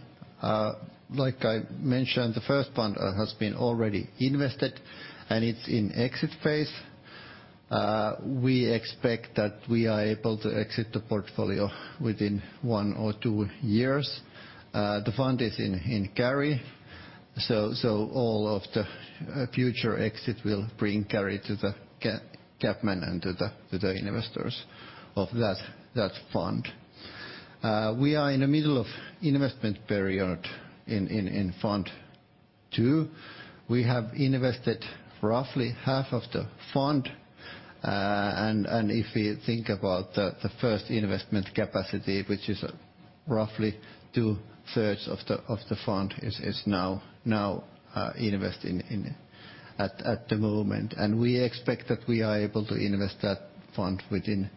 J: Like I mentioned, the first fund has been already invested and it's in exit phase. We expect that we are able to exit the portfolio within one or two years. The fund is in carry. All of the future exit will bring carry to CapMan and to the investors of that fund. We are in the middle of investment period in Fund II. We have invested roughly half of the fund. If we think about the first investment capacity, which is roughly 2/3 of the fund, is now investing at the moment. We expect that we are able to invest that fund within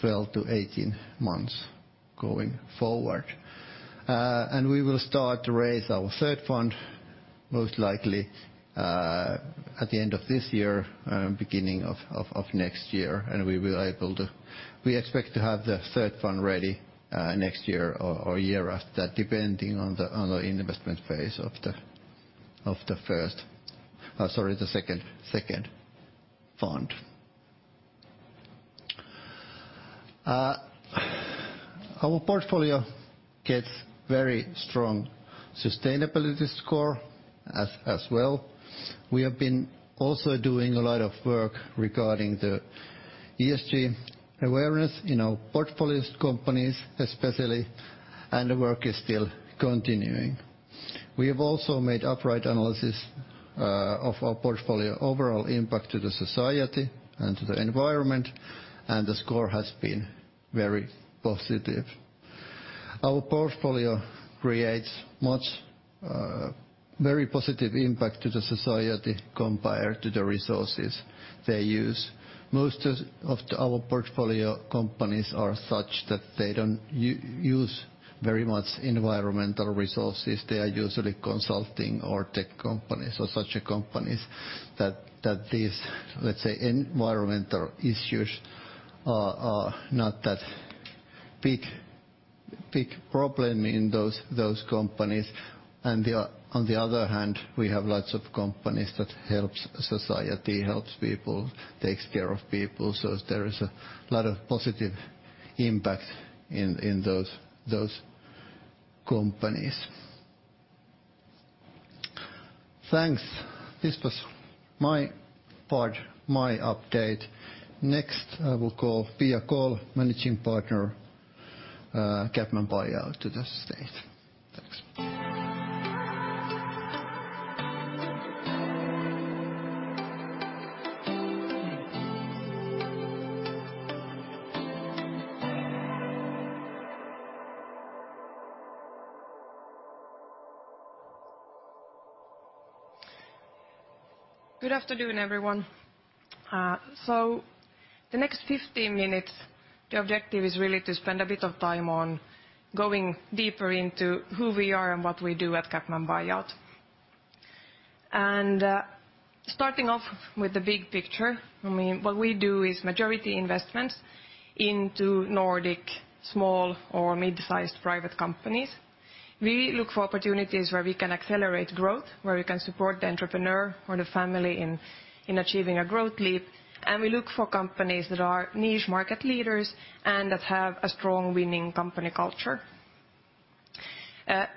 J: 12-18 months going forward. We will start to raise our third fund most likely at the end of this year, beginning of next year, and we expect to have the third fund ready next year or year after that, depending on the investment phase of the second fund. Our portfolio gets very strong sustainability score as well. We have been also doing a lot of work regarding the ESG awareness in our portfolio companies especially, and the work is still continuing. We have also made Upright analysis of our portfolio overall impact to the society and to the environment, and the score has been very positive. Our portfolio creates much, very positive impact to the society compared to the resources they use. Most of the our portfolio companies are such that they don't use very much environmental resources. They are usually consulting or tech companies or such companies that is, let's say, environmental issues are not that big problem in those companies. On the other hand, we have lots of companies that helps society, helps people, takes care of people. There is a lot of positive impact in those companies. Thanks. This was my part, my update. Next, I will call Pia Kåll, Managing Partner, CapMan Buyout to the stage. Thanks.
K: Good afternoon, everyone. The next 15 minutes, the objective is really to spend a bit of time on going deeper into who we are and what we do at CapMan Buyout. Starting off with the big picture, I mean, what we do is majority investments into Nordic, small or mid-sized private companies. We look for opportunities where we can accelerate growth, where we can support the entrepreneur or the family in achieving a growth leap. We look for companies that are niche market leaders and that have a strong winning company culture.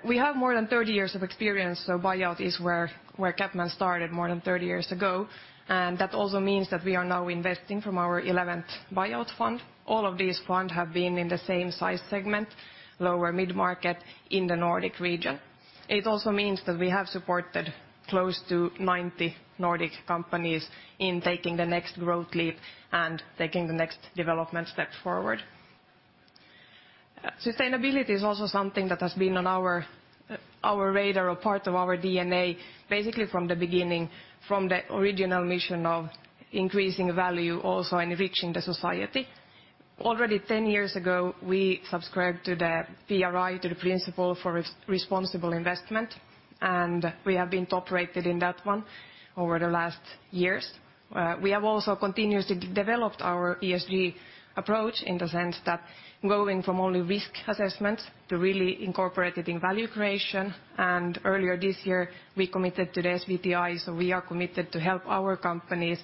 K: We have more than 30 years of experience, so Buyout is where CapMan started more than 30 years ago, and that also means that we are now investing from our 11th Buyout fund. All of these funds have been in the same size segment, lower mid-market in the Nordic region. It also means that we have supported close to 90 Nordic companies in taking the next growth leap and taking the next development step forward. Sustainability is also something that has been on our radar or part of our DNA, basically from the beginning, from the original mission of increasing value also and enriching the society. Already 10 years ago, we subscribed to the PRI, to the Principles for Responsible Investment, and we have been top rated in that one over the last years. We have also continuously developed our ESG approach in the sense that going from only risk assessment to really incorporating value creation, and earlier this year, we committed to the SBTi, so we are committed to help our companies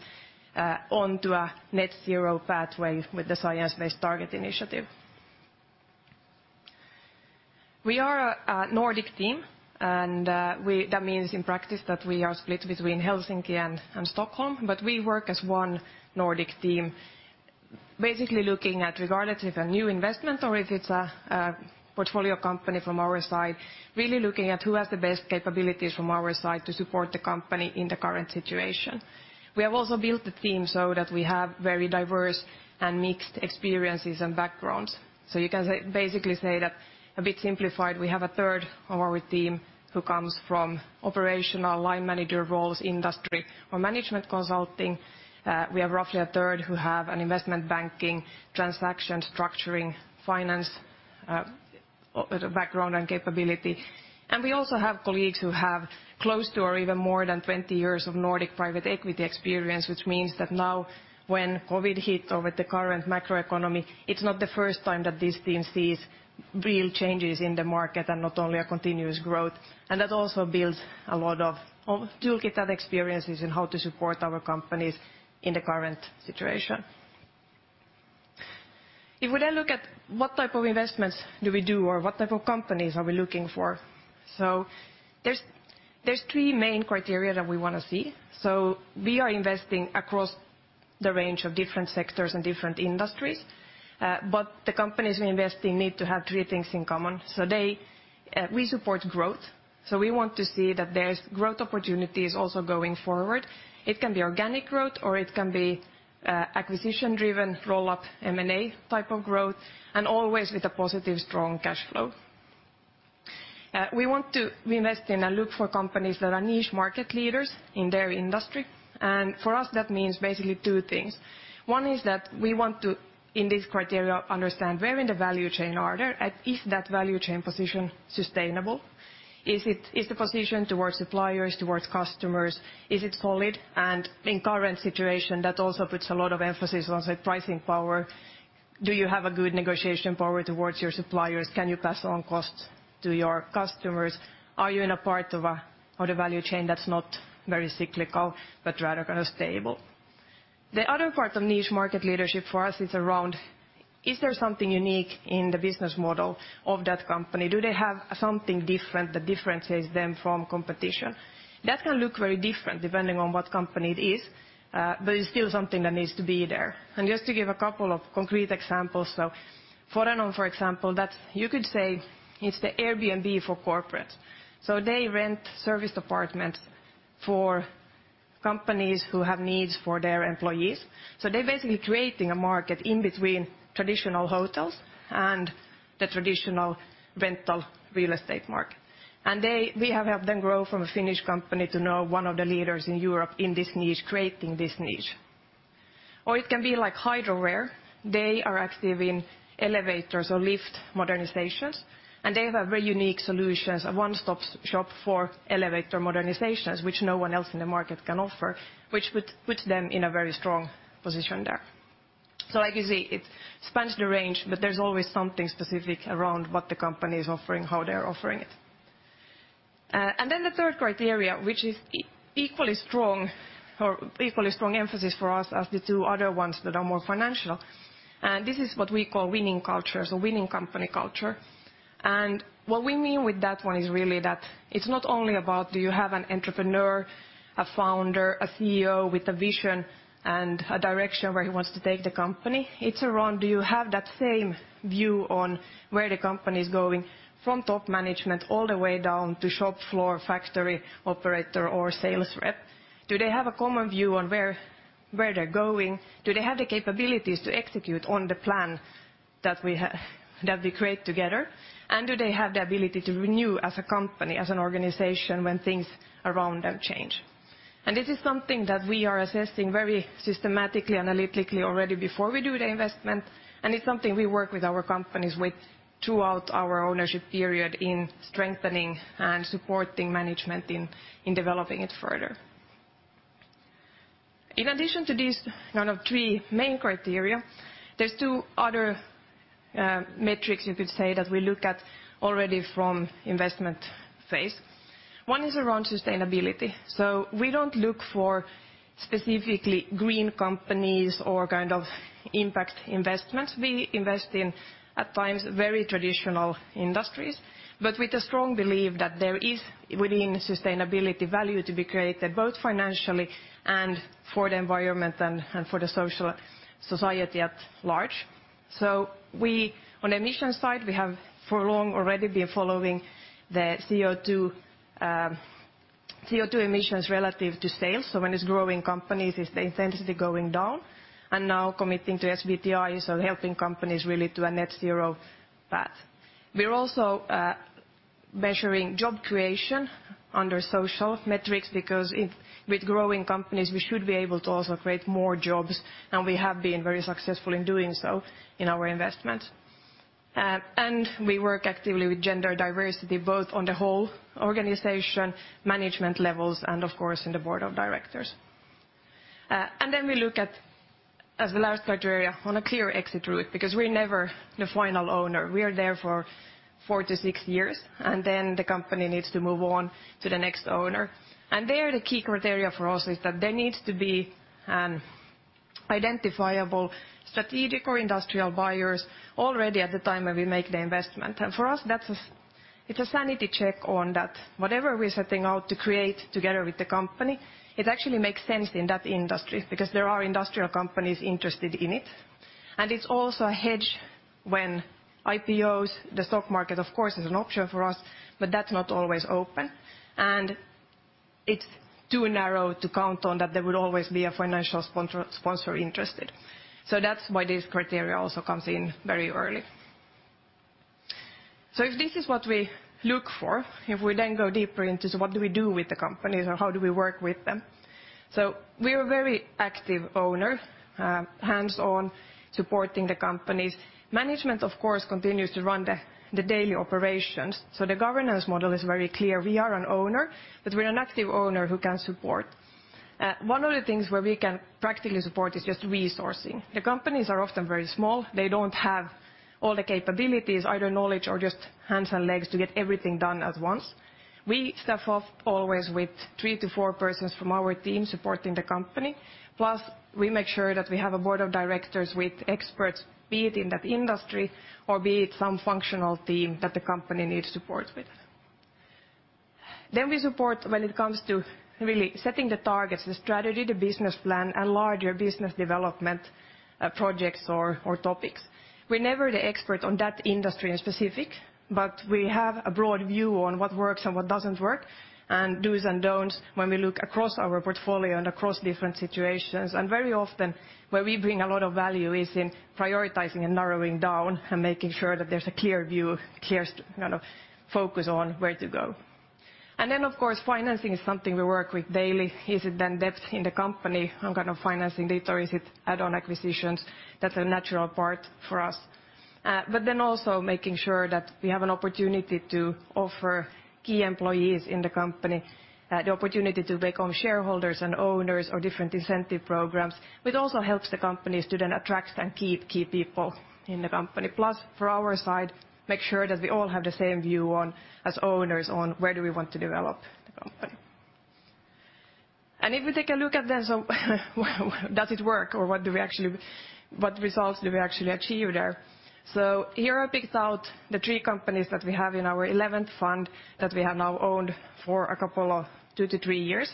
K: onto a net zero pathway with the science-based target initiative. We are a Nordic team, that means in practice that we are split between Helsinki and Stockholm, but we work as one Nordic team, basically looking at regardless if a new investment or if it's a portfolio company from our side, really looking at who has the best capabilities from our side to support the company in the current situation. We have also built the team so that we have very diverse and mixed experiences and backgrounds. You can say, basically say that a bit simplified, we have 1/3 of our team who comes from operational line manager roles, industry or management consulting. We have roughly 1/3 who have an investment banking, transaction structuring, finance, a little background and capability. We also have colleagues who have close to or even more than 20 years of Nordic private equity experience, which means that now when COVID hit over the current macro economy, it's not the first time that this team sees real changes in the market and not only a continuous growth. That also builds a lot of toolkit and experiences in how to support our companies in the current situation. If we then look at what type of investments do we do or what type of companies are we looking for? There's three main criteria that we wanna see. We are investing across the range of different sectors and different industries, but the companies we invest in need to have three things in common. We support growth, so we want to see that there's growth opportunities also going forward. It can be organic growth or it can be, acquisition driven roll-up M&A type of growth, and always with a positive, strong cash flow. We want to invest in and look for companies that are niche market leaders in their industry, and for us that means basically two things. One is that we want to, in this criteria, understand where in the value chain are there, and is that value chain position sustainable? Is the position towards suppliers, towards customers, is it solid? In current situation, that also puts a lot of emphasis on, say, pricing power. Do you have a good negotiation power towards your suppliers? Can you pass on costs to your customers? Are you in a part of the value chain that's not very cyclical, but rather kind of stable? The other part of niche market leadership for us is around, is there something unique in the business model of that company? Do they have something different that differentiates them from competition? That can look very different depending on what company it is, but it's still something that needs to be there. Just to give a couple of concrete examples. Forenom, for example, that you could say it's the Airbnb for corporate. They rent service apartments for companies who have needs for their employees. They're basically creating a market in between traditional hotels and the traditional rental real estate market. We have helped them grow from a Finnish company to now one of the leaders in Europe in this niche, creating this niche. It can be like Hydroware. They are active in elevators or lift modernizations, and they have very unique solutions, a one-stop shop for elevator modernizations, which no one else in the market can offer, which would put them in a very strong position there. Like you see, it spans the range, but there's always something specific around what the company is offering, how they're offering it. And then the third criteria, which is equally strong emphasis for us as the two other ones that are more financial, and this is what we call winning culture, so winning company culture. What we mean with that one is really that it's not only about do you have an entrepreneur, a founder, a CEO with a vision and a direction where he wants to take the company? It's around, do you have that same view on where the company is going from top management all the way down to shop floor, factory operator, or sales rep? Do they have a common view on where they're going? Do they have the capabilities to execute on the plan that we create together? Do they have the ability to renew as a company, as an organization, when things around them change? This is something that we are assessing very systematically, analytically already before we do the investment, and it's something we work with our companies with throughout our ownership period in strengthening and supporting management in developing it further. In addition to these kind of three main criteria, there's two other metrics you could say that we look at already from investment phase. One is around sustainability. We don't look for specifically green companies or kind of impact investments. We invest in at times very traditional industries, but with the strong belief that there is within sustainability value to be created, both financially and for the environment and for the society at large. On emissions side, we have for long already been following the CO2 emissions relative to sales. When it's growing companies, is the intensity going down? Now committing to SBTi, helping companies really to a net zero path. We're also measuring job creation under social metrics, because with growing companies, we should be able to also create more jobs, and we have been very successful in doing so in our investment. We work actively with gender diversity, both on the whole organization, management levels, and of course in the board of directors. We look at, as the last criteria, on a clear exit route, because we're never the final owner. We are there for four to six years, and then the company needs to move on to the next owner. There, the key criteria for us is that there needs to be an identifiable strategic or industrial buyers already at the time when we make the investment. For us, it's a sanity check on that whatever we're setting out to create together with the company, it actually makes sense in that industry because there are industrial companies interested in it. It's also a hedge when IPOs, the stock market of course is an option for us, but that's not always open. It's too narrow to count on that there will always be a financial sponsor interested. That's why this criteria also comes in very early. If this is what we look for, if we then go deeper into what do we do with the companies or how do we work with them? We are very active owner, hands-on supporting the companies. Management, of course, continues to run the daily operations. The governance model is very clear. We are an owner, but we're an active owner who can support. One of the things where we can practically support is just resourcing. The companies are often very small. They don't have all the capabilities, either knowledge or just hands and legs to get everything done at once. We start off always with three to four persons from our team supporting the company. We make sure that we have a board of directors with experts, be it in that industry or be it some functional team that the company needs support with. We support when it comes to really setting the targets, the strategy, the business plan, and larger business development projects or topics. We're never the expert on that industry in specific, but we have a broad view on what works and what doesn't work, and dos and don'ts when we look across our portfolio and across different situations. Very often, where we bring a lot of value is in prioritizing and narrowing down and making sure that there's a clear view, clear kind of focus on where to go. Then, of course, financing is something we work with daily. Is it then debt in the company and kind of financing later, is it add-on acquisitions? That's a natural part for us. But then also making sure that we have an opportunity to offer key employees in the company, the opportunity to become shareholders and owners or different incentive programs. It also helps the companies to then attract and keep key people in the company. Plus, for our side, make sure that we all have the same view on, as owners, on where do we want to develop the company. If we take a look at them, does it work or what results do we actually achieve there? Here I picked out the three companies that we have in our 11th fund that we have now owned for a couple of two to three years.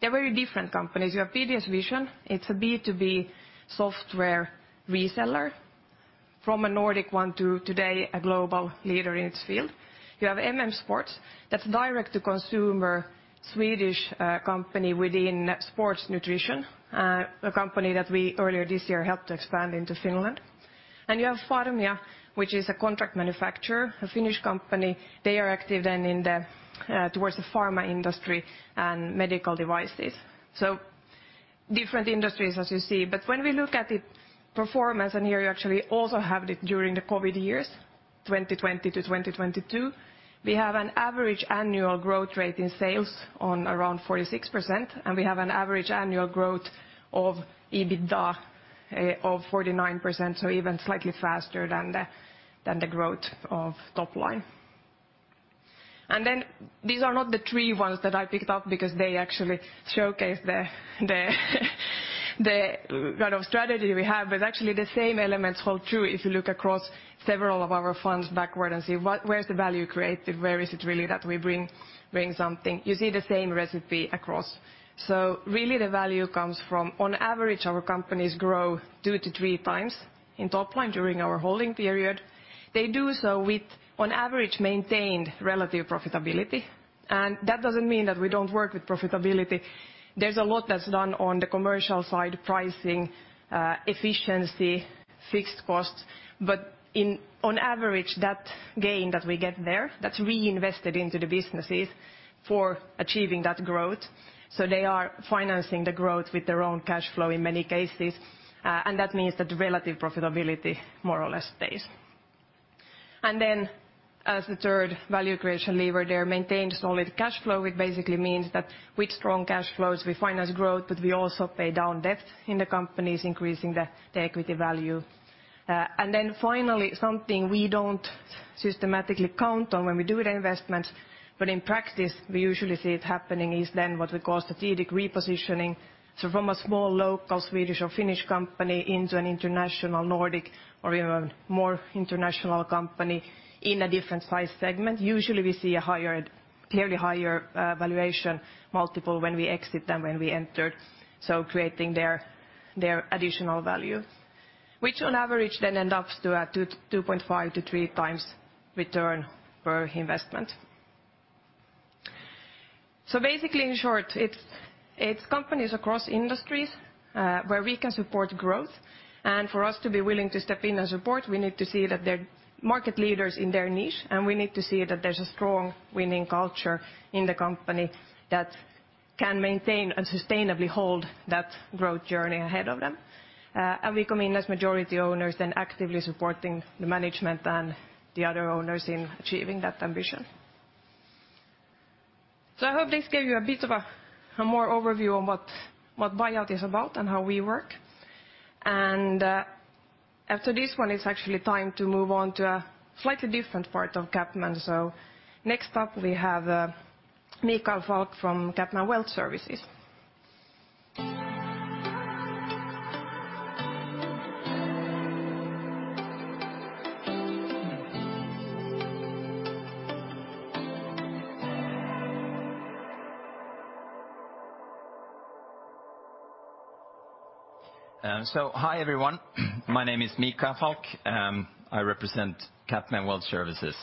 K: They're very different companies. You have BDS Vision. It's a B2B software reseller from a Nordic origin to today a global leader in its field. You have MM Sports. That's direct-to-consumer Swedish company within sports nutrition, a company that we earlier this year helped expand into Finland. You have Pharmia, which is a contract manufacturer, a Finnish company. They are active then in the towards the pharma industry and medical devices. Different industries as you see. When we look at the performance, and here you actually also have it during the COVID years, 2020-2022, we have an average annual growth rate in sales of around 46%, and we have an average annual growth of EBITDA of 49%, so even slightly faster than the growth of top line. These are not the three ones that I picked up because they actually showcase the kind of strategy we have, but actually the same elements hold true if you look across several of our funds backward and see where's the value created, where is it really that we bring something. You see the same recipe across. Really the value comes from, on average, our companies grow 2x-3x in top line during our holding period. They do so with, on average, maintained relative profitability. That doesn't mean that we don't work with profitability. There's a lot that's done on the commercial side, pricing, efficiency, fixed costs. On average, that gain that we get there, that's reinvested into the businesses for achieving that growth. They are financing the growth with their own cash flow in many cases, and that means that the relative profitability more or less stays. Then as the third value creation lever, they maintain solid cash flow, which basically means that with strong cash flows, we finance growth, but we also pay down debt in the companies, increasing the equity value. Then finally, something we don't systematically count on when we do the investment, but in practice, we usually see it happening, is then what we call strategic repositioning. From a small local Swedish or Finnish company into an international Nordic or even more international company in a different size segment. Usually, we see a higher, clearly higher, valuation multiple when we exit than when we entered, so creating their additional value, which on average then adds up to a 2.5x-3x return on investment. Basically, in short, it's companies across industries, where we can support growth. For us to be willing to step in and support, we need to see that they're market leaders in their niche, and we need to see that there's a strong winning culture in the company that can maintain and sustainably hold that growth journey ahead of them. We come in as majority owners then actively supporting the management and the other owners in achieving that ambition. I hope this gave you a bit of a more overview on what Buyout is about and how we work. After this one, it's actually time to move on to a slightly different part of CapMan. Next up, we have Mikael Falck from CapMan Wealth Services.
L: Hi, everyone. My name is Mikael Falck. I represent CapMan Wealth Services.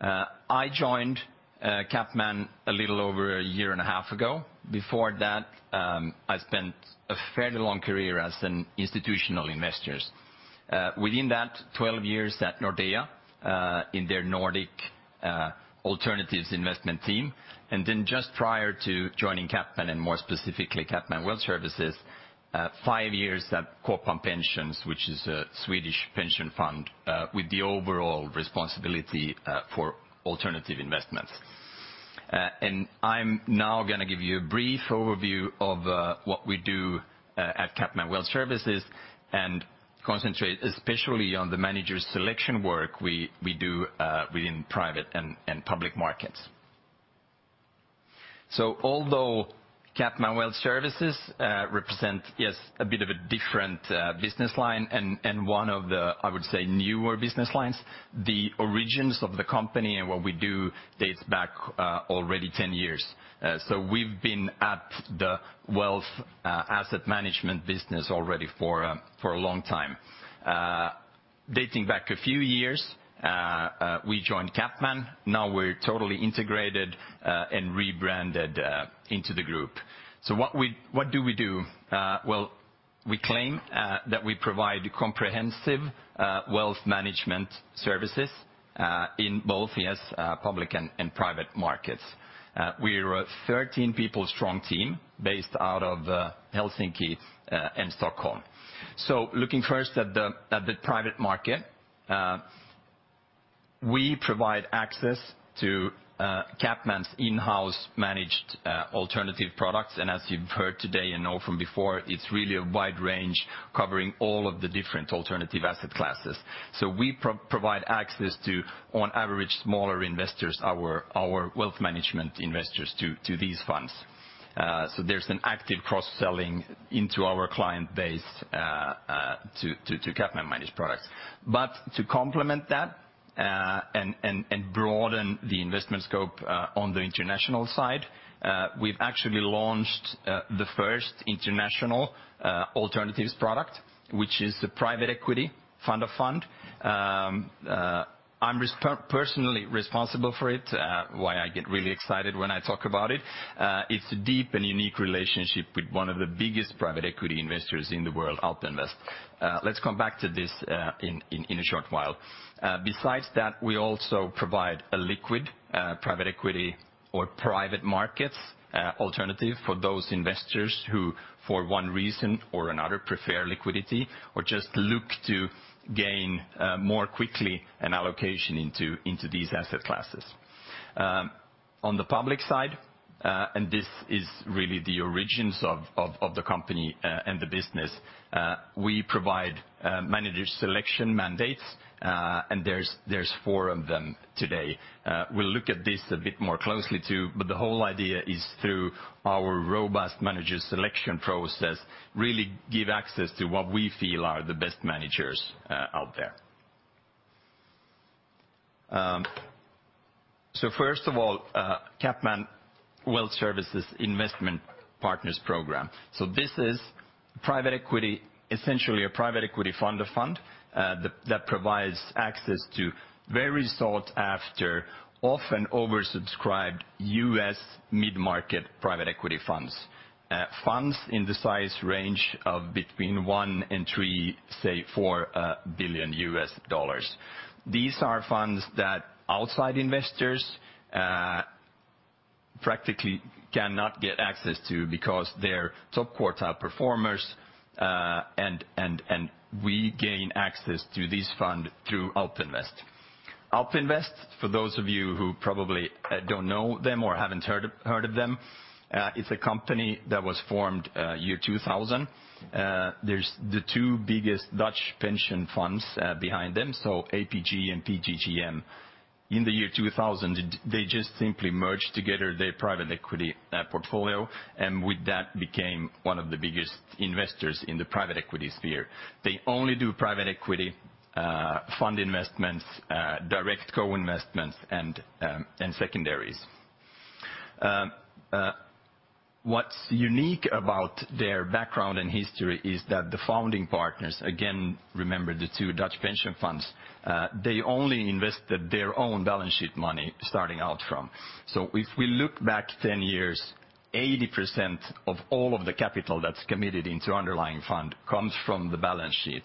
L: I joined CapMan a little over a year and a half ago. Before that, I spent a fairly long career as an institutional investors. Within that, 12 years at Nordea, in their Nordic alternatives investment team. Then just prior to joining CapMan and more specifically CapMan Wealth Services, five years at Kåpan Pensioner, which is a Swedish pension fund, with the overall responsibility for alternative investments. I'm now gonna give you a brief overview of what we do at CapMan Wealth Services, and concentrate especially on the managers selection work we do within private and public markets. Although CapMan Wealth Services represent yes a bit of a different business line and one of the I would say newer business lines the origins of the company and what we do dates back already 10 years. We've been at the wealth asset management business already for a long time. Dating back a few years we joined CapMan. Now we're totally integrated and rebranded into the group. What do we do? Well we claim that we provide comprehensive wealth management services in both yes public and private markets. We're a 13 people strong team based out of Helsinki and Stockholm. Looking first at the private market, we provide access to CapMan's in-house managed alternative products and as you've heard today and know from before, it's really a wide range covering all of the different alternative asset classes. We provide access to, on average, smaller investors, our wealth management investors to these funds. There's an active cross-selling into our client base to CapMan managed products. But to complement that and broaden the investment scope on the international side, we've actually launched the first international alternatives product, which is the private equity fund of funds. I'm personally responsible for it, which is why I get really excited when I talk about it. It's a deep and unique relationship with one of the biggest private equity investors in the world, AlpInvest. Let's come back to this in a short while. Besides that, we also provide a liquid private equity or private markets alternative for those investors who, for one reason or another, prefer liquidity or just look to gain more quickly an allocation into these asset classes. On the public side, this is really the origins of the company and the business. We provide manager selection mandates, and there's four of them today. We'll look at this a bit more closely too, but the whole idea is through our robust manager selection process, really give access to what we feel are the best managers out there. First of all, CapMan Wealth Services investment partners program. This is private equity, essentially a private equity fund of fund that provides access to very sought after, often oversubscribed U.S. mid-market private equity funds. Funds in the size range of between $1 billion and $3 billion, say $4 billion. These are funds that outside investors practically cannot get access to because they're top quartile performers and we gain access to this fund through AlpInvest. AlpInvest, for those of you who probably don't know them or haven't heard of them, it is a company that was formed year 2000. There is the two biggest Dutch pension funds behind them, so APG and PGGM. In the year 2000, they just simply merged together their private equity portfolio and with that became one of the biggest investors in the private equity sphere. They only do private equity fund investments, direct co-investments and secondaries. What's unique about their background and history is that the founding partners, again, remember the two Dutch pension funds, they only invested their own balance sheet money starting out from. If we look back 10 years, 80% of all of the capital that's committed into underlying fund comes from the balance sheet.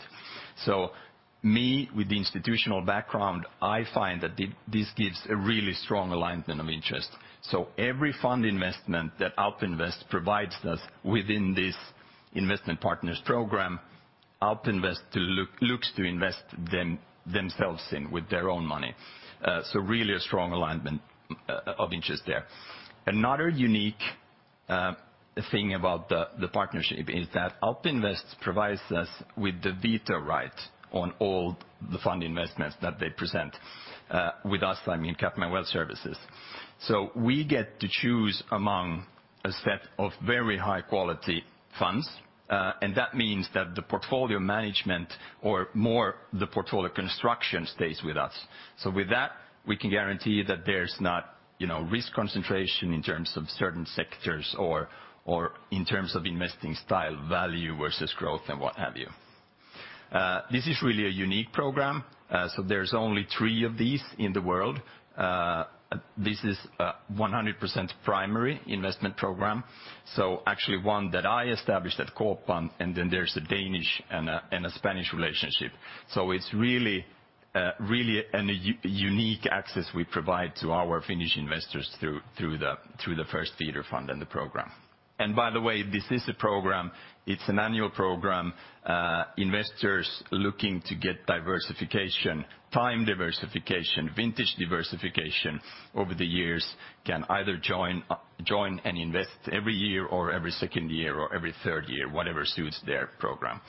L: Me, with the institutional background, I find that this gives a really strong alignment of interest. Every fund investment that AlpInvest provides us within this investment partners program, AlpInvest looks to invest themselves in with their own money. Really a strong alignment of interest there. Another unique thing about the partnership is that AlpInvest provides us with the veto right on all the fund investments that they present with us, I mean, CapMan Wealth Services. We get to choose among a set of very high quality funds, and that means that the portfolio management or more the portfolio construction stays with us. With that, we can guarantee that there's not, you know, risk concentration in terms of certain sectors or in terms of investing style, value versus growth and what have you. This is really a unique program. There's only three of these in the world. This is a 100% primary investment program. Actually one that I established at Kåpan, and then there's a Danish and a Spanish relationship. It's really unique access we provide to our Finnish investors through the first feeder fund and the program. By the way, this is a program, it's an annual program. Investors looking to get diversification, time diversification, vintage diversification over the years can either join and invest every year or every second year or every third year, whatever suits their program.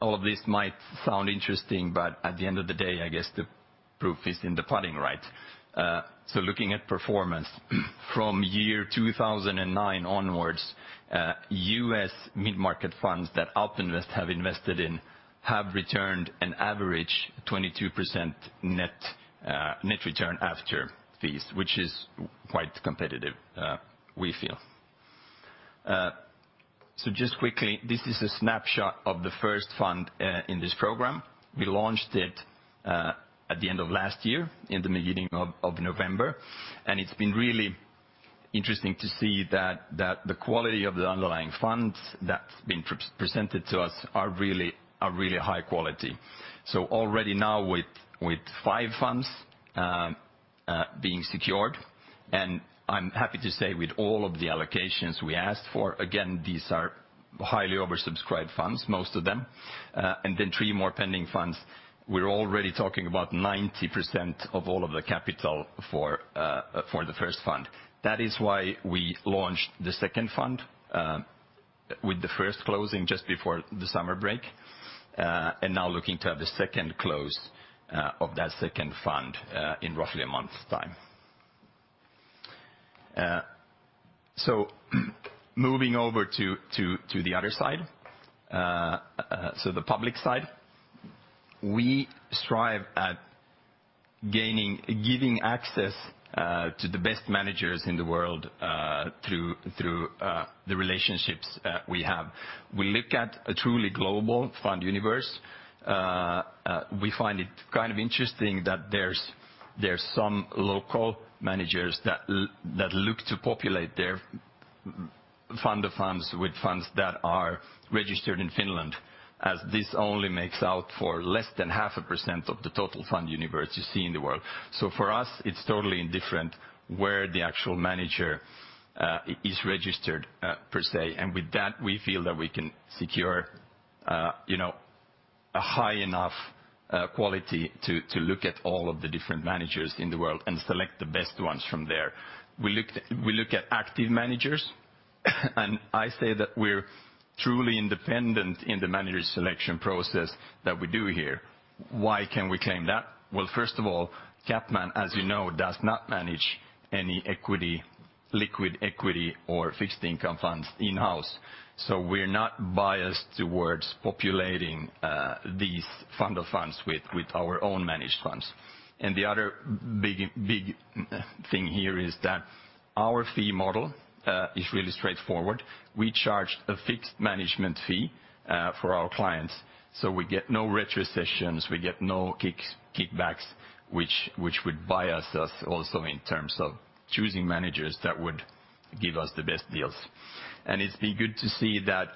L: All of this might sound interesting, but at the end of the day, I guess the proof is in the pudding, right? Looking at performance from year 2009 onwards, U.S. mid-market funds that AlpInvest have invested in have returned an average 22% net return after fees, which is quite competitive, we feel. Just quickly, this is a snapshot of the first fund in this program. We launched it at the end of last year, in the beginning of November. It's been really interesting to see that the quality of the underlying funds that's been presented to us are really high quality. Already now with five funds being secured, and I'm happy to say with all of the allocations we asked for, again, these are highly oversubscribed funds, most of them, and then three more pending funds, we're already talking about 90% of all of the capital for the first fund. That is why we launched the second fund, with the first closing just before the summer break, and now looking to have the second close of that second fund in roughly a month's time. Moving over to the other side, the public side. We strive at giving access to the best managers in the world through the relationships we have. We look at a truly global fund universe. We find it kind of interesting that there's some local managers that look to populate their fund of funds with funds that are registered in Finland, as this only makes out for less than 0.5% of the total fund universe you see in the world. For us, it's totally indifferent where the actual manager is registered per se. And with that, we feel that we can secure you know a high enough quality to look at all of the different managers in the world and select the best ones from there. We look at active managers, and I say that we're truly independent in the manager selection process that we do here. Why can we claim that? Well, first of all, CapMan, as you know, does not manage any equity, liquid equity or fixed income funds in-house. We're not biased towards populating these fund of funds with our own managed funds. And the other big thing here is that our fee model is really straightforward. We charge a fixed management fee, for our clients, so we get no retrocessions, we get no kickbacks, which would bias us also in terms of choosing managers that would give us the best deals. It's been good to see that,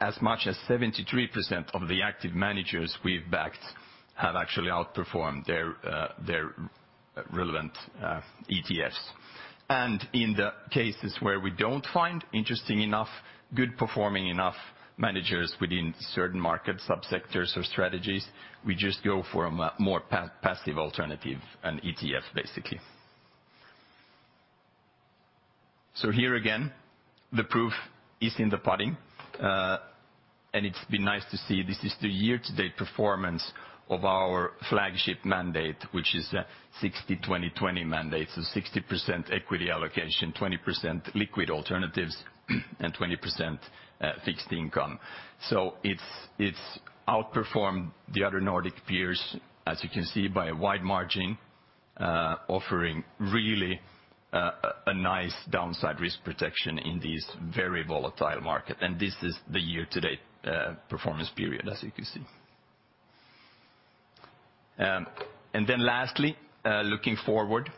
L: as much as 73% of the active managers we've backed have actually outperformed their relevant ETFs. In the cases where we don't find interesting enough, good performing enough managers within certain market subsectors or strategies, we just go for a more passive alternative, an ETF, basically. Here again, the proof is in the pudding. It's been nice to see this is the year-to-date performance of our flagship mandate, which is a 60/20/20 mandate. 60% equity allocation, 20% liquid alternatives, and 20% fixed income. It's outperformed the other Nordic peers, as you can see, by a wide margin, offering really a nice downside risk protection in this very volatile market. This is the year-to-date performance period, as you can see. Lastly, looking forward,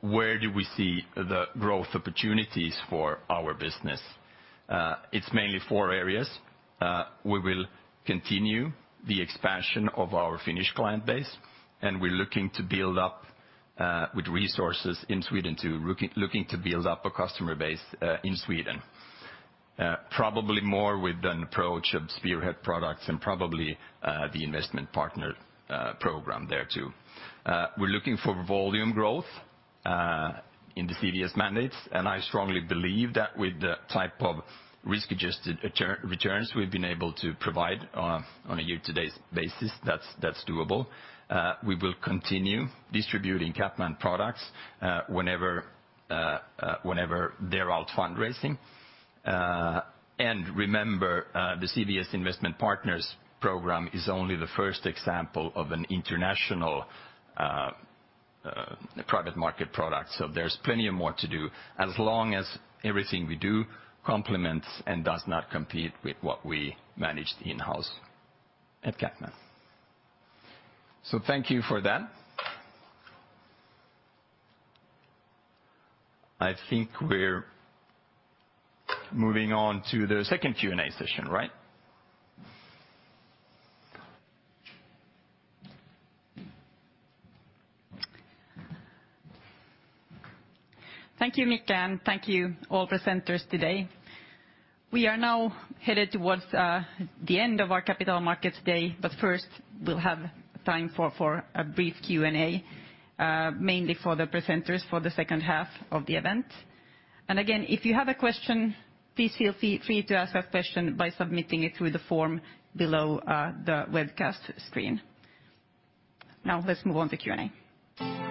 L: where do we see the growth opportunities for our business? It's mainly four areas. We will continue the expansion of our Finnish client base, and we're looking to build up with resources in Sweden too, looking to build up a customer base in Sweden. Probably more with an approach of spearhead products and probably the investment partners program there too. We're looking for volume growth in the CWS mandates. I strongly believe that with the type of risk-adjusted returns we've been able to provide on a year-to-date basis, that's doable. We will continue distributing CapMan products whenever they're out fundraising. Remember, the CWS Investment Partners program is only the first example of an international The private market product. There's plenty more to do as long as everything we do complements and does not compete with what we manage in-house at CapMan. Thank you for that. I think we're moving on to the second Q&A session, right?
A: Thank you, Mika, and thank you all presenters today. We are now headed towards the end of our capital markets day, but first we'll have time for a brief Q&A, mainly for the presenters for the second half of the event. Again, if you have a question, please feel free to ask that question by submitting it through the form below the webcast screen. Now let's move on to Q&A.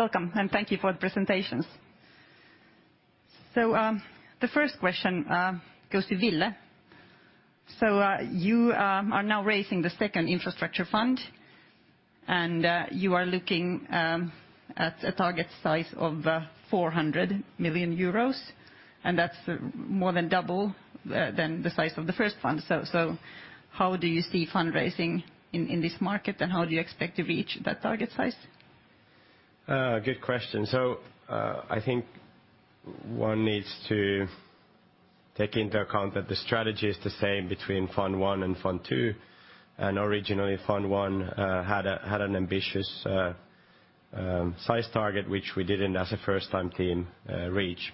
A: Welcome, and thank you for the presentations. The first question goes to Ville. You are now raising the second infrastructure fund, and you are looking at a target size of 400 million euros, and that's more than double than the size of the first fund. How do you see fundraising in this market, and how do you expect to reach that target size?
I: Good question. I think one needs to take into account that the strategy is the same between Fund I and Fund II. Originally, Fund I had an ambitious size target, which we didn't as a first-time team reach.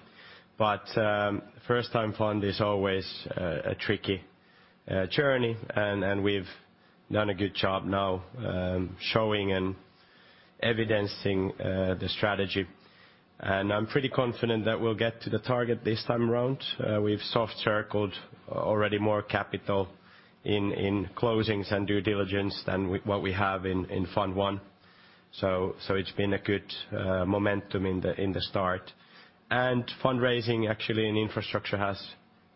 I: First-time fund is always a tricky journey, and we've done a good job now showing and evidencing the strategy. I'm pretty confident that we'll get to the target this time around. We've soft circled already more capital in closings and due diligence than what we have in Fund I. It's been a good momentum in the start. Fundraising actually in infrastructure has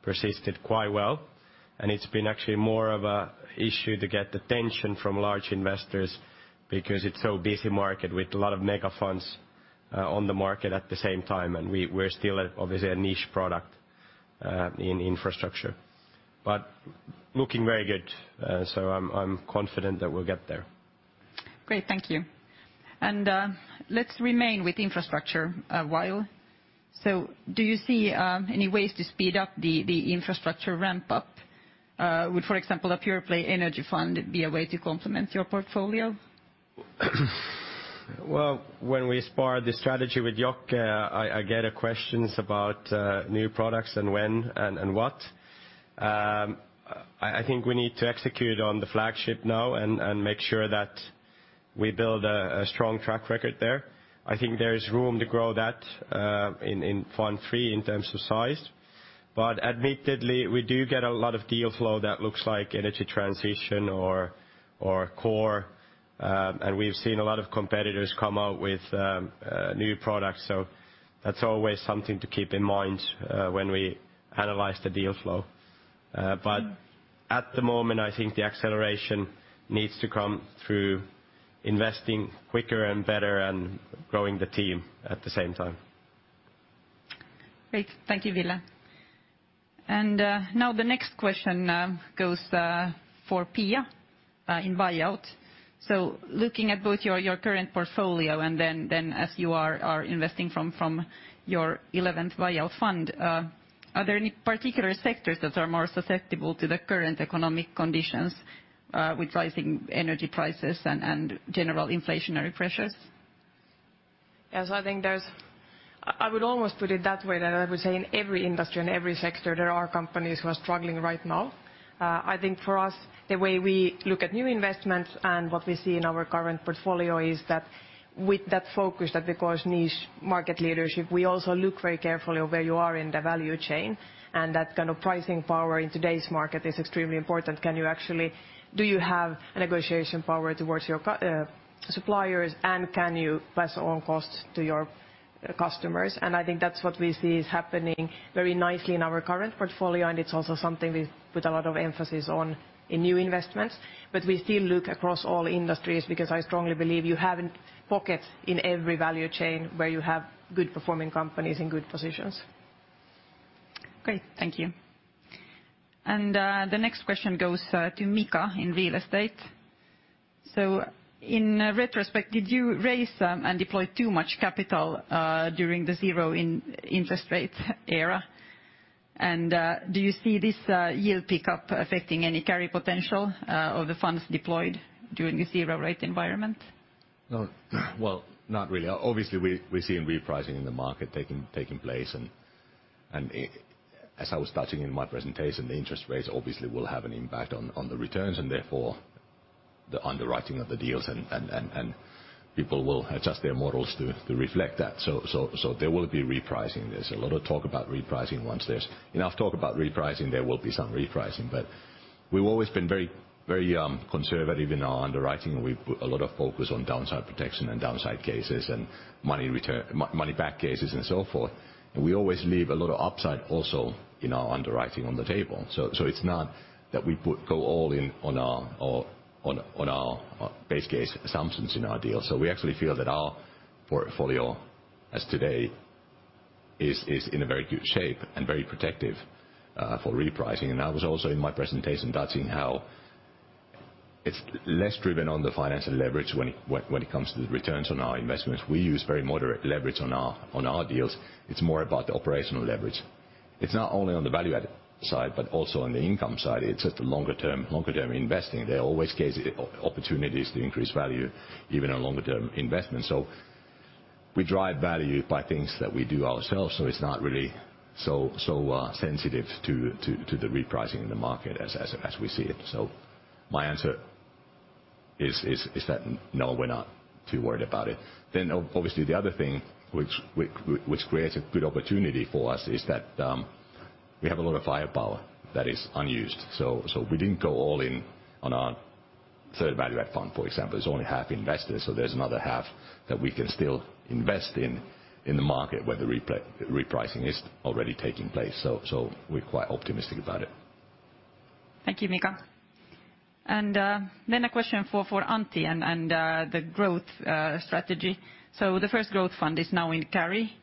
I: persisted quite well, and it's been actually more of an issue to get attention from large investors because it's such a busy market with a lot of mega funds on the market at the same time, and we're still obviously a niche product in infrastructure. Looking very good, so I'm confident that we'll get there.
A: Great. Thank you. Let's remain with infrastructure a while. Do you see any ways to speed up the infrastructure ramp up? Would, for example, a pure play energy fund be a way to complement your portfolio?
I: Well, when we spar the strategy with Jokke, I get questions about new products and when and what. I think we need to execute on the flagship now and make sure that we build a strong track record there. I think there is room to grow that in fund three in terms of size. Admittedly, we do get a lot of deal flow that looks like energy transition or core and we've seen a lot of competitors come out with new products. That's always something to keep in mind when we analyze the deal flow. At the moment, I think the acceleration needs to come through investing quicker and better and growing the team at the same time.
A: Great. Thank you, Ville. Now the next question goes for Pia in Buyout. Looking at both your current portfolio and then as you are investing from your 11th Buyout fund, are there any particular sectors that are more susceptible to the current economic conditions with rising energy prices and general inflationary pressures?
K: Yes, I think I would almost put it that way, that I would say in every industry and every sector, there are companies who are struggling right now. I think for us, the way we look at new investments and what we see in our current portfolio is that with that focus on niche market leadership, we also look very carefully on where you are in the value chain. That kind of pricing power in today's market is extremely important. Do you have a negotiation power towards your suppliers, and can you pass on costs to your customers? I think that's what we see is happening very nicely in our current portfolio, and it's also something we put a lot of emphasis on in new investments. We still look across all industries because I strongly believe you have pockets in every value chain where you have good performing companies in good positions.
A: Great. Thank you. The next question goes to Mika in Real Estate. In retrospect, did you raise and deploy too much capital during the zero interest-rate era? Do you see this yield pickup affecting any carry potential of the funds deployed during the zero rate environment?
H: No. Well, not really. Obviously, we're seeing repricing in the market taking place, and as I was touching in my presentation, the interest rates obviously will have an impact on the returns and therefore the underwriting of the deals and, People will adjust their models to reflect that. There will be repricing. There's a lot of talk about repricing. Once there's enough talk about repricing, there will be some repricing. We've always been very conservative in our underwriting, and we put a lot of focus on downside protection and downside cases and money back cases and so forth. We always leave a lot of upside also in our underwriting on the table. It's not that we go all in on our base case assumptions in our deals. We actually feel that our portfolio as today is in a very good shape and very protective for repricing. That was also in my presentation, that's in how it's less driven on the financial leverage when it comes to the returns on our investments. We use very moderate leverage on our deals. It's more about the operational leverage. It's not only on the value-add side, but also on the income side. It's just a longer-term investing. There are always opportunities to increase value even on longer-term investments. We drive value by things that we do ourselves, so it's not really so sensitive to the repricing in the market as we see it. My answer is that, no, we're not too worried about it. Obviously the other thing which creates a good opportunity for us is that we have a lot of firepower that is unused. We didn't go all in on our third value-add fund, for example. There's only half invested, so there's another half that we can still invest in the market where the repricing is already taking place. We're quite optimistic about it.
A: Thank you, Mika. Then a question for Antti and the growth strategy. The first growth fund is now in carry,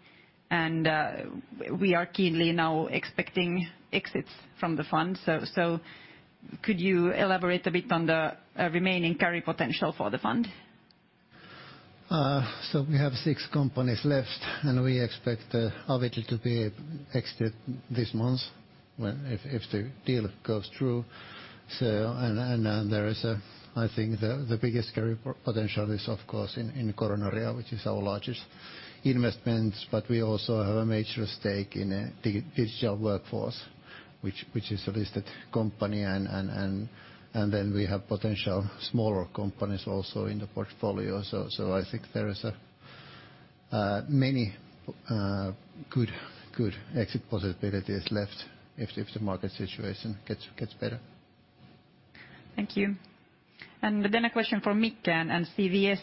A: and we are keenly now expecting exits from the fund. Could you elaborate a bit on the remaining carry potential for the fund?
J: We have six companies left, and we expect Avidly to be exited this month if the deal goes through. I think the biggest carry potential is of course in Coronaria, which is our largest investment. But we also have a major stake in Digital Workforce, which is a listed company and then we have potential smaller companies also in the portfolio. I think there is many good exit possibilities left if the market situation gets better.
A: Thank you. A question for Mikael and CWS.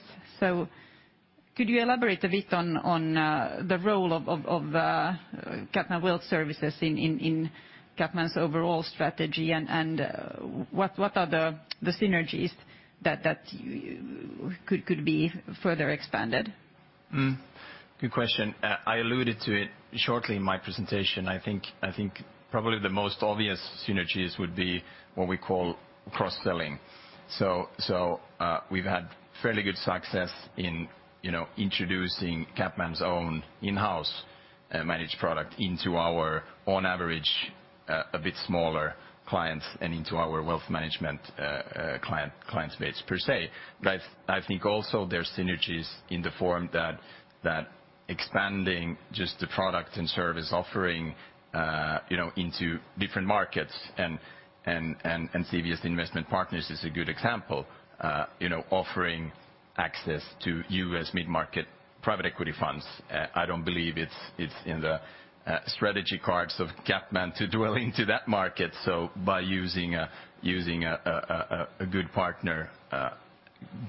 A: Could you elaborate a bit on the role of CapMan Wealth Services in CapMan's overall strategy? What are the synergies that could be further expanded?
L: Good question. I alluded to it shortly in my presentation. I think probably the most obvious synergies would be what we call cross-selling. So, we've had fairly good success in, you know, introducing CapMan's own in-house managed product into our, on average, a bit smaller clients and into our wealth management client base per se. But I think also there are synergies in the form that expanding just the product and service offering, you know, into different markets and CWS Investment Partners is a good example, you know, offering access to U.S. mid-market private equity funds. I don't believe it's in the cards of CapMan to delve into that market so by using a good partner,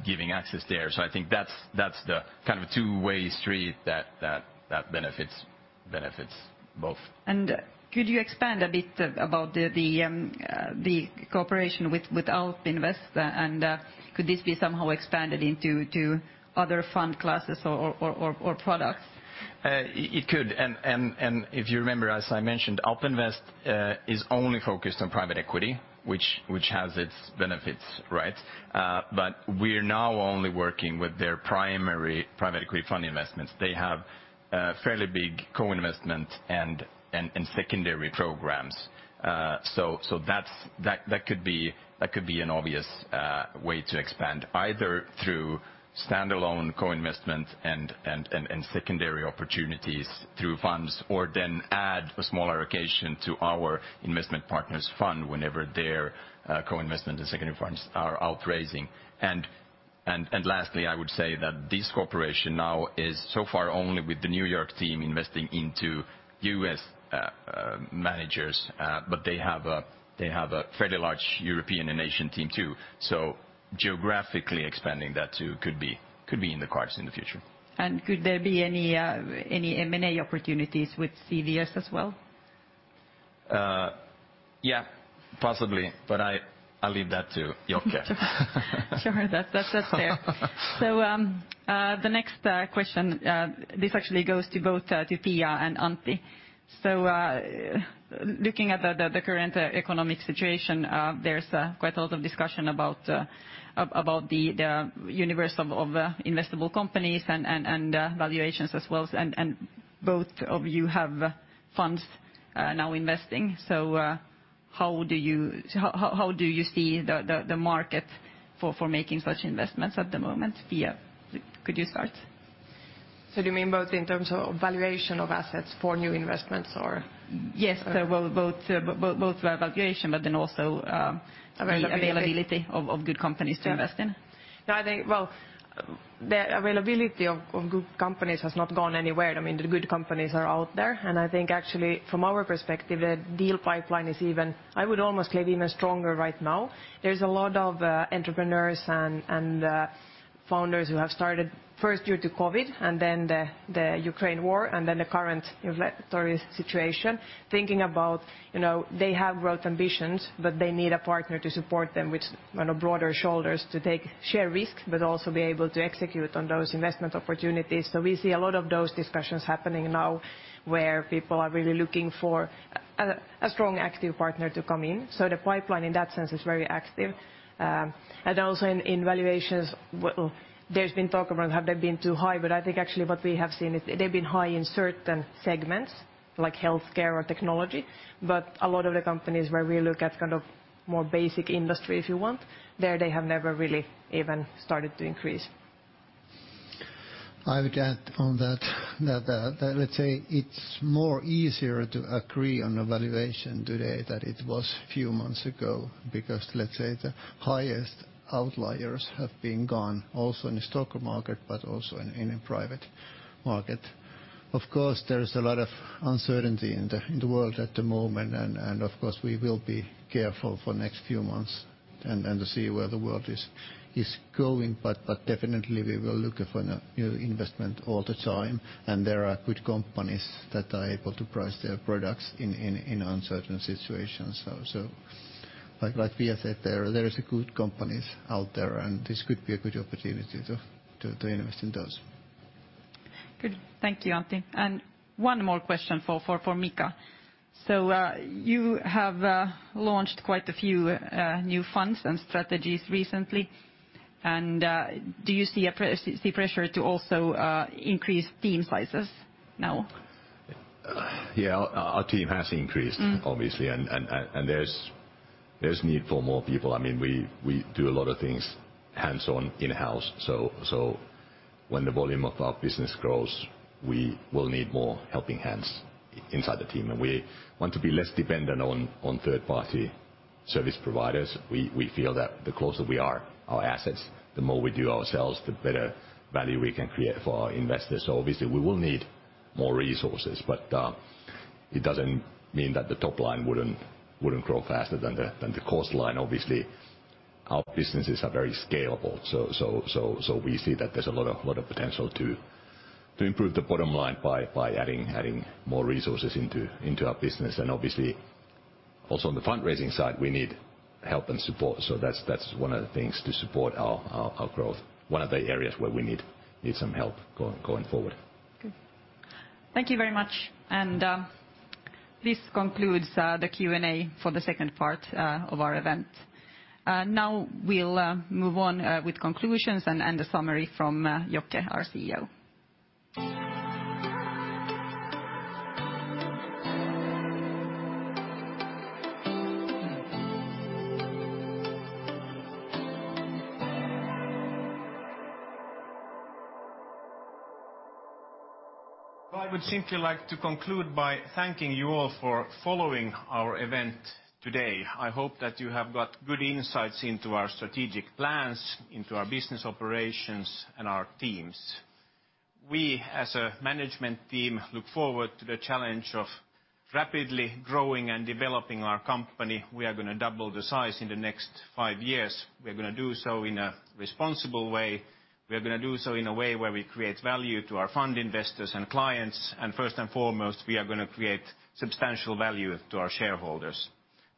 L: giving access there. I think that's the kind of a two-way street that benefits both.
A: Could you expand a bit about the cooperation with AlpInvest? Could this be somehow expanded into other fund classes or products?
L: It could. If you remember, as I mentioned, AlpInvest is only focused on private equity, which has its benefits, right? But we're now only working with their primary private equity fund investments. They have fairly big co-investment and secondary programs. That could be an obvious way to expand either through standalone co-investment and secondary opportunities through funds, or then add a small allocation to our investment partners fund whenever their co-investment and secondary funds are raising. Lastly, I would say that this cooperation now is so far only with the New York team investing into U.S. managers. But they have a fairly large European and Asian team too. Geographically expanding that too could be in the cards in the future.
A: Could there be any M&A opportunities with CWS as well?
L: Yeah, possibly, but I’ll leave that to Jokke.
A: Sure. That's fair. The next question, this actually goes to both, to Pia and Antti. Looking at the current economic situation, there's quite a lot of discussion about the universe of investable companies and valuations as well. Both of you have funds now investing, so how do you see the market for making such investments at the moment? Pia, could you start?
K: Do you mean both in terms of valuation of assets for new investments or-
A: Yes. Well, both the valuation, but then also.
K: Availability
A: The availability of good companies to invest in.
K: No, I think, well, the availability of good companies has not gone anywhere. I mean, the good companies are out there, and I think actually from our perspective, the deal pipeline is even I would almost say even stronger right now. There's a lot of entrepreneurs and founders who have started first due to COVID, and then the Ukraine war, and then the current inflationary situation, thinking about, you know, they have growth ambitions, but they need a partner to support them with kind of broader shoulders to take share risks, but also be able to execute on those investment opportunities. We see a lot of those discussions happening now, where people are really looking for a strong active partner to come in. The pipeline in that sense is very active. Also in valuations, there's been talk around have they been too high? I think actually what we have seen is they've been high in certain segments, like healthcare or technology. A lot of the companies where we look at kind of more basic industry, if you want, there they have never really even started to increase.
J: I would add on that, let's say it's more easier to agree on a valuation today than it was few months ago, because, let's say the highest outliers have been gone also in the stock market, but also in the private market. Of course, there is a lot of uncertainty in the world at the moment, and of course we will be careful for next few months and to see where the world is going. Definitely we will look for a new investment all the time, and there are good companies that are able to price their products in uncertain situations. Like Pia said, there is good companies out there, and this could be a good opportunity to invest in those.
A: Good. Thank you, Antti. One more question for Mika. You have launched quite a few new funds and strategies recently. Do you see pressure to also increase team sizes now?
H: Yeah. Our team has increased-
A: Mm.
H: Obviously, there's need for more people. I mean, we do a lot of things hands-on in-house. When the volume of our business grows, we will need more helping hands inside the team. We want to be less dependent on third party service providers. We feel that the closer we are to our assets, the more we do ourselves, the better value we can create for our investors. Obviously we will need more resources, but it doesn't mean that the top line wouldn't grow faster than the cost line. Our businesses are very scalable, so we see that there's a lot of potential to improve the bottom line by adding more resources into our business. Obviously, also on the fundraising side, we need help and support. That's one of the things to support our growth, one of the areas where we need some help going forward.
A: Good. Thank you very much. This concludes the Q&A for the second part of our event. Now we'll move on with conclusions and a summary from Jokke, our CEO.
C: I would simply like to conclude by thanking you all for following our event today. I hope that you have got good insights into our strategic plans, into our business operations and our teams. We, as a management team, look forward to the challenge of rapidly growing and developing our company. We are gonna double the size in the next five years. We're gonna do so in a responsible way. We are gonna do so in a way where we create value to our fund investors and clients, and first and foremost, we are gonna create substantial value to our shareholders.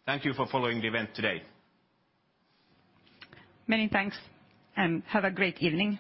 C: Thank you for following the event today.
A: Many thanks, and have a great evening.